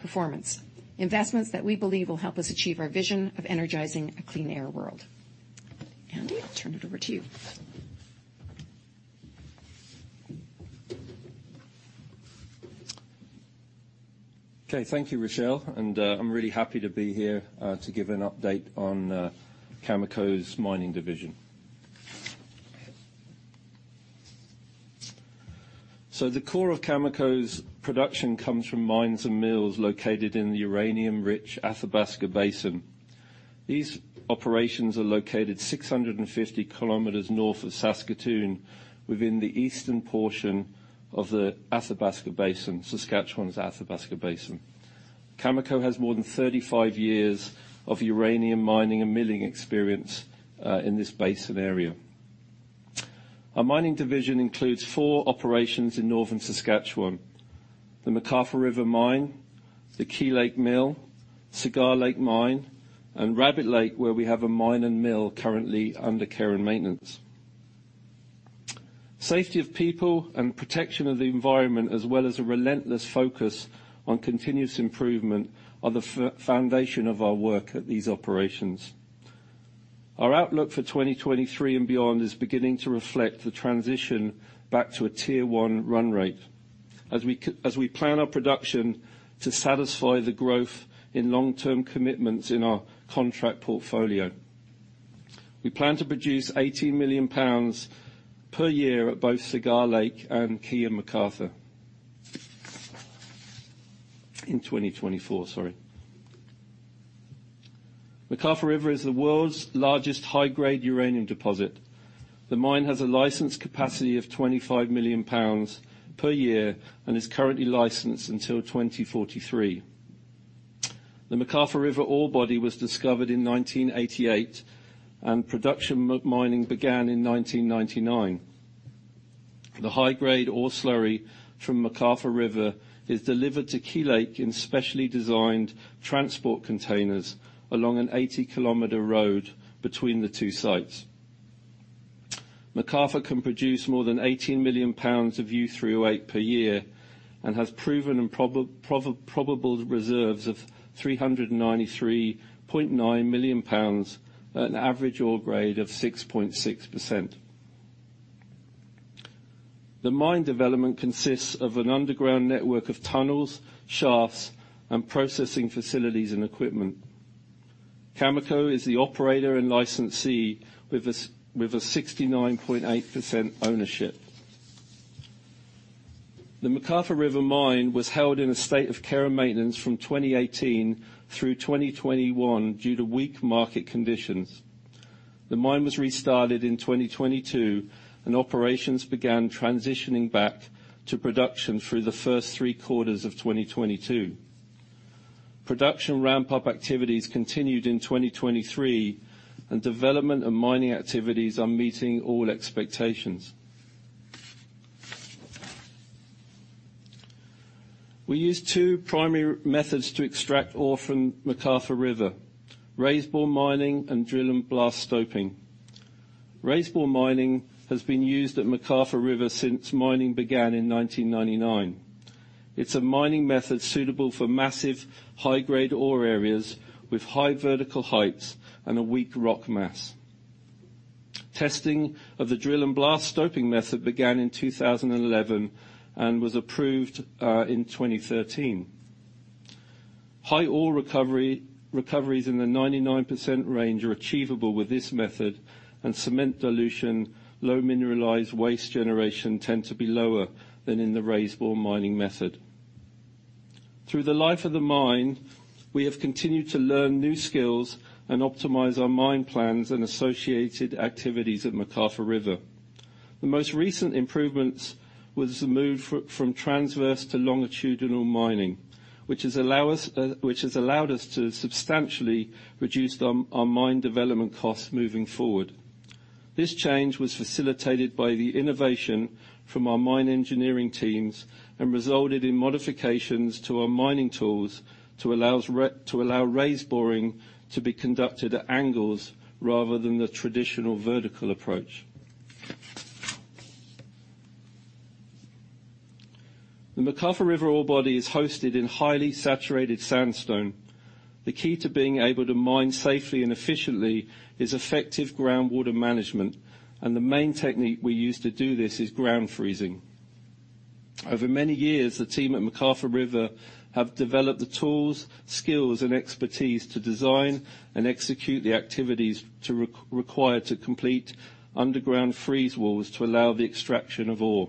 performance, investments that we believe will help us achieve our vision of energizing a clean air world. Andy, I'll turn it over to you. Okay, thank you, Rachelle, and, I'm really happy to be here, to give an update on, Cameco's mining division. So the core of Cameco's production comes from mines and mills located in the uranium-rich Athabasca Basin. These operations are located 650 kms north of Saskatoon, within the eastern portion of the Athabasca Basin, Saskatchewan's Athabasca Basin. Cameco has more than 35 years of uranium mining and milling experience, in this basin area. Our mining division includes four operations in northern Saskatchewan: the McArthur River Mine, the Key Lake Mill, Cigar Lake Mine, and Rabbit Lake, where we have a mine and mill currently under care and maintenance. Safety of people and protection of the environment, as well as a relentless focus on continuous improvement, are the foundation of our work at these operations. Our outlook for 2023 and beyond is beginning to reflect the transition back to a Tier One run rate. As we plan our production to satisfy the growth in long-term commitments in our contract portfolio. We plan to produce 18 million pounds per year at both Cigar Lake and Key Lake and McArthur River. In 2024, sorry. McArthur River is the world's largest high-grade uranium deposit. The mine has a licensed capacity of 25 million pounds per year and is currently licensed until 2043. The McArthur River ore body was discovered in 1988, and production mining began in 1999. The high-grade ore slurry from McArthur River is delivered to Key Lake in specially designed transport containers along an 80-kilometer road between the two sites. McArthur River can produce more than 18 million pounds of U3O8 per year and has proven and probable reserves of 393.9 million pounds at an average ore grade of 6.6%. The mine development consists of an underground network of tunnels, shafts, and processing facilities and equipment. Cameco is the operator and licensee with a 69.8% ownership. The McArthur River mine was held in a state of care and maintenance from 2018 through 2021 due to weak market conditions. The mine was restarted in 2022, and operations began transitioning back to production through the first three quarters of 2022. Production ramp-up activities continued in 2023, and development and mining activities are meeting all expectations. We use two primary methods to extract ore from McArthur River, raise bore mining and drill and blast stoping. Raise-bore mining has been used at McArthur River since mining began in 1999. It's a mining method suitable for massive, high-grade ore areas with high vertical heights and a weak rock mass. Testing of the drill-and-blast stoping method began in 2011 and was approved in 2013. High ore recoveries in the 99% range are achievable with this method, and cement dilution, low mineralized waste generation tend to be lower than in the raise-bore mining method. Through the life of the mine, we have continued to learn new skills and optimize our mine plans and associated activities at McArthur River. The most recent improvements was the move from transverse to longitudinal mining, which has allowed us to substantially reduce our mine development costs moving forward. This change was facilitated by the innovation from our mine engineering teams and resulted in modifications to our mining tools to allow raise boring to be conducted at angles rather than the traditional vertical approach. The McArthur River ore body is hosted in highly saturated sandstone. The key to being able to mine safely and efficiently is effective groundwater management, and the main technique we use to do this is ground freezing. Over many years, the team at McArthur River have developed the tools, skills, and expertise to design and execute the activities required to complete underground freeze walls to allow the extraction of ore.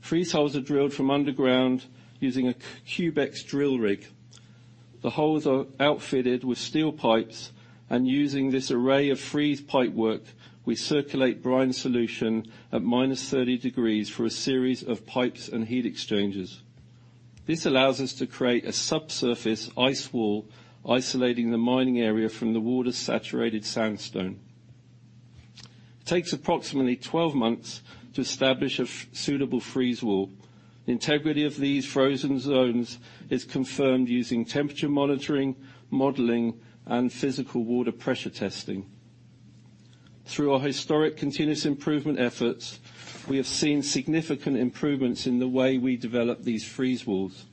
Freeze holes are drilled from underground using a Cubex drill rig. The holes are outfitted with steel pipes, and using this array of freeze pipe work, we circulate brine solution at minus 30 degrees for a series of pipes and heat exchangers. This allows us to create a subsurface ice wall, isolating the mining area from the water-saturated sandstone. It takes approximately 12 months to establish a suitable freeze wall. The integrity of these frozen zones is confirmed using temperature monitoring, modeling, and physical water pressure testing. Through our historic continuous improvement efforts, we have seen significant improvements in the way we develop these freeze walls.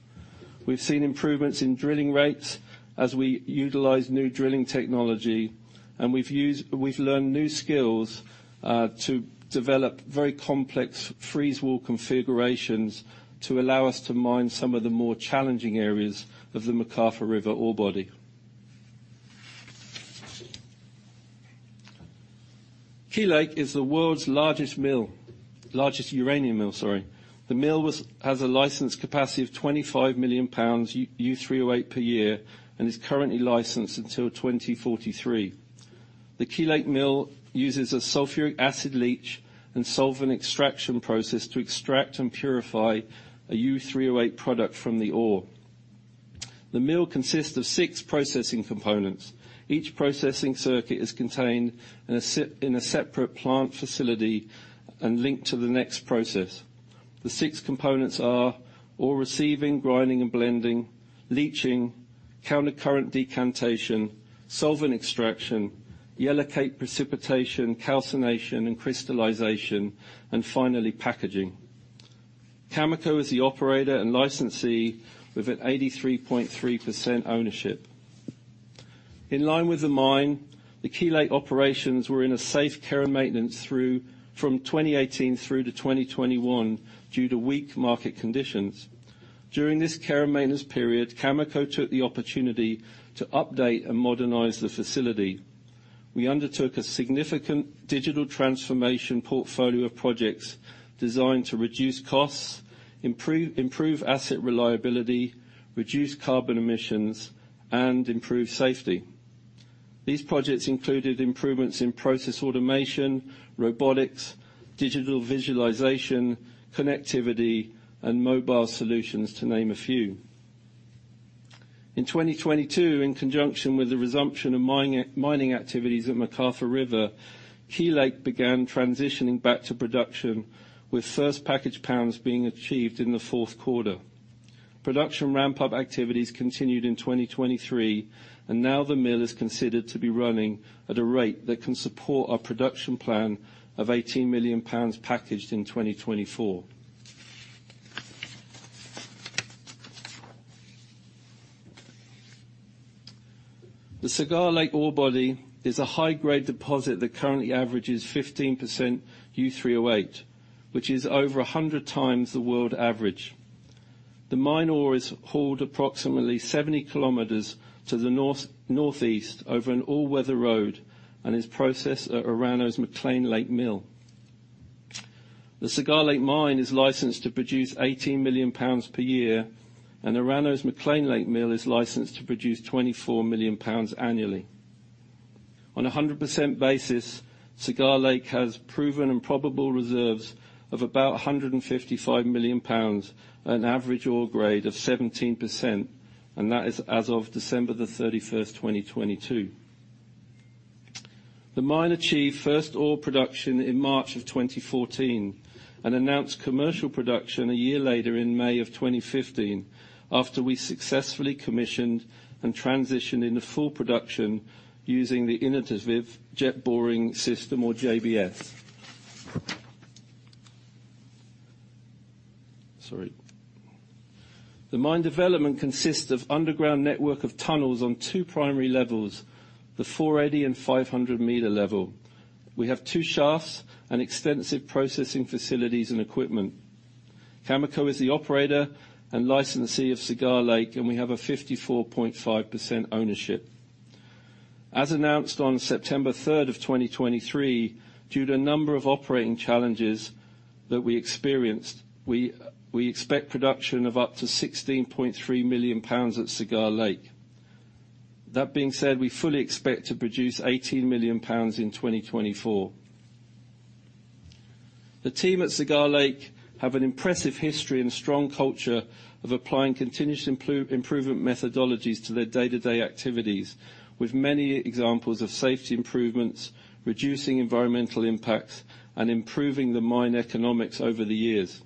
We've seen improvements in drilling rates as we utilize new drilling technology, and we've learned new skills to develop very complex freeze wall configurations to allow us to mine some of the more challenging areas of the McArthur River ore body. Key Lake is the world's largest mill, largest uranium mill, sorry. The mill was, has a licensed capacity of 25 million pounds U3O8 per year, and is currently licensed until 2043. The Key Lake mill uses a sulfuric acid leach and solvent extraction process to extract and purify a U3O8 product from the ore. The mill consists of six processing components. Each processing circuit is contained in a in a separate plant facility and linked to the next process. The six components are: ore receiving, grinding, and blending, leaching, counter-current decantation, solvent extraction, yellowcake precipitation, calcination, and crystallization, and finally, packaging. Cameco is the operator and licensee with an 83.3% ownership. In line with the mine, the Key Lake operations were in a safe care and maintenance through from 2018 through to 2021 due to weak market conditions. During this care and maintenance period, Cameco took the opportunity to update and modernize the facility. We undertook a significant digital transformation portfolio of projects designed to reduce costs, improve asset reliability, reduce carbon emissions, and improve safety. These projects included improvements in process automation, robotics, digital visualization, connectivity, and mobile solutions, to name a few. In 2022, in conjunction with the resumption of mining activities at McArthur River, Key Lake began transitioning back to production, with first packaged pounds being achieved in the fourth quarter. Production ramp-up activities continued in 2023, and now the mill is considered to be running at a rate that can support our production plan of 18 million pounds packaged in 2024. The Cigar Lake ore body is a high-grade deposit that currently averages 15% U3O8, which is over 100 times the world average. The mine ore is hauled approximately 70 km to the north-northeast over an all-weather road and is processed at Orano's McClean Lake mill. The Cigar Lake mine is licensed to produce 18 million pounds per year, and Orano's McClean Lake mill is licensed to produce 24 million pounds annually. On a 100% basis, Cigar Lake has proven and probable reserves of about 155 million pounds, an average ore grade of 17%, and that is as of December 31, 2022. The mine achieved first ore production in March 2014 and announced commercial production a year later, in May 2015, after we successfully commissioned and transitioned into full production using the innovative Jet Boring System or JBS. Sorry. The mine development consists of underground network of tunnels on two primary levels, the 480 and 500 meter level. We have two shafts and extensive processing facilities and equipment. Cameco is the operator and licensee of Cigar Lake, and we have a 54.5% ownership. As announced on September 3, 2023, due to a number of operating challenges that we experienced, we expect production of up to 16.3 million pounds at Cigar Lake. That being said, we fully expect to produce 18 million pounds in 2024. The team at Cigar Lake have an impressive history and strong culture of applying continuous improvement methodologies to their day-to-day activities, with many examples of safety improvements, reducing environmental impacts, and improving the mine economics over the years.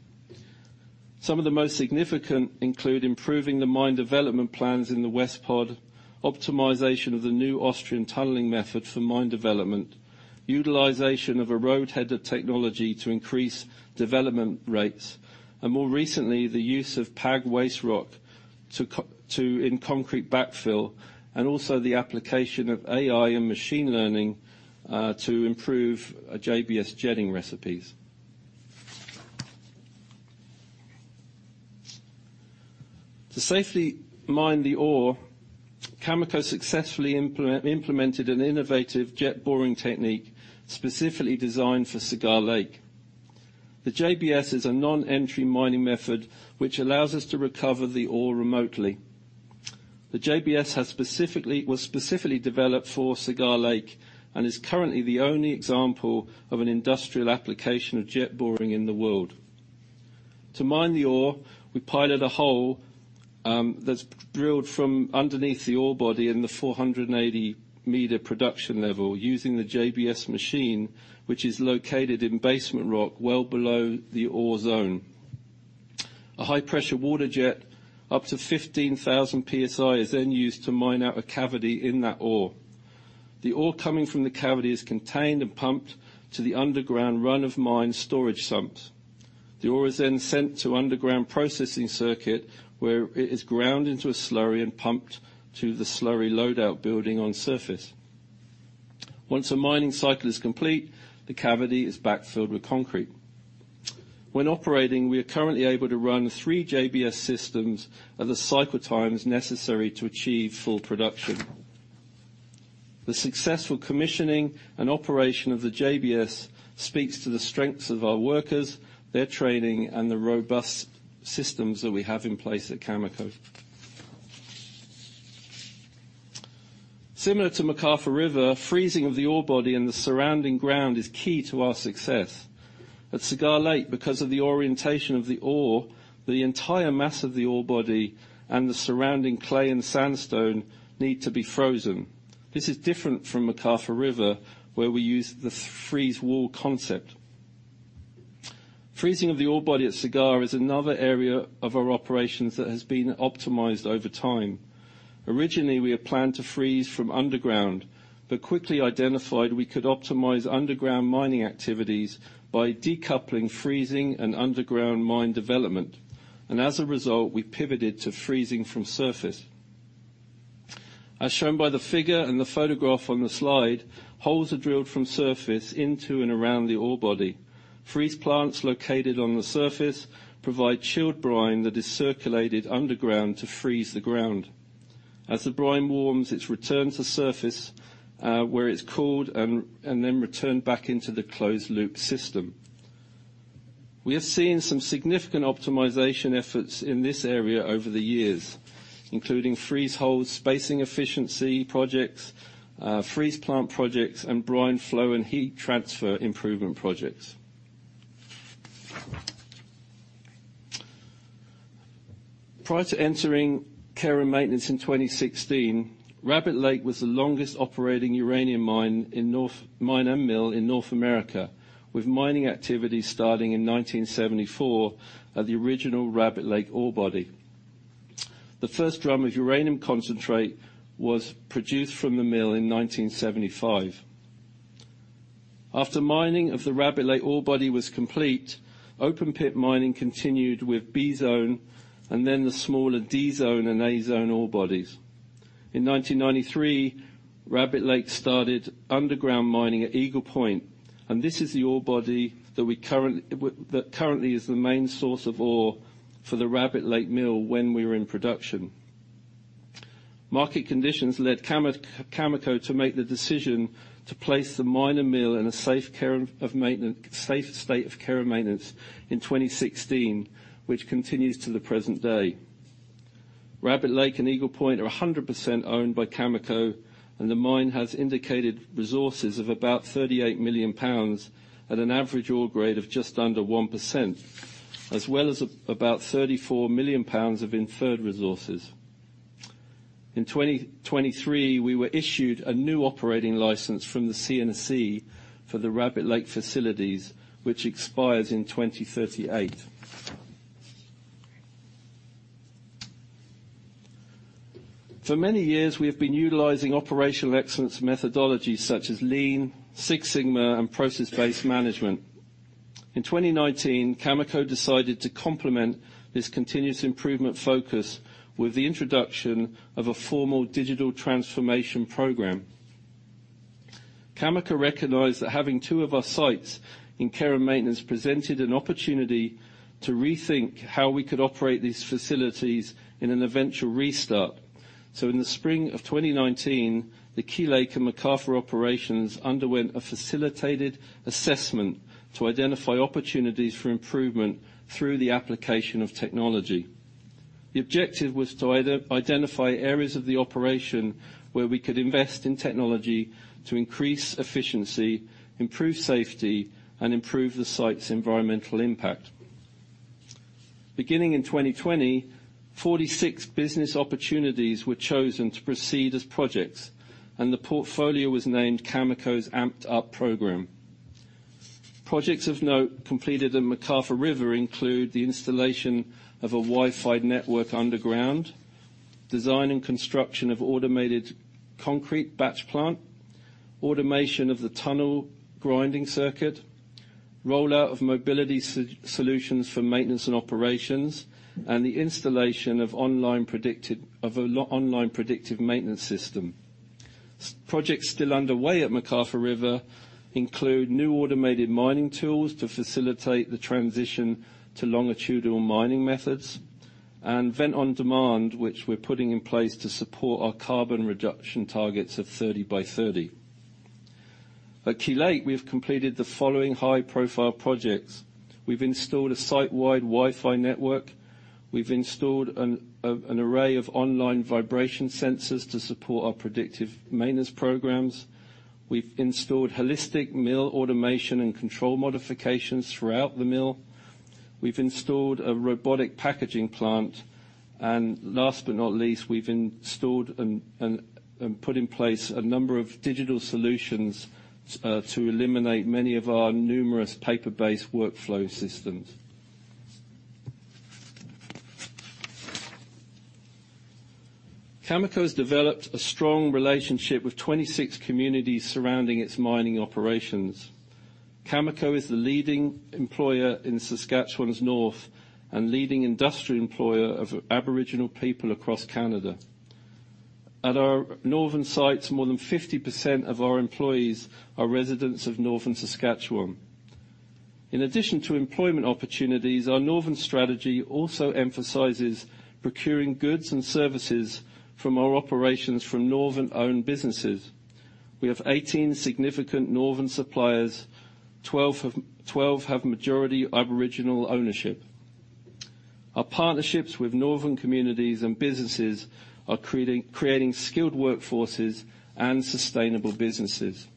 Some of the most significant include improving the mine development plans in the West Pod, optimization of the New Austrian Tunneling Method for mine development, utilization of a roadheader technology to increase development rates, and more recently, the use of PAG waste rock in concrete backfill, and also the application of AI and machine learning to improve JBS jetting recipes. To safely mine the ore, Cameco successfully implemented an innovative jet boring technique, specifically designed for Cigar Lake. The JBS is a non-entry mining method, which allows us to recover the ore remotely. The JBS was specifically developed for Cigar Lake, and is currently the only example of an industrial application of jet boring in the world. To mine the ore, we pilot a hole that's drilled from underneath the ore body in the 480-meter production level using the JBS machine, which is located in basement rock, well below the ore zone. A high-pressure water jet, up to 15,000 PSI, is then used to mine out a cavity in that ore. The ore coming from the cavity is contained and pumped to the underground run-of-mine storage sumps. The ore is then sent to underground processing circuit, where it is ground into a slurry and pumped to the slurry loadout building on surface. Once a mining cycle is complete, the cavity is backfilled with concrete. When operating, we are currently able to run three JBS systems at the cycle times necessary to achieve full production. The successful commissioning and operation of the JBS speaks to the strengths of our workers, their training, and the robust systems that we have in place at Cameco. Similar to McArthur River, freezing of the ore body and the surrounding ground is key to our success. At Cigar Lake, because of the orientation of the ore, the entire mass of the ore body and the surrounding clay and sandstone need to be frozen. This is different from McArthur River, where we use the freeze wall concept. Freezing of the ore body at Cigar is another area of our operations that has been optimized over time. Originally, we had planned to freeze from underground, but quickly identified we could optimize underground mining activities by decoupling freezing and underground mine development, and as a result, we pivoted to freezing from surface. As shown by the figure and the photograph on the slide, holes are drilled from surface into and around the ore body. Freeze plants located on the surface provide chilled brine that is circulated underground to freeze the ground. As the brine warms, it's returned to surface, where it's cooled and then returned back into the closed loop system. We have seen some significant optimization efforts in this area over the years, including freeze holes, spacing efficiency projects, freeze plant projects, and brine flow and heat transfer improvement projects. Prior to entering care and maintenance in 2016, Rabbit Lake was the longest operating uranium mine and mill in North America, with mining activities starting in 1974, at the original Rabbit Lake ore body. The first drum of uranium concentrate was produced from the mill in 1975. After mining of the Rabbit Lake ore body was complete, open pit mining continued with B Zone and then the smaller D Zone and A Zone ore bodies. In 1993, Rabbit Lake started underground mining at Eagle Point, and this is the ore body that currently is the main source of ore for the Rabbit Lake mill when we were in production. Market conditions led Cameco to make the decision to place the mine and mill in a safe care of maintenance, safe state of care and maintenance in 2016, which continues to the present day. Rabbit Lake and Eagle Point are 100% owned by Cameco, and the mine has indicated resources of about 38 million pounds at an average ore grade of just under 1%, as well as about 34 million pounds of inferred resources. In 2023, we were issued a new operating license from the CNSC for the Rabbit Lake facilities, which expires in 2038. For many years, we have been utilizing operational excellence methodologies such as Lean, Six Sigma, and Process-Based Management. In 2019, Cameco decided to complement this continuous improvement focus with the introduction of a formal digital transformation program. Cameco recognized that having two of our sites in care and maintenance presented an opportunity to rethink how we could operate these facilities in an eventual restart. In the spring of 2019, the Key Lake and McArthur operations underwent a facilitated assessment to identify opportunities for improvement through the application of technology. The objective was to identify areas of the operation where we could invest in technology to increase efficiency, improve safety, and improve the site's environmental impact. Beginning in 2020, 46 business opportunities were chosen to proceed as projects, and the portfolio was named Cameco's Amped Up program. Projects of note completed at McArthur River include the installation of a Wi-Fi network underground, design and construction of automated concrete batch plant, automation of the tunnel grinding circuit, rollout of mobility solutions for maintenance and operations, and the installation of online predictive maintenance system. Projects still underway at McArthur River include new automated mining tools to facilitate the transition to longitudinal mining methods, and vent on demand, which we're putting in place to support our carbon reduction targets of 30 by 30. At Key Lake, we have completed the following high-profile projects: We've installed a site-wide Wi-Fi network, we've installed an array of online vibration sensors to support our predictive maintenance programs. We've installed holistic mill automation and control modifications throughout the mill. We've installed a robotic packaging plant, and last but not least, we've installed and put in place a number of digital solutions to eliminate many of our numerous paper-based workflow systems. Cameco has developed a strong relationship with 26 communities surrounding its mining operations. Cameco is the leading employer in Saskatchewan's north, and leading industrial employer of Aboriginal people across Canada. At our northern sites, more than 50% of our employees are residents of Northern Saskatchewan. In addition to employment opportunities, our northern strategy also emphasizes procuring goods and services from our operations from northern-owned businesses. We have 18 significant northern suppliers. 12 have majority Aboriginal ownership. Our partnerships with northern communities and businesses are creating skilled workforces and sustainable businesses.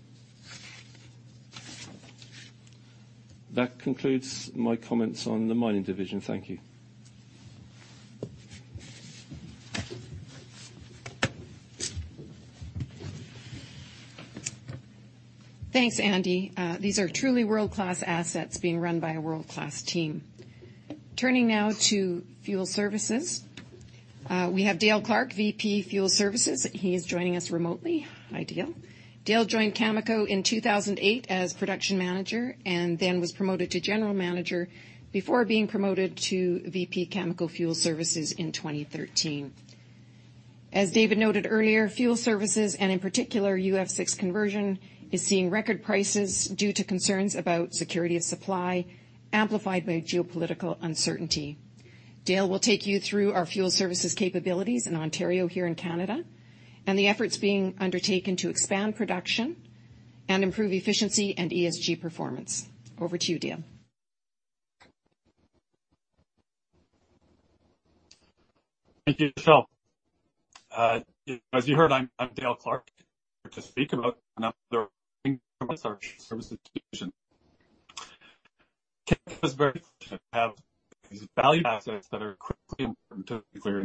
That concludes my comments on the mining division. Thank you. Thanks, Andy. These are truly world-class assets being run by a world-class team. Turning now to fuel services, we have Dale Clark, VP, Fuel Services. He is joining us remotely. Hi, Dale. Dale joined Cameco in 2008 as Production Manager, and then was promoted to General Manager before being promoted to VP Cameco Fuel Services in 2013. As David noted earlier, fuel services, and in particular, UF6 conversion, is seeing record prices due to concerns about security of supply, amplified by geopolitical uncertainty. Dale will take you through our fuel services capabilities in Ontario, here in Canada, and the efforts being undertaken to expand production and improve efficiency and ESG performance. Over to you, Dale. Thank you, Rachelle. As you heard, I'm Dale Clark, here to speak about another service division. Cameco is very fortunate to have these valuable assets that are critically important to the nuclear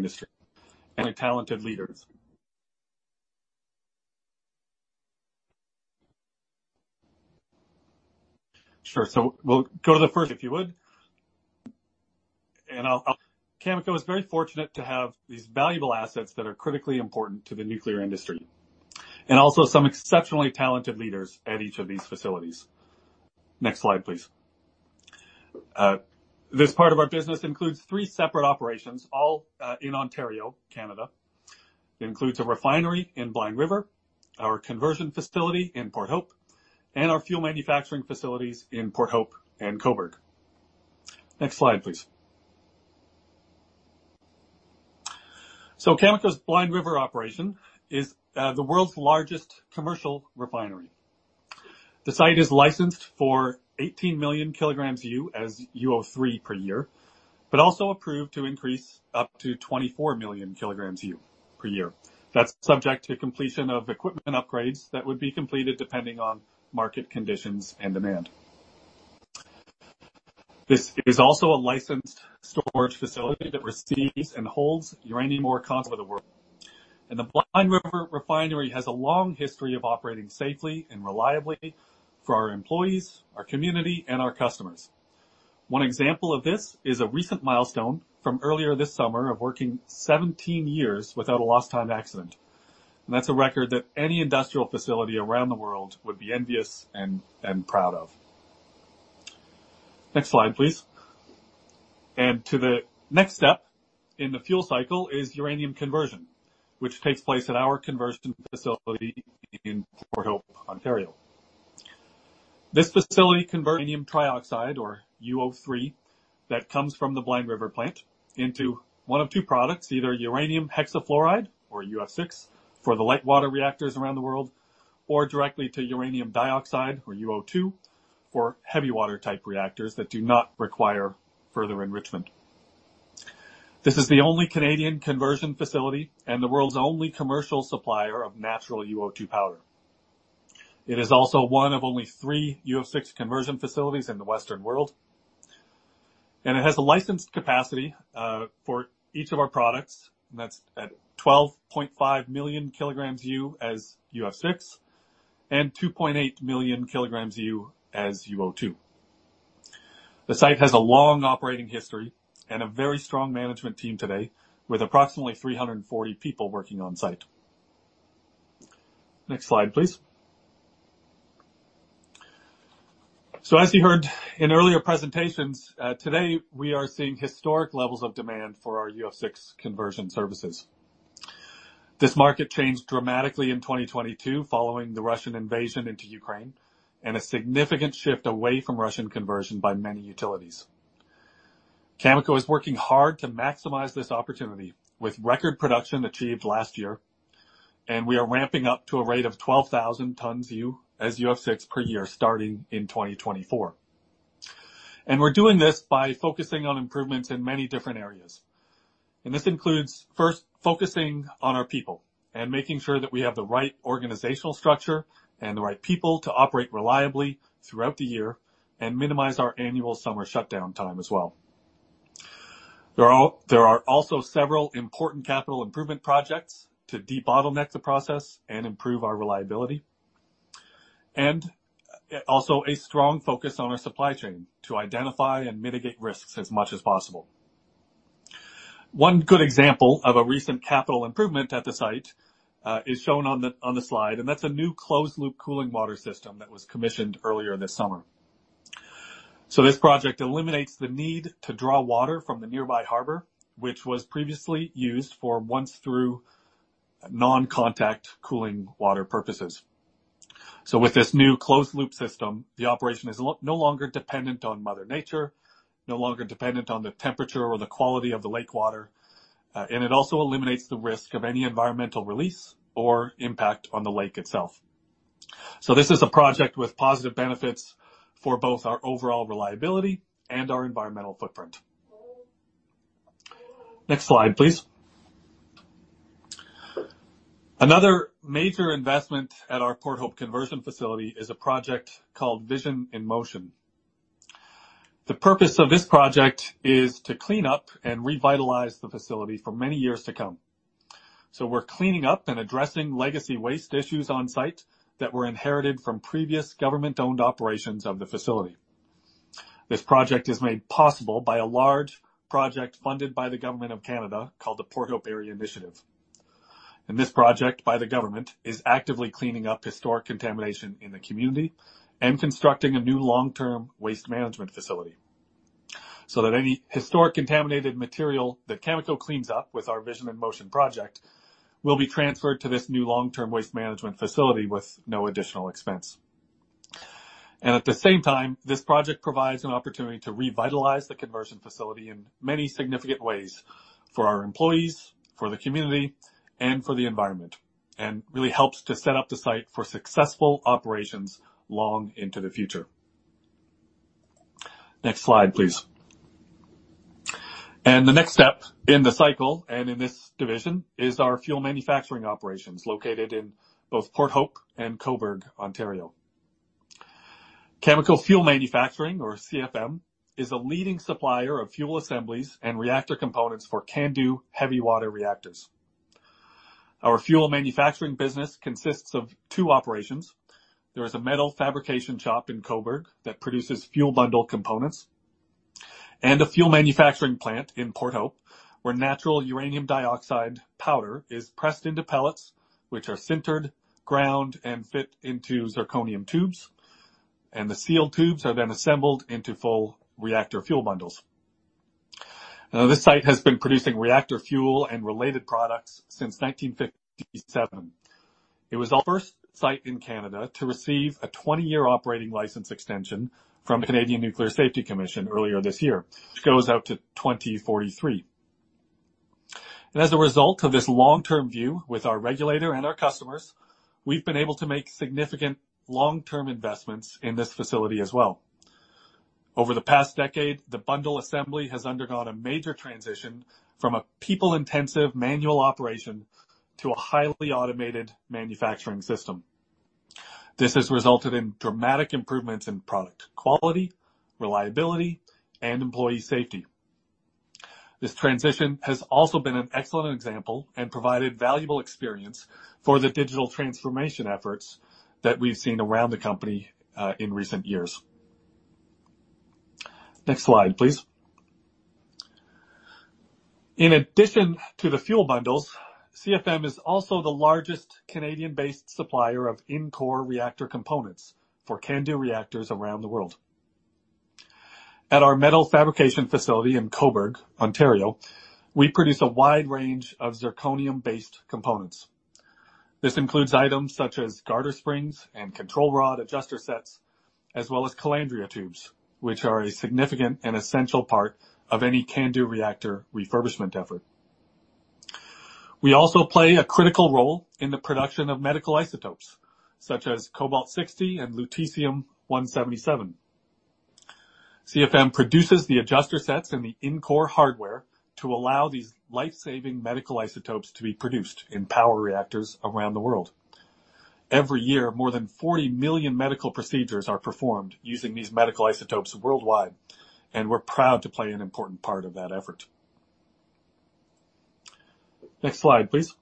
industry, and also some exceptionally talented leaders at each of these facilities. Next slide, please. This part of our business includes three separate operations, all in Ontario, Canada. Includes a refinery in Blind River, our conversion facility in Port Hope, and our fuel manufacturing facilities in Port Hope and Cobourg. Next slide, please. So Cameco's Blind River operation is the world's largest commercial refinery. The site is licensed for 18 million kgs U as UO3 per year, but also approved to increase up to 24 million kgs U per year. That's subject to completion of equipment upgrades that would be completed depending on market conditions and demand. This is also a licensed storage facility that receives and holds uranium ore concentrates of the world. The Blind River Refinery has a long history of operating safely and reliably for our employees, our community, and our customers. One example of this is a recent milestone from earlier this summer of working 17 years without a lost time accident. That's a record that any industrial facility around the world would be envious and proud of. Next slide, please. To the next step in the fuel cycle is uranium conversion, which takes place at our conversion facility in Port Hope, Ontario. This facility converts uranium trioxide or UO3, that comes from the Blind River plant, into one of two products, either uranium hexafluoride or UF6, for the light water reactors around the world, or directly to uranium dioxide, or UO2, for heavy water-type reactors that do not require further enrichment. This is the only Canadian conversion facility and the world's only commercial supplier of natural UO2 powder. It is also one of only three UF6 conversion facilities in the Western world. It has a licensed capacity for each of our products, and that's at 12.5 million kgs U as UF6, and 2.8 million kgs U as UO2. The site has a long operating history and a very strong management team today, with approximately 340 people working on site. Next slide, please. As you heard in earlier presentations, today, we are seeing historic levels of demand for our UF6 conversion services. This market changed dramatically in 2022, following the Russian invasion into Ukraine, and a significant shift away from Russian conversion by many utilities. Cameco is working hard to maximize this opportunity, with record production achieved last year, and we are ramping up to a rate of 12,000 tons U as UF6 per year, starting in 2024. We're doing this by focusing on improvements in many different areas. This includes first, focusing on our people and making sure that we have the right organizational structure and the right people to operate reliably throughout the year and minimize our annual summer shutdown time as well. There are, there are also several important capital improvement projects to debottleneck the process and improve our reliability, and, also a strong focus on our supply chain to identify and mitigate risks as much as possible. One good example of a recent capital improvement at the site, is shown on the, on the slide, and that's a new closed loop cooling water system that was commissioned earlier this summer. So this project eliminates the need to draw water from the nearby harbor, which was previously used for once through non-contact cooling water purposes. So with this new closed loop system, the operation is no longer dependent on mother nature, no longer dependent on the temperature or the quality of the lake water, and it also eliminates the risk of any environmental release or impact on the lake itself. This is a project with positive benefits for both our overall reliability and our environmental footprint. Next slide, please. Another major investment at our Port Hope conversion facility is a project called Vision in Motion. The purpose of this project is to clean up and revitalize the facility for many years to come. We're cleaning up and addressing legacy waste issues on site that were inherited from previous government-owned operations of the facility. This project is made possible by a large project funded by the government of Canada, called the Port Hope Area Initiative. This project, by the government, is actively cleaning up historic contamination in the community and constructing a new long-term waste management facility, so that any historic contaminated material that Cameco cleans up with our Vision in Motion project will be transferred to this new long-term waste management facility with no additional expense. At the same time, this project provides an opportunity to revitalize the conversion facility in many significant ways for our employees, for the community, and for the environment, and really helps to set up the site for successful operations long into the future. Next slide, please. The next step in the cycle, and in this division, is our fuel manufacturing operations, located in both Port Hope and Cobourg, Ontario. Cameco Fuel Manufacturing, or CFM, is a leading supplier of fuel assemblies and reactor components for CANDU heavy water reactors. Our fuel manufacturing business consists of two operations. There is a metal fabrication shop in Cobourg that produces fuel bundle components, and a fuel manufacturing plant in Port Hope, where natural uranium dioxide powder is pressed into pellets, which are sintered, ground, and fit into zirconium tubes, and the sealed tubes are then assembled into full reactor fuel bundles. This site has been producing reactor fuel and related products since 1957. It was the first site in Canada to receive a 20-year operating license extension from the Canadian Nuclear Safety Commission earlier this year, which goes out to 2043. As a result of this long-term view with our regulator and our customers, we've been able to make significant long-term investments in this facility as well. Over the past decade, the bundle assembly has undergone a major transition from a people-intensive manual operation to a highly automated manufacturing system. This has resulted in dramatic improvements in product quality, reliability, and employee safety. This transition has also been an excellent example and provided valuable experience for the digital transformation efforts that we've seen around the company in recent years. Next slide, please. In addition to the fuel bundles, CFM is also the largest Canadian-based supplier of in-core reactor components for CANDU reactors around the world. At our metal fabrication facility in Cobourg, Ontario, we produce a wide range of zirconium-based components. This includes items such as garter springs and control rod adjuster sets, as well as calandria tubes, which are a significant and essential part of any CANDU reactor refurbishment effort. We also play a critical role in the production of medical isotopes, such as cobalt-60 and lutetium-177. CFM produces the adjuster sets and the in-core hardware to allow these life-saving medical isotopes to be produced in power reactors around the world. Every year, more than 40 million medical procedures are performed using these medical isotopes worldwide, and we're proud to play an important part of that effort. Next slide, please.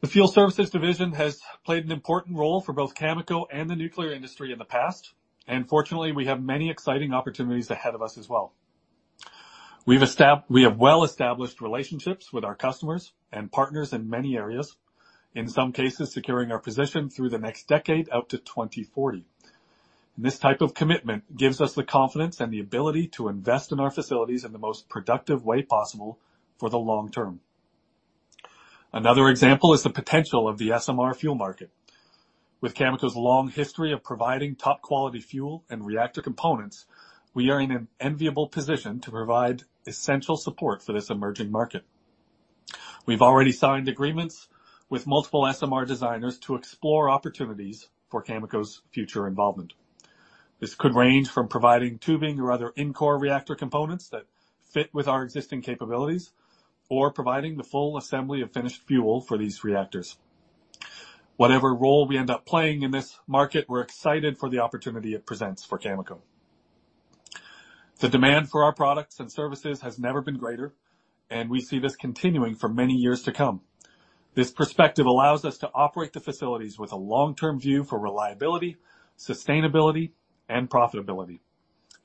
The Fuel Services division has played an important role for both Cameco and the nuclear industry in the past, and fortunately, we have many exciting opportunities ahead of us as well. We have well-established relationships with our customers and partners in many areas, in some cases securing our position through the next decade out to 2040. This type of commitment gives us the confidence and the ability to invest in our facilities in the most productive way possible for the long term. Another example is the potential of the SMR fuel market. With Cameco's long history of providing top-quality fuel and reactor components, we are in an enviable position to provide essential support for this emerging market. We've already signed agreements with multiple SMR designers to explore opportunities for Cameco's future involvement. This could range from providing tubing or other in-core reactor components that fit with our existing capabilities or providing the full assembly of finished fuel for these reactors. Whatever role we end up playing in this market, we're excited for the opportunity it presents for Cameco. The demand for our products and services has never been greater, and we see this continuing for many years to come. This perspective allows us to operate the facilities with a long-term view for reliability, sustainability, and profitability,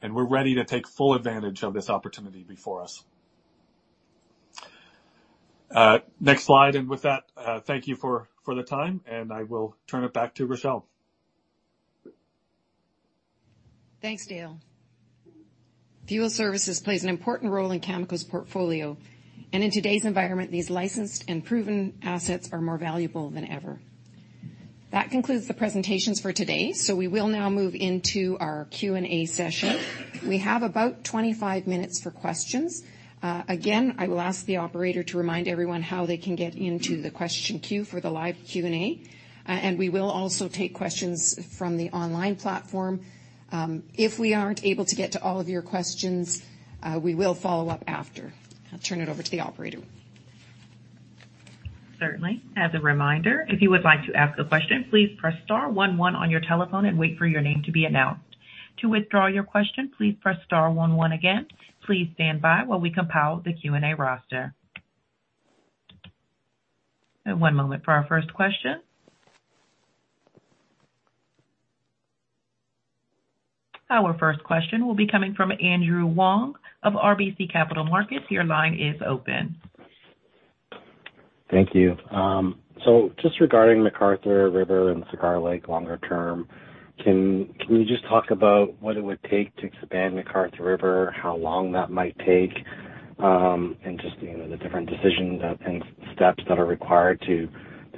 and we're ready to take full advantage of this opportunity before us. Next slide, and with that, thank you for the time, and I will turn it back to Rachelle. Thanks, Dale. Fuel Services plays an important role in Cameco's portfolio, and in today's environment, these licensed and proven assets are more valuable than ever. That concludes the presentations for today, so we will now move into our Q&A session. We have about 25 minutes for questions. Again, I will ask the operator to remind everyone how they can get into the question queue for the live Q&A, and we will also take questions from the online platform. If we aren't able to get to all of your questions, we will follow up after. I'll turn it over to the operator. Certainly. As a reminder, if you would like to ask a question, please press star one one on your telephone and wait for your name to be announced. To withdraw your question, please press star one one again. Please stand by while we compile the Q&A roster. One moment for our first question. Our first question will be coming from Andrew Wong of RBC Capital Markets. Your line is open. Thank you. So just regarding McArthur River and Cigar Lake longer term, can, can you just talk about what it would take to expand McArthur River, how long that might take, and just, you know, the different decisions and steps that are required to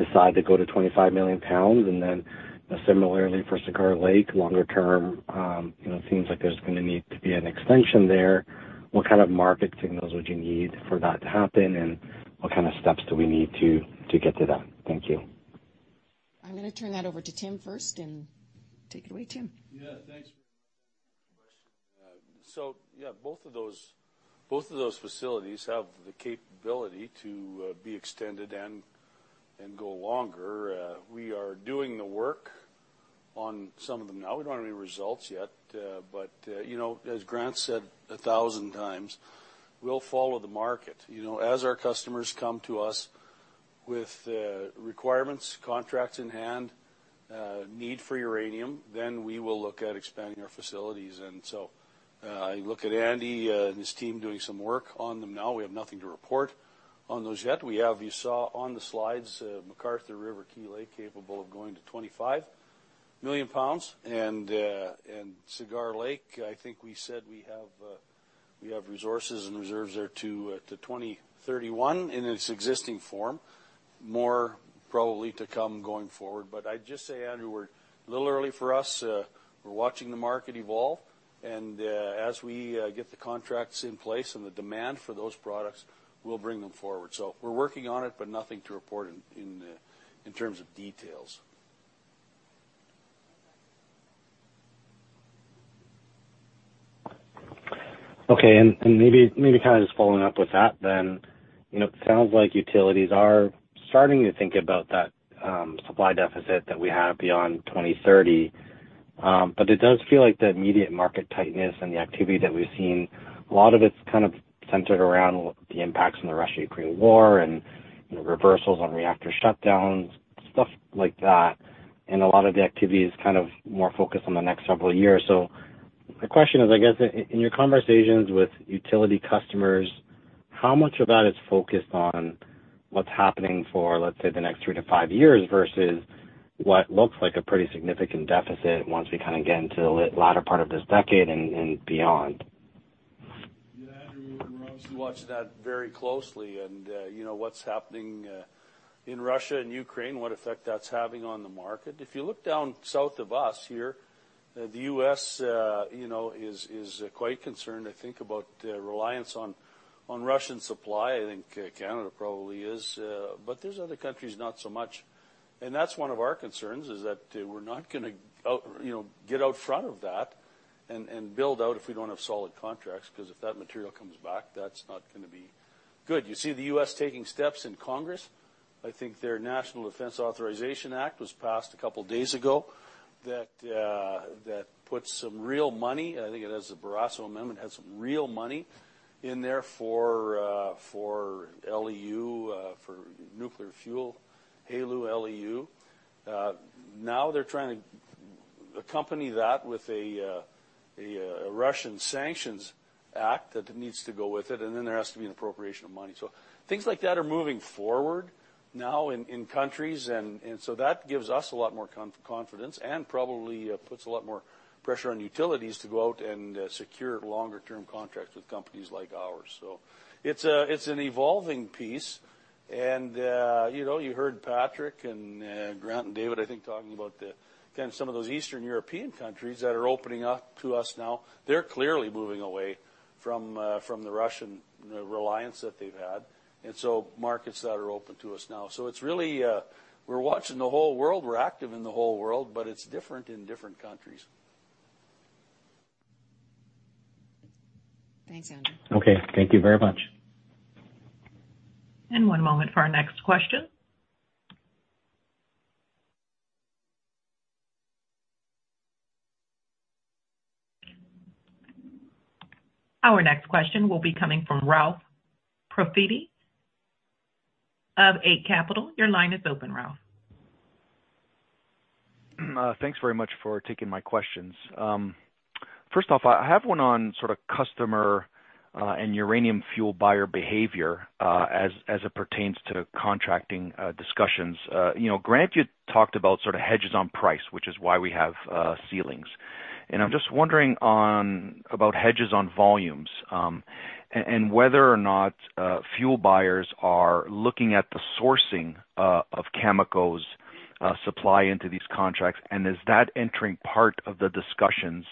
decide to go to 25 million pounds? And then similarly for Cigar Lake, longer term, you know, it seems like there's going to need to be an extension there. What kind of market signals would you need for that to happen, and what kind of steps do we need to, to get to that? Thank you. I'm going to turn that over to Tim first, and take it away, Tim. Yeah, thanks. So yeah, both of those facilities have the capability to be extended and go longer. We are doing the work on some of them now. We don't have any results yet, but you know, as Grant said a thousand times, we'll follow the market. You know, as our customers come to us with requirements, contracts in hand, need for uranium, then we will look at expanding our facilities. And so, I look at Andy and his team doing some work on them now. We have nothing to report on those yet. We have, you saw on the slides, McArthur River, Key Lake, capable of going to 25 million pounds. And, and Cigar Lake, I think we said we have, we have resources and reserves there to, to 2031 in its existing form. More probably to come going forward. But I'd just say, Andrew, we're a little early for us. We're watching the market evolve, and, as we, get the contracts in place and the demand for those products, we'll bring them forward. So we're working on it, but nothing to report in, in, in terms of details. Okay, and maybe kind of just following up with that then, you know, it sounds like utilities are starting to think about that, supply deficit that we have beyond 2030. But it does feel like the immediate market tightness and the activity that we've seen, a lot of it's kind of centered around the impacts from the Russia-Ukraine war and, you know, reversals on reactor shutdowns, stuff like that. And a lot of the activity is kind of more focused on the next several years. So the question is, I guess, in your conversations with utility customers, how much of that is focused on what's happening for, let's say, the next 3-5 years versus what looks like a pretty significant deficit once we kind of get into the latter part of this decade and beyond? Yeah, Andrew, we're obviously watching that very closely, and, you know, what's happening in Russia and Ukraine, what effect that's having on the market. If you look down south of us here, the U.S., you know, is quite concerned, I think, about reliance on Russian supply. I think Canada probably is, but there's other countries, not so much and that's one of our concerns, is that, we're not gonna out, you know, get out front of that and, and build out if we don't have solid contracts, because if that material comes back, that's not gonna be good. You see the U.S. taking steps in Congress. I think their National Defense Authorization Act was passed a couple days ago, that puts some real money, I think it has the Barrasso amendment, has some real money in there for, for LEU, for nuclear fuel, HALEU, LEU. Now they're trying to accompany that with a, a Russian sanctions act that needs to go with it, and then there has to be an appropriation of money. So things like that are moving forward now in countries, and so that gives us a lot more confidence and probably puts a lot more pressure on utilities to go out and secure longer-term contracts with companies like ours. So it's an evolving piece, and, you know, you heard Patrick and Grant and David, I think, talking about the, again, some of those Eastern European countries that are opening up to us now. They're clearly moving away from the Russian reliance that they've had, and so markets that are open to us now. So it's really, we're watching the whole world, we're active in the whole world, but it's different in different countries. Thanks, Andrew. Okay, thank you very much. One moment for our next question. Our next question will be coming from Ralph Profiti of Eight Capital. Your line is open, Ralph. Thanks very much for taking my questions. First off, I have one on sort of customer and uranium fuel buyer behavior, as it pertains to contracting discussions. You know, Grant, you talked about sort of hedges on price, which is why we have ceilings. And I'm just wondering about hedges on volumes, and whether or not fuel buyers are looking at the sourcing of Cameco's supply into these contracts, and is that entering part of the discussions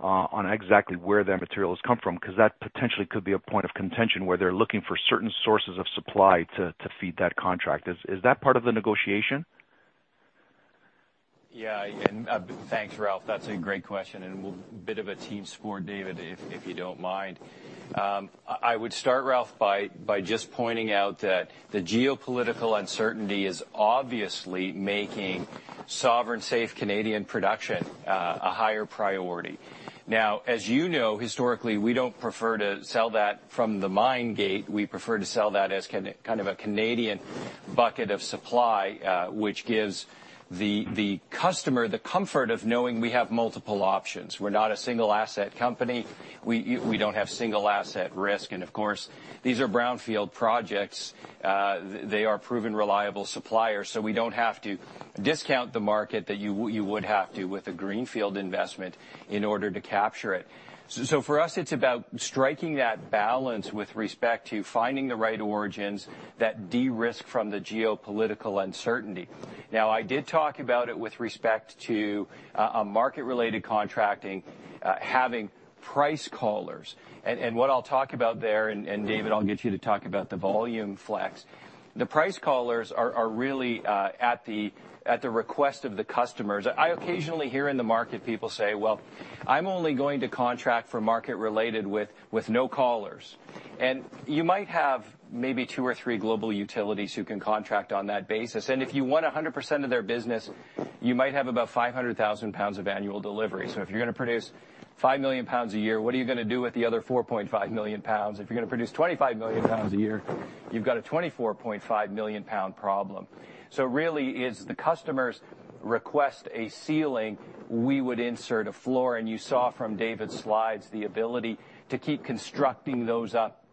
on exactly where their materials come from? 'Cause that potentially could be a point of contention, where they're looking for certain sources of supply to feed that contract. Is that part of the negotiation? Yeah, and thanks, Ralph. That's a great question, and we'll bit of a team sport, David, if you don't mind. I would start, Ralph, by just pointing out that the geopolitical uncertainty is obviously making sovereign, safe Canadian production a higher priority. Now, as you know, historically, we don't prefer to sell that from the mine gate. We prefer to sell that as Can- kind of a Canadian bucket of supply, which gives the customer the comfort of knowing we have multiple options. We're not a single-asset company. We don't have single-asset risk, and of course, these are brownfield projects. They are a proven, reliable supplier, so we don't have to discount the market that you would have to with a greenfield investment in order to capture it. So for us, it's about striking that balance with respect to finding the right origins that de-risk from the geopolitical uncertainty. Now, I did talk about it with respect to a market-related contracting, having price collars. And what I'll talk about there, and David, I'll get you to talk about the volume flex. The price collars are really at the request of the customers. I occasionally hear in the market, people say, "Well, I'm only going to contract for market-related with no collars." And you might have maybe two or three global utilities who can contract on that basis. And if you want 100% of their business, you might have about 500,000 pounds of annual delivery. So if you're gonna produce 5 million pounds a year, what are you gonna do with the other 4.5 million pounds? If you're gonna produce 25 million pounds a year, you've got a 24 million pound problem. So really, it's the customers request a ceiling, we would insert a floor, and you saw from David's slides, the ability to keep constructing those up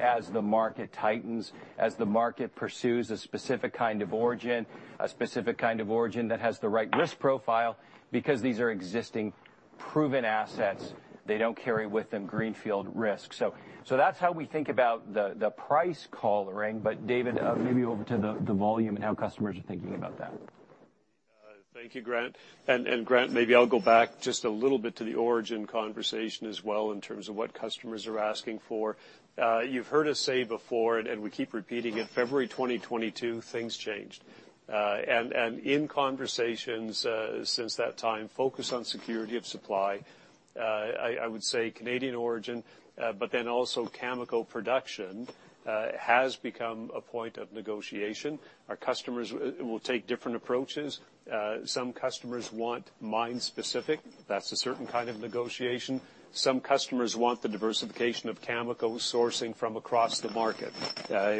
as the market tightens, as the market pursues a specific kind of origin, a specific kind of origin that has the right risk profile, because these are existing proven assets, they don't carry with them greenfield risk. So that's how we think about the price ceiling. But David, maybe over to the volume and how customers are thinking about that. Thank you, Grant. And Grant, maybe I'll go back just a little bit to the origin conversation as well, in terms of what customers are asking for. You've heard us say before, and we keep repeating it, February 2022, things changed. In conversations since that time, focus on security of supply, I would say Canadian origin, but then also chemical production has become a point of negotiation. Our customers will take different approaches. Some customers want mine-specific. That's a certain kind of negotiation. Some customers want the diversification of chemical sourcing from across the market,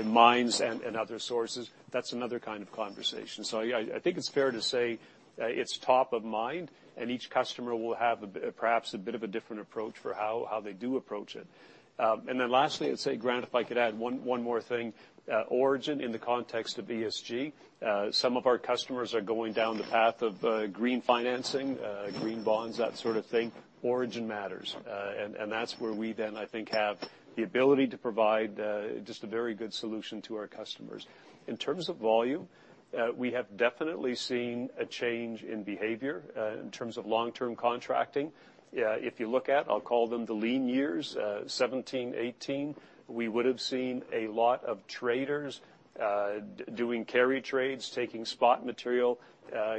mines and other sources. That's another kind of conversation. So yeah, I think it's fair to say, it's top of mind, and each customer will have a bit, perhaps a bit of a different approach for how they do approach it. And then lastly, I'd say, Grant, if I could add one more thing, origin in the context of ESG. Some of our customers are going down the path of green financing, green bonds, that sort of thing. Origin matters, and that's where we then, I think, have the ability to provide just a very good solution to our customers. In terms of volume, we have definitely seen a change in behavior in terms of long-term contracting. If you look at, I'll call them the lean years, 2017, 2018, we would've seen a lot of traders doing carry trades, taking spot material,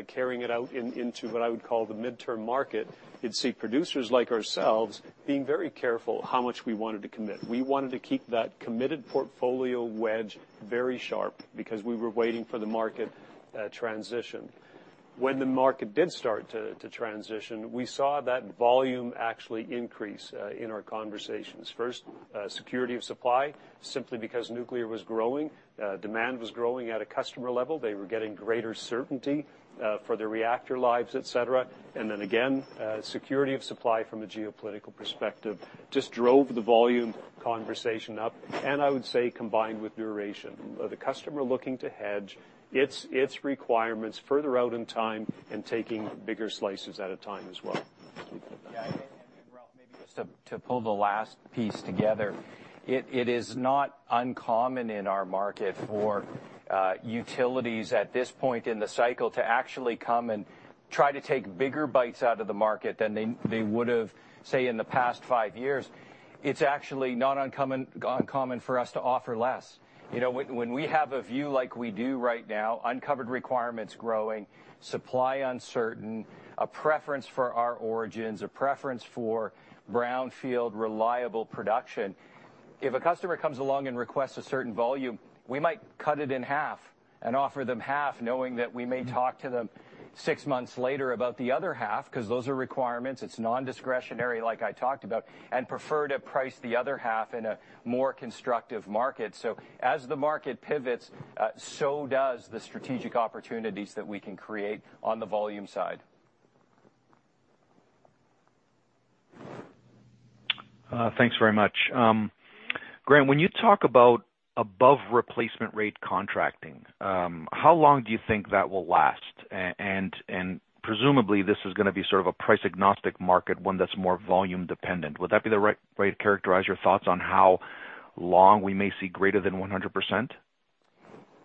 carrying it out in, into what I would call the midterm market, and see producers like ourselves being very careful how much we wanted to commit. We wanted to keep that committed portfolio wedge very sharp because we were waiting for the market transition. When the market did start to transition, we saw that volume actually increase in our conversations. First, security of supply, simply because nuclear was growing, demand was growing at a customer level. They were getting greater certainty for their reactor lives, et cetera. And then again, security of supply from a geopolitical perspective just drove the volume conversation up, and I would say combined with duration. The customer looking to hedge its requirements further out in time and taking bigger slices at a time as well. Yeah, and Ralph, maybe just to pull the last piece together, it is not uncommon in our market for utilities at this point in the cycle to actually come and try to take bigger bites out of the market than they would've, say, in the past five years. It's actually not uncommon for us to offer less. You know, when we have a view like we do right now, uncovered requirements growing, supply uncertain, a preference for our origins, a preference for brownfield reliable production. If a customer comes along and requests a certain volume, we might cut it in half and offer them half, knowing that we may talk to them six months later about the other half, 'cause those are requirements. It's nondiscretionary, like I talked about, and prefer to price the other half in a more constructive market. So as the market pivots, so does the strategic opportunities that we can create on the volume side. Thanks very much. Grant, when you talk about above replacement rate contracting, how long do you think that will last? And presumably, this is gonna be sort of a price-agnostic market, one that's more volume dependent. Would that be the right way to characterize your thoughts on how long we may see greater than 100%?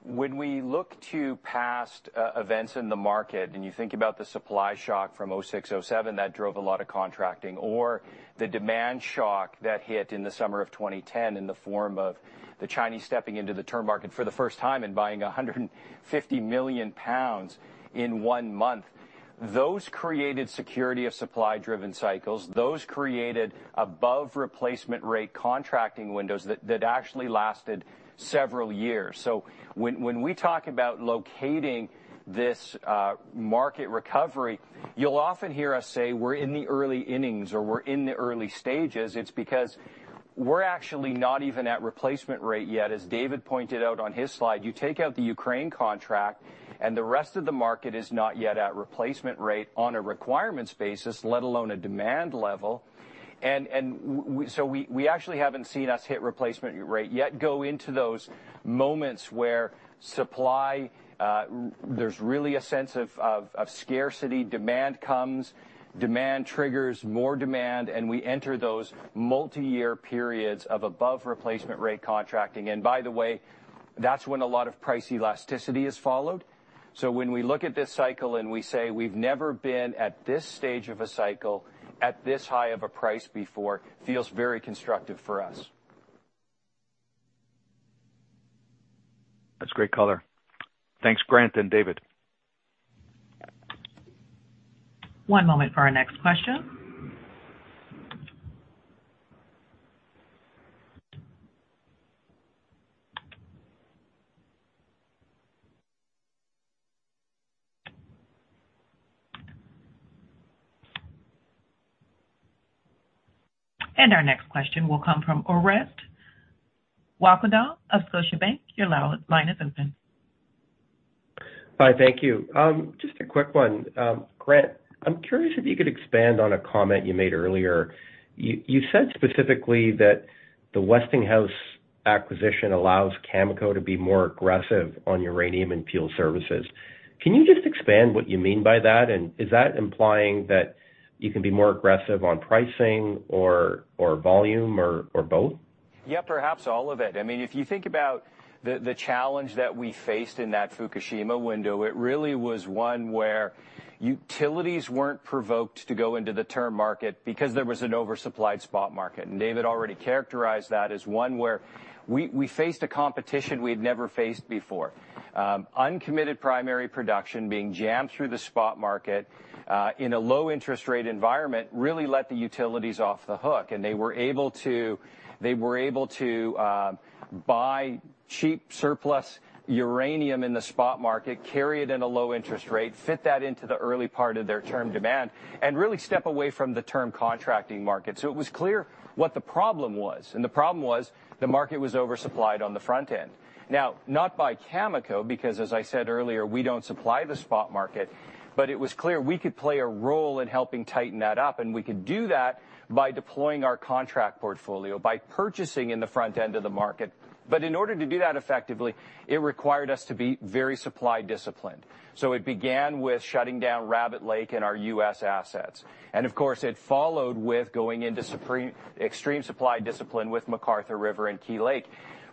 When we look to past events in the market, and you think about the supply shock from 2006, 2007, that drove a lot of contracting, or the demand shock that hit in the summer of 2010 in the form of the Chinese stepping into the term market for the first time and buying 150 million pounds in one month, those created security of supply-driven cycles. Those created above replacement rate contracting windows that actually lasted several years. So when we talk about locating this market recovery, you'll often hear us say, "We're in the early innings," or, "We're in the early stages." It's because we're actually not even at replacement rate yet. As David pointed out on his slide, you take out the Ukraine contract, and the rest of the market is not yet at replacement rate on a requirements basis, let alone a demand level. So we actually haven't seen us hit replacement rate yet. Go into those moments where supply, there's really a sense of scarcity, demand comes, demand triggers more demand, and we enter those multiyear periods of above replacement rate contracting. And by the way, that's when a lot of price elasticity is followed. So when we look at this cycle, and we say, "We've never been at this stage of a cycle, at this high of a price before," feels very constructive for us. That's great color. Thanks, Grant and David. One moment for our next question. Our next question will come from Orest Wowkodaw of Scotiabank. Your line is open. Hi, thank you. Just a quick one. Grant, I'm curious if you could expand on a comment you made earlier. You said specifically that the Westinghouse acquisition allows Cameco to be more aggressive on uranium and fuel services. Can you just expand what you mean by that, and is that implying that you can be more aggressive on pricing or volume or both? Yeah, perhaps all of it. I mean, if you think about the challenge that we faced in that Fukushima window, it really was one where utilities weren't provoked to go into the term market because there was an oversupplied spot market. And David already characterized that as one where we faced a competition we had never faced before. Uncommitted primary production being jammed through the spot market in a low interest rate environment really let the utilities off the hook, and they were able to buy cheap surplus uranium in the spot market, carry it in a low interest rate, fit that into the early part of their term demand, and really step away from the term contracting market. So it was clear what the problem was, and the problem was the market was oversupplied on the front end. Now, not by Cameco, because, as I said earlier, we don't supply the spot market, but it was clear we could play a role in helping tighten that up, and we could do that by deploying our contract portfolio, by purchasing in the front end of the market. But in order to do that effectively, it required us to be very supply disciplined. So it began with shutting down Rabbit Lake and our U.S. assets. And of course, it followed with going into extreme supply discipline with McArthur River and Key Lake.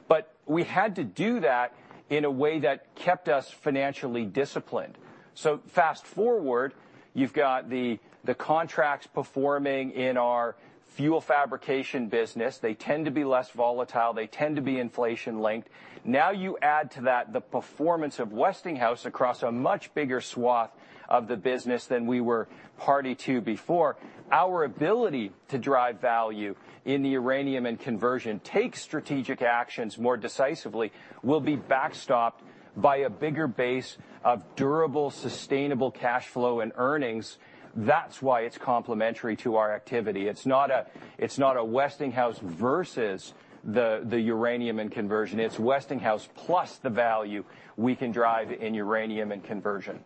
But we had to do that in a way that kept us financially disciplined. So fast forward, you've got the contracts performing in our fuel fabrication business. They tend to be less volatile. They tend to be inflation-linked. Now, you add to that the performance of Westinghouse across a much bigger swath of the business than we were party to before. Our ability to drive value in the uranium and conversion takes strategic actions more decisively, will be backstopped by a bigger base of durable, sustainable cash flow and earnings. That's why it's complementary to our activity. It's not a Westinghouse versus the uranium and conversion. It's Westinghouse plus the value we can drive in uranium and conversion.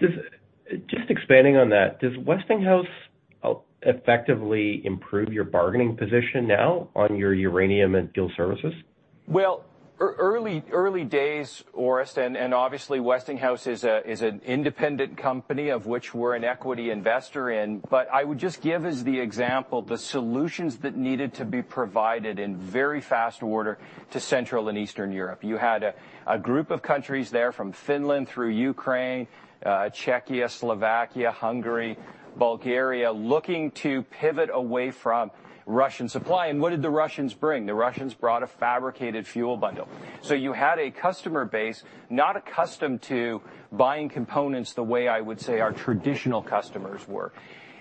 Just, just expanding on that, does Westinghouse effectively improve your bargaining position now on your uranium and fuel services? Well, early, early days, Orest, and obviously, Westinghouse is an independent company of which we're an equity investor in. But I would just give as the example, the solutions that needed to be provided in very fast order to Central and Eastern Europe. You had a group of countries there, from Finland through Ukraine, Czechia, Slovakia, Hungary, Bulgaria, looking to pivot away from Russian supply. And what did the Russians bring? The Russians brought a fabricated fuel bundle. So you had a customer base not accustomed to buying components the way I would say our traditional customers were.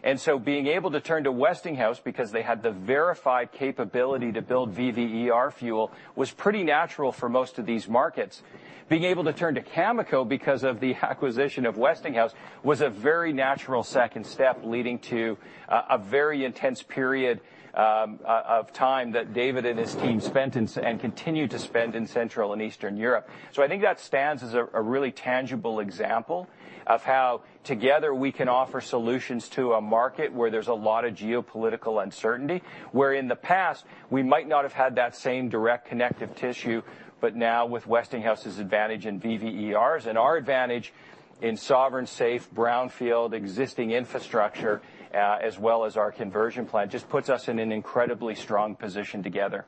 And so being able to turn to Westinghouse because they had the verified capability to build VVER fuel, was pretty natural for most of these markets. Being able to turn to Cameco because of the acquisition of Westinghouse, was a very natural second step, leading to a very intense period of time that David and his team spent in and continue to spend in Central and Eastern Europe. So I think that stands as a really tangible example of how together we can offer solutions to a market where there's a lot of geopolitical uncertainty, where in the past we might not have had that same direct connective tissue, but now with Westinghouse's advantage in VVERs and our advantage in sovereign safe, brownfield, existing infrastructure, as well as our conversion plant, just puts us in an incredibly strong position together.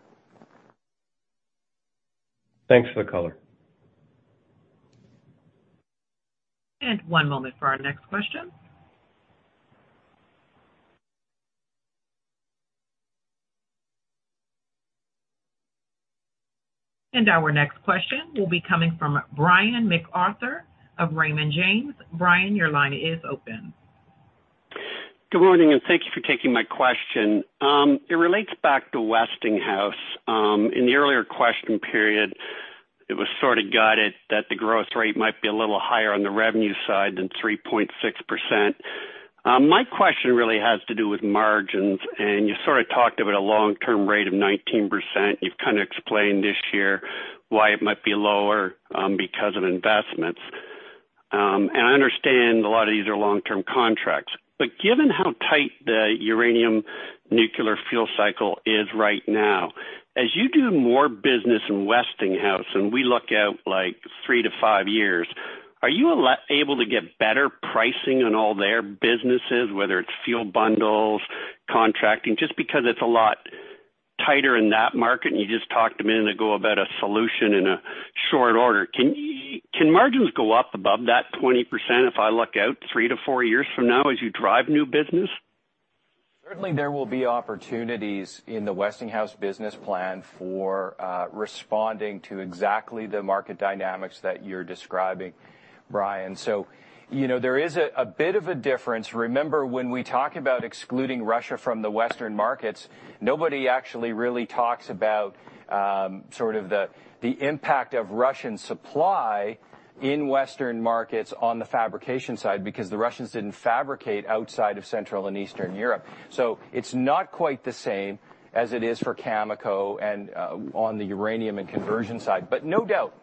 Thanks for the color. One moment for our next question. Our next question will be coming from Brian MacArthur of Raymond James. Brian, your line is open. Good morning, and thank you for taking my question. It relates back to Westinghouse. In the earlier question period, it was sort of guided that the growth rate might be a little higher on the revenue side than 3.6%. My question really has to do with margins, and you sort of talked about a long-term rate of 19%. You've kind of explained this year why it might be lower, because of investments. I understand a lot of these are long-term contracts, but given how tight the uranium nuclear fuel cycle is right now, as you do more business in Westinghouse, and we look out like 3-5 years, are you able to get better pricing on all their businesses, whether it's fuel bundles, contracting, just because it's a lot tighter in that market, and you just talked a minute ago about a solution in a short order. Can margins go up above that 20% if I look out 3-4 years from now as you drive new business? Certainly, there will be opportunities in the Westinghouse business plan for responding to exactly the market dynamics that you're describing, Brian. So you know, there is a bit of a difference. Remember, when we talk about excluding Russia from the Western markets, nobody actually really talks about sort of the impact of Russian supply in Western markets on the fabrication side, because the Russians didn't fabricate outside of Central and Eastern Europe. So it's not quite the same as it is for Cameco and on the uranium and conversion side. But no doubt,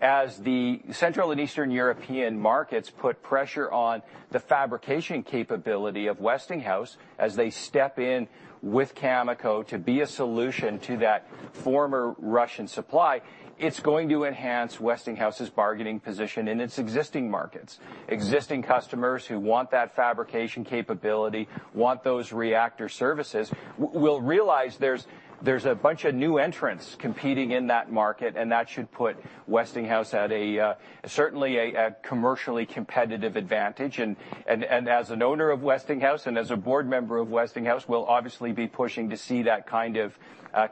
as the Central and Eastern European markets put pressure on the fabrication capability of Westinghouse, as they step in with Cameco to be a solution to that former Russian supply, it's going to enhance Westinghouse's bargaining position in its existing markets. Existing customers who want that fabrication capability, want those reactor services, will realize there's a bunch of new entrants competing in that market, and that should put Westinghouse at a certainly a commercially competitive advantage. And as an owner of Westinghouse and as a board member of Westinghouse, we'll obviously be pushing to see that kind of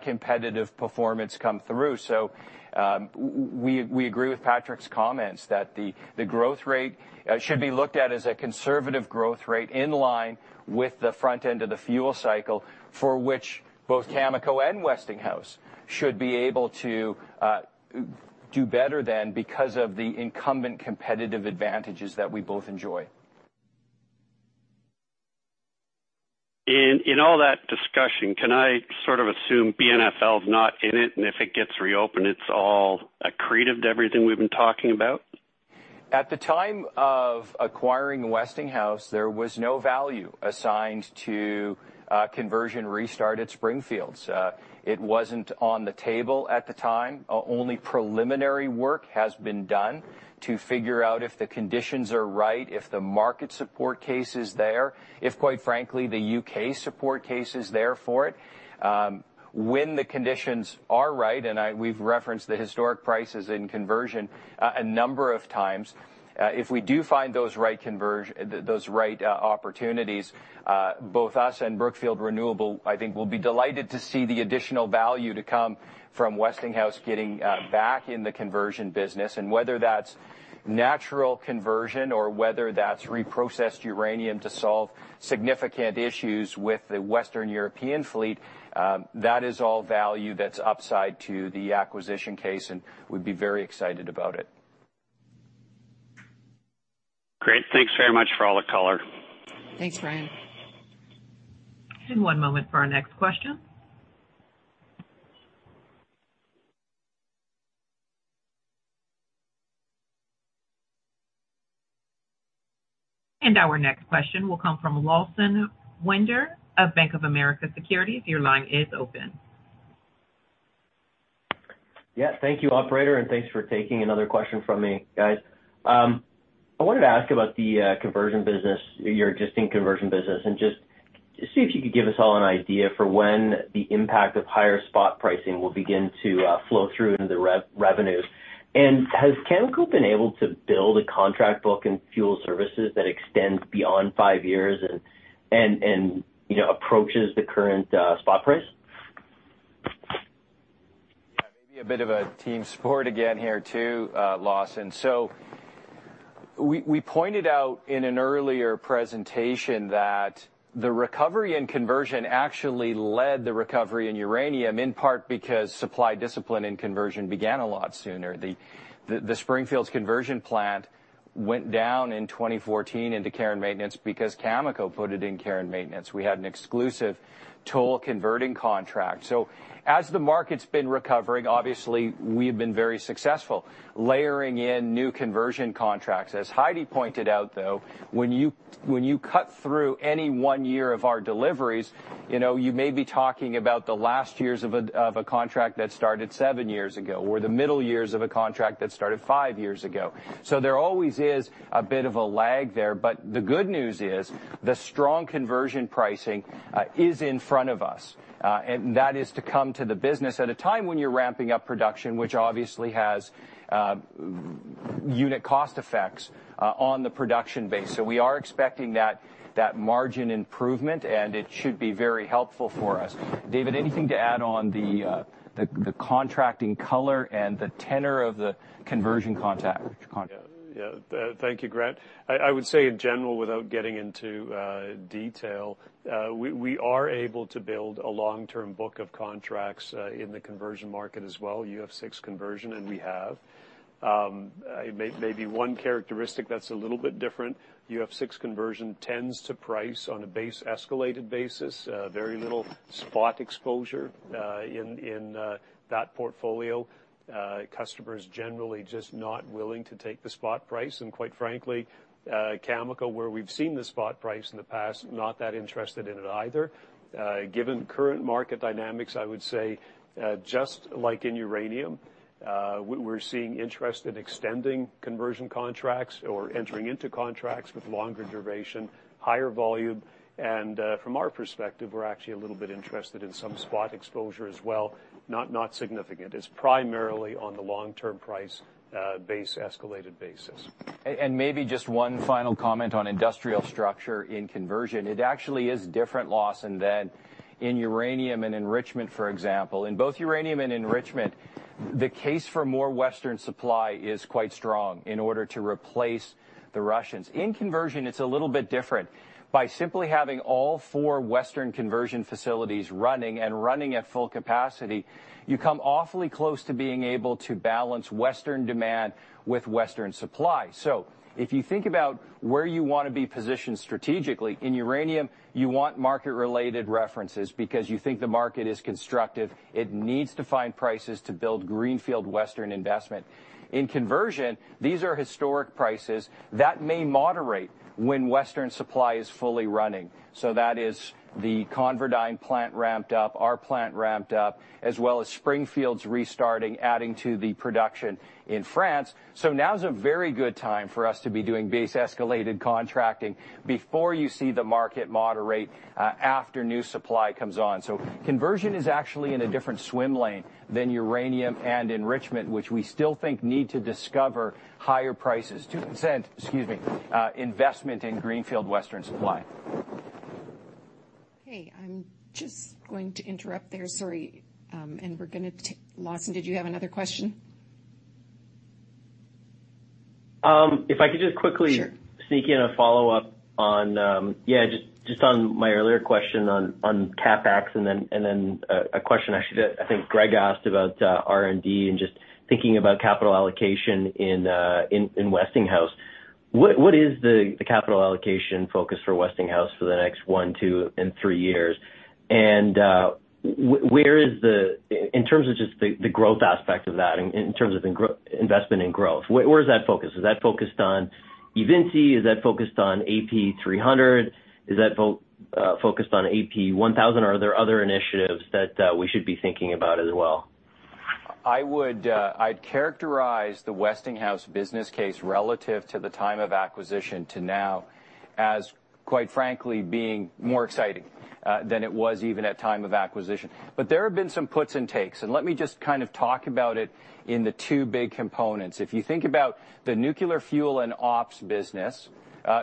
competitive performance come through. So, we agree with Patrick's comments that the growth rate should be looked at as a conservative growth rate in line with the front end of the fuel cycle, for which both Cameco and Westinghouse should be able to do better than because of the incumbent competitive advantages that we both enjoy. In all that discussion, can I sort of assume BNFL is not in it, and if it gets reopened, it's all accretive to everything we've been talking about? At the time of acquiring Westinghouse, there was no value assigned to, conversion restart at Springfields. It wasn't on the table at the time. Only preliminary work has been done to figure out if the conditions are right, if the market support case is there, if, quite frankly, the U.K. support case is there for it. When the conditions are right, and we've referenced the historic prices in conversion, a number of times, if we do find those right opportunities, both us and Brookfield Renewable, I think, will be delighted to see the additional value to come from Westinghouse getting, back in the conversion business. Whether that's natural conversion or whether that's reprocessed uranium to solve significant issues with the Western European fleet, that is all value that's upside to the acquisition case, and we'd be very excited about it. Great. Thanks very much for all the color. Thanks, Brian. One moment for our next question. Our next question will come from Lawson Winder of Bank of America Securities. Your line is open. Yeah, thank you, operator, and thanks for taking another question from me, guys. I wanted to ask about the conversion business, your existing conversion business, and just see if you could give us all an idea for when the impact of higher spot pricing will begin to flow through into the revenues. And has Cameco been able to build a contract book in fuel services that extends beyond five years and, you know, approaches the current spot price? Yeah, maybe a bit of a team sport again here, too, Lawson. So we, we pointed out in an earlier presentation that the recovery and conversion actually led the recovery in uranium, in part because supply discipline and conversion began a lot sooner. The, the Springfields conversion plant went down in 2014 into Care and Maintenance because Cameco put it in Care and Maintenance. We had an exclusive toll converting contract. So as the market's been recovering, obviously, we've been very successful layering in new conversion contracts. As Heidi pointed out, though, when you, when you cut through any one year of our deliveries, you know, you may be talking about the last years of a, of a contract that started 7 years ago, or the middle years of a contract that started 5 years ago. So there always is a bit of a lag there, but the good news is the strong conversion pricing is in front of us, and that is to come to the business at a time when you're ramping up production, which obviously has unit cost effects on the production base. So we are expecting that margin improvement, and it should be very helpful for us. David, anything to add on the contracting color and the tenor of the conversion contract? Yeah. Yeah. Thank you, Grant. I, I would say in general, without getting into, detail, we, we are able to build a long-term book of contracts, in the conversion market as well, UF6 conversion, and we have. Maybe one characteristic that's a little bit different, UF6 conversion tends to price on a base escalated basis, very little spot exposure, in, in, that portfolio. Customers generally just not willing to take the spot price, and quite frankly, Cameco, where we've seen the spot price in the past, not that interested in it either. Given current market dynamics, I would say, just like in uranium, we're seeing interest in extending conversion contracts or entering into contracts with longer duration, higher volume, and, from our perspective, we're actually a little bit interested in some spot exposure as well, not, not significant. It's primarily on the long-term price, base, escalated basis. And maybe just one final comment on industrial structure in conversion. It actually is different from than in uranium and enrichment, for example. In both uranium and enrichment, the case for more Western supply is quite strong in order to replace the Russians. In conversion, it's a little bit different. By simply having all four Western conversion facilities running and running at full capacity, you come awfully close to being able to balance Western demand with Western supply. So if you think about where you want to be positioned strategically, in uranium, you want market-related references because you think the market is constructive. It needs to find prices to build greenfield Western investment. In conversion, these are historic prices that may moderate when Western supply is fully running. So that is the ConverDyn plant ramped up, our plant ramped up, as well as Springfield's restarting, adding to the production in France. So now's a very good time for us to be doing base escalated contracting before you see the market moderate, after new supply comes on. So conversion is actually in a different swim lane than uranium and enrichment, which we still think need to discover higher prices to consent, excuse me, investment in greenfield Western supply. Okay, I'm just going to interrupt there. Sorry, and we're gonna take... Lawson, did you have another question? If I could just quickly- Sure. Sneak in a follow-up on, yeah, just, just on my earlier question on, on CapEx, and then, and then a, a question actually that I think Greg asked about, R&D and just thinking about capital allocation in, in, in Westinghouse. What is the capital allocation focus for Westinghouse for the next one, two, and three years? And, where is the, in terms of just the growth aspect of that, in terms of investment and growth, where is that focused? Is that focused on eVinci? Is that focused on AP300? Is that focused on AP1000, or are there other initiatives that we should be thinking about as well? I would, I'd characterize the Westinghouse business case relative to the time of acquisition to now as, quite frankly, being more exciting, than it was even at time of acquisition. But there have been some puts and takes, and let me just kind of talk about it in the two big components. If you think about the nuclear fuel and ops business,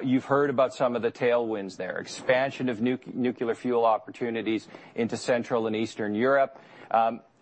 you've heard about some of the tailwinds there. Expansion of nuclear fuel opportunities into Central and Eastern Europe,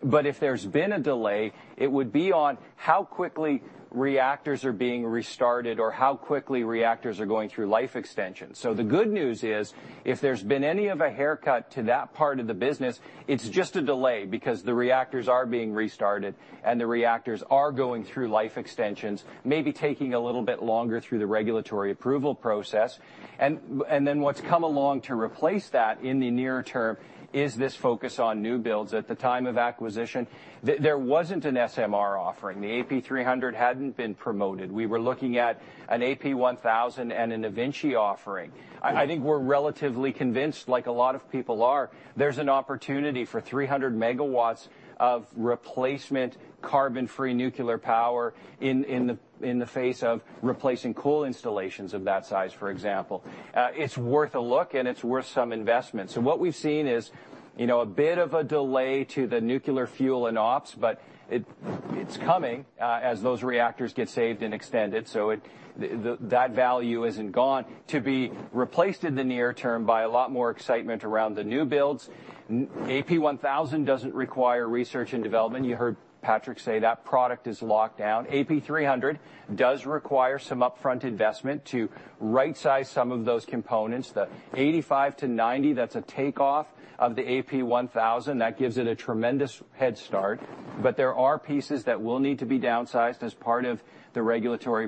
but if there's been a delay, it would be on how quickly reactors are being restarted or how quickly reactors are going through life extension. So the good news is, if there's been any of a haircut to that part of the business, it's just a delay because the reactors are being restarted, and the reactors are going through life extensions, maybe taking a little bit longer through the regulatory approval process. And then what's come along to replace that in the near term is this focus on new builds. At the time of acquisition, there wasn't an SMR offering. The AP300 hadn't been promoted. We were looking at an AP1000 and an eVinci offering. I think we're relatively convinced, like a lot of people are, there's an opportunity for 300 megawatts of replacement carbon-free nuclear power in the face of replacing coal installations of that size, for example. It's worth a look, and it's worth some investment. So what we've seen is, you know, a bit of a delay to the nuclear fuel and ops, but it, it's coming, as those reactors get saved and extended, so that value isn't gone, to be replaced in the near term by a lot more excitement around the new builds. AP1000 doesn't require research and development. You heard Patrick say that product is locked down. AP300 does require some upfront investment to rightsize some of those components. The 85-90, that's a takeoff of the AP1000. That gives it a tremendous head start, but there are pieces that will need to be downsized as part of the regulatory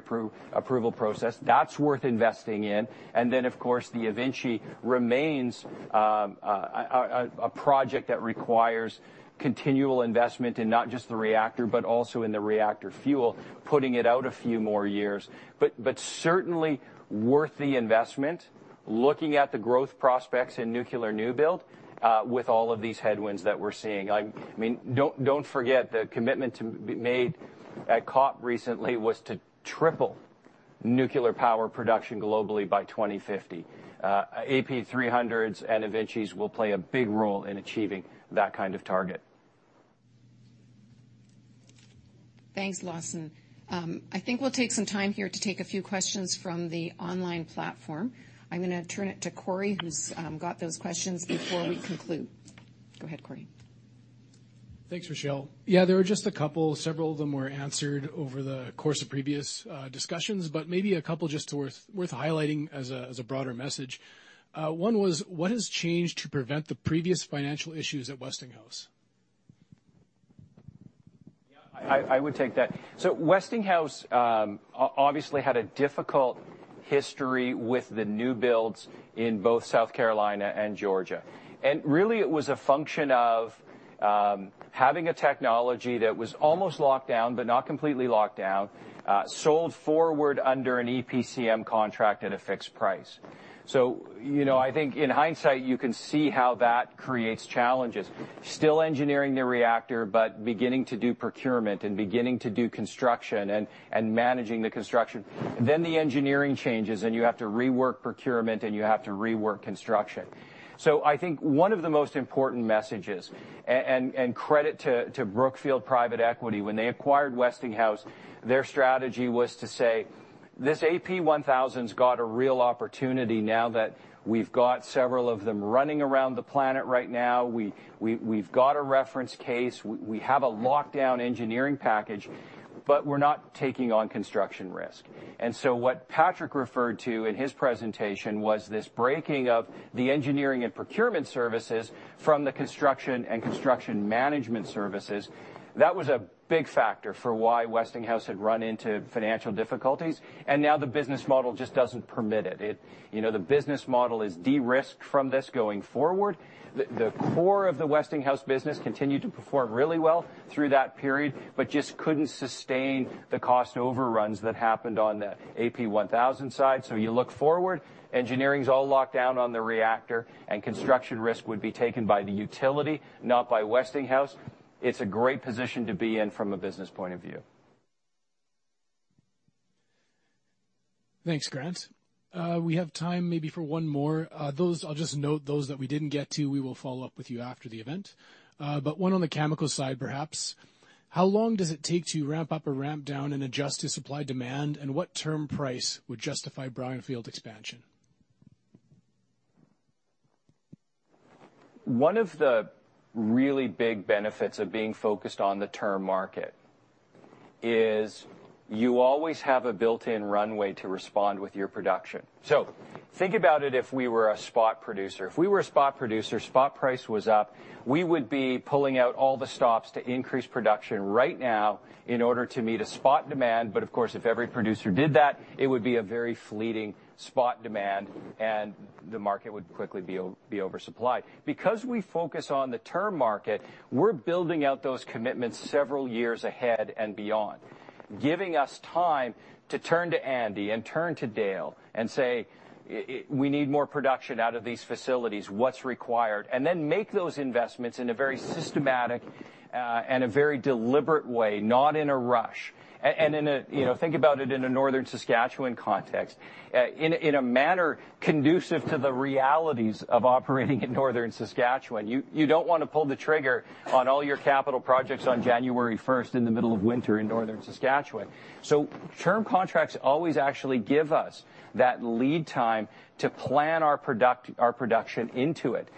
approval process. That's worth investing in. And then, of course, the eVinci remains a project that requires continual investment in not just the reactor but also in the reactor fuel, putting it out a few more years. But certainly worth the investment, looking at the growth prospects in nuclear new build with all of these headwinds that we're seeing. I mean, don't forget, the commitment to be made at COP recently was to triple nuclear power production globally by 2050. AP300s and eVincis will play a big role in achieving that kind of target. Thanks, Lawson. I think we'll take some time here to take a few questions from the online platform. I'm gonna turn it to Cory, who's got those questions before we conclude. Go ahead, Cory. Thanks, Rachelle. Yeah, there are just a couple. Several of them were answered over the course of previous discussions, but maybe a couple just worth highlighting as a broader message. One was: What has changed to prevent the previous financial issues at Westinghouse? Yeah, I, I would take that. So Westinghouse obviously had a difficult history with the new builds in both South Carolina and Georgia. And really, it was a function of having a technology that was almost locked down but not completely locked down, sold forward under an EPCM contract at a fixed price. So, you know, I think in hindsight, you can see how that creates challenges. Still engineering the reactor, but beginning to do procurement and beginning to do construction and managing the construction. Then the engineering changes, and you have to rework procurement, and you have to rework construction. So I think one of the most important messages, and credit to Brookfield Private Equity, when they acquired Westinghouse, their strategy was to say, "This AP1000's got a real opportunity now that we've got several of them running around the planet right now. We've got a reference case. We have a locked-down engineering package, but we're not taking on construction risk." And so what Patrick referred to in his presentation was this breaking of the engineering and procurement services from the construction and construction management services. That was a big factor for why Westinghouse had run into financial difficulties, and now the business model just doesn't permit it. You know, the business model is de-risked from this going forward. The core of the Westinghouse business continued to perform really well through that period but just couldn't sustain the cost overruns that happened on the AP1000 side. So you look forward, engineering's all locked down on the reactor, and construction risk would be taken by the utility, not by Westinghouse. It's a great position to be in from a business point of view. Thanks, Grant. We have time maybe for one more. Those, I'll just note those that we didn't get to, we will follow up with you after the event. But one on the chemical side, perhaps: How long does it take to ramp up or ramp down and adjust to supply-demand, and what term price would justify brownfield expansion? One of the really big benefits of being focused on the term market is you always have a built-in runway to respond with your production. So think about it if we were a spot producer. If we were a spot producer, spot price was up, we would be pulling out all the stops to increase production right now in order to meet a spot demand. But, of course, if every producer did that, it would be a very fleeting Spot demand, and the market would quickly be oversupplied. Because we focus on the term market, we're building out those commitments several years ahead and beyond, giving us time to turn to Andy and turn to Dale and say, "Eh, we need more production out of these facilities. What's required?" And then make those investments in a very systematic and a very deliberate way, not in a rush. And in a, you know, think about it in a Northern Saskatchewan context. In a manner conducive to the realities of operating in Northern Saskatchewan. You don't want to pull the trigger on all your capital projects on January first in the middle of winter in Northern Saskatchewan. So term contracts always actually give us that lead time to plan our production into it.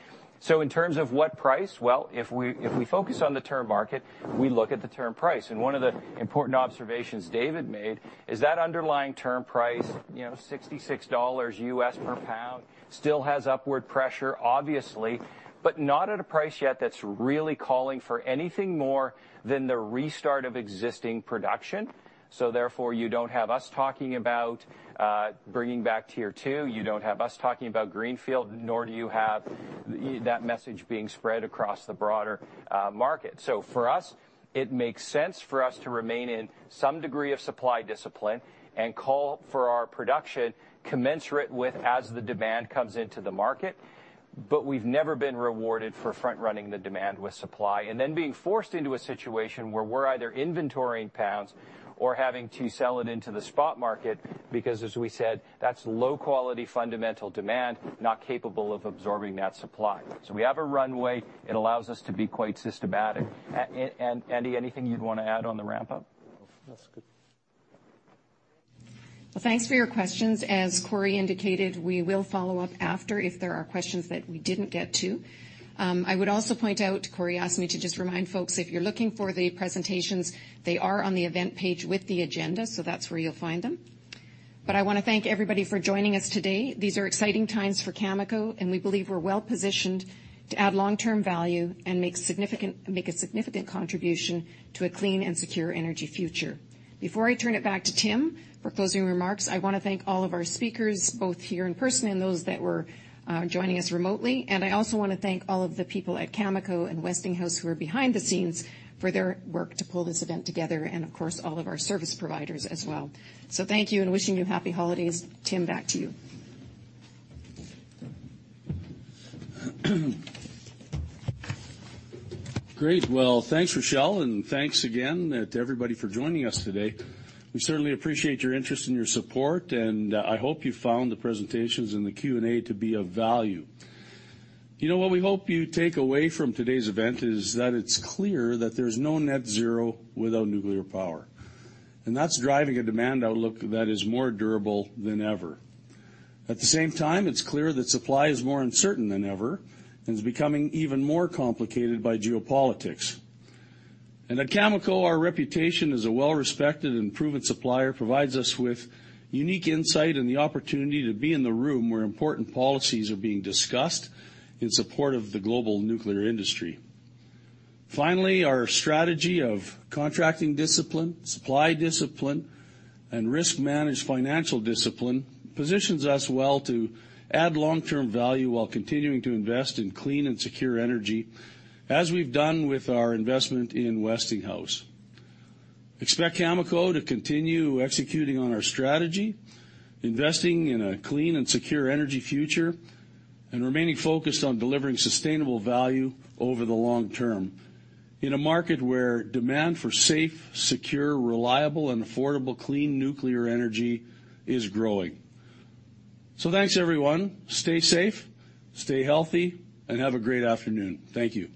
So in terms of what price? Well, if we focus on the term market, we look at the term price. And one of the important observations David made is that underlying term price, you know, $66 per pound, still has upward pressure, obviously, but not at a price yet that's really calling for anything more than the restart of existing production. So therefore, you don't have us talking about bringing back tier two. You don't have us talking about greenfield, nor do you have that message being spread across the broader, market. So for us, it makes sense for us to remain in some degree of supply discipline and call for our production commensurate with as the demand comes into the market. But we've never been rewarded for front-running the demand with supply, and then being forced into a situation where we're either inventorying pounds or having to sell it into the spot market, because, as we said, that's low-quality, fundamental demand, not capable of absorbing that supply. So we have a runway. It allows us to be quite systematic. And Andy, anything you'd want to add on the ramp-up? That's good. Well, thanks for your questions. As Cory indicated, we will follow up after if there are questions that we didn't get to. I would also point out, Cory asked me to just remind folks, if you're looking for the presentations, they are on the event page with the agenda, so that's where you'll find them. But I want to thank everybody for joining us today. These are exciting times for Cameco, and we believe we're well positioned to add long-term value and make a significant contribution to a clean and secure energy future. Before I turn it back to Tim for closing remarks, I want to thank all of our speakers, both here in person and those that were joining us remotely. I also want to thank all of the people at Cameco and Westinghouse who are behind the scenes for their work to pull this event together, and, of course, all of our service providers as well. Thank you, and wishing you happy holidays. Tim, back to you. Great! Well, thanks, Rachelle, and thanks again, to everybody for joining us today. We certainly appreciate your interest and your support, and, I hope you found the presentations and the Q&A to be of value. You know, what we hope you take away from today's event is that it's clear that there's no net zero without nuclear power, and that's driving a demand outlook that is more durable than ever. At the same time, it's clear that supply is more uncertain than ever and is becoming even more complicated by geopolitics. At Cameco, our reputation as a well-respected and proven supplier provides us with unique insight and the opportunity to be in the room where important policies are being discussed in support of the global nuclear industry. Finally, our strategy of contracting discipline, supply discipline, and risk-managed financial discipline positions us well to add long-term value while continuing to invest in clean and secure energy, as we've done with our investment in Westinghouse. Expect Cameco to continue executing on our strategy, investing in a clean and secure energy future, and remaining focused on delivering sustainable value over the long term in a market where demand for safe, secure, reliable and affordable clean nuclear energy is growing. Thanks, everyone. Stay safe, stay healthy, and have a great afternoon. Thank you.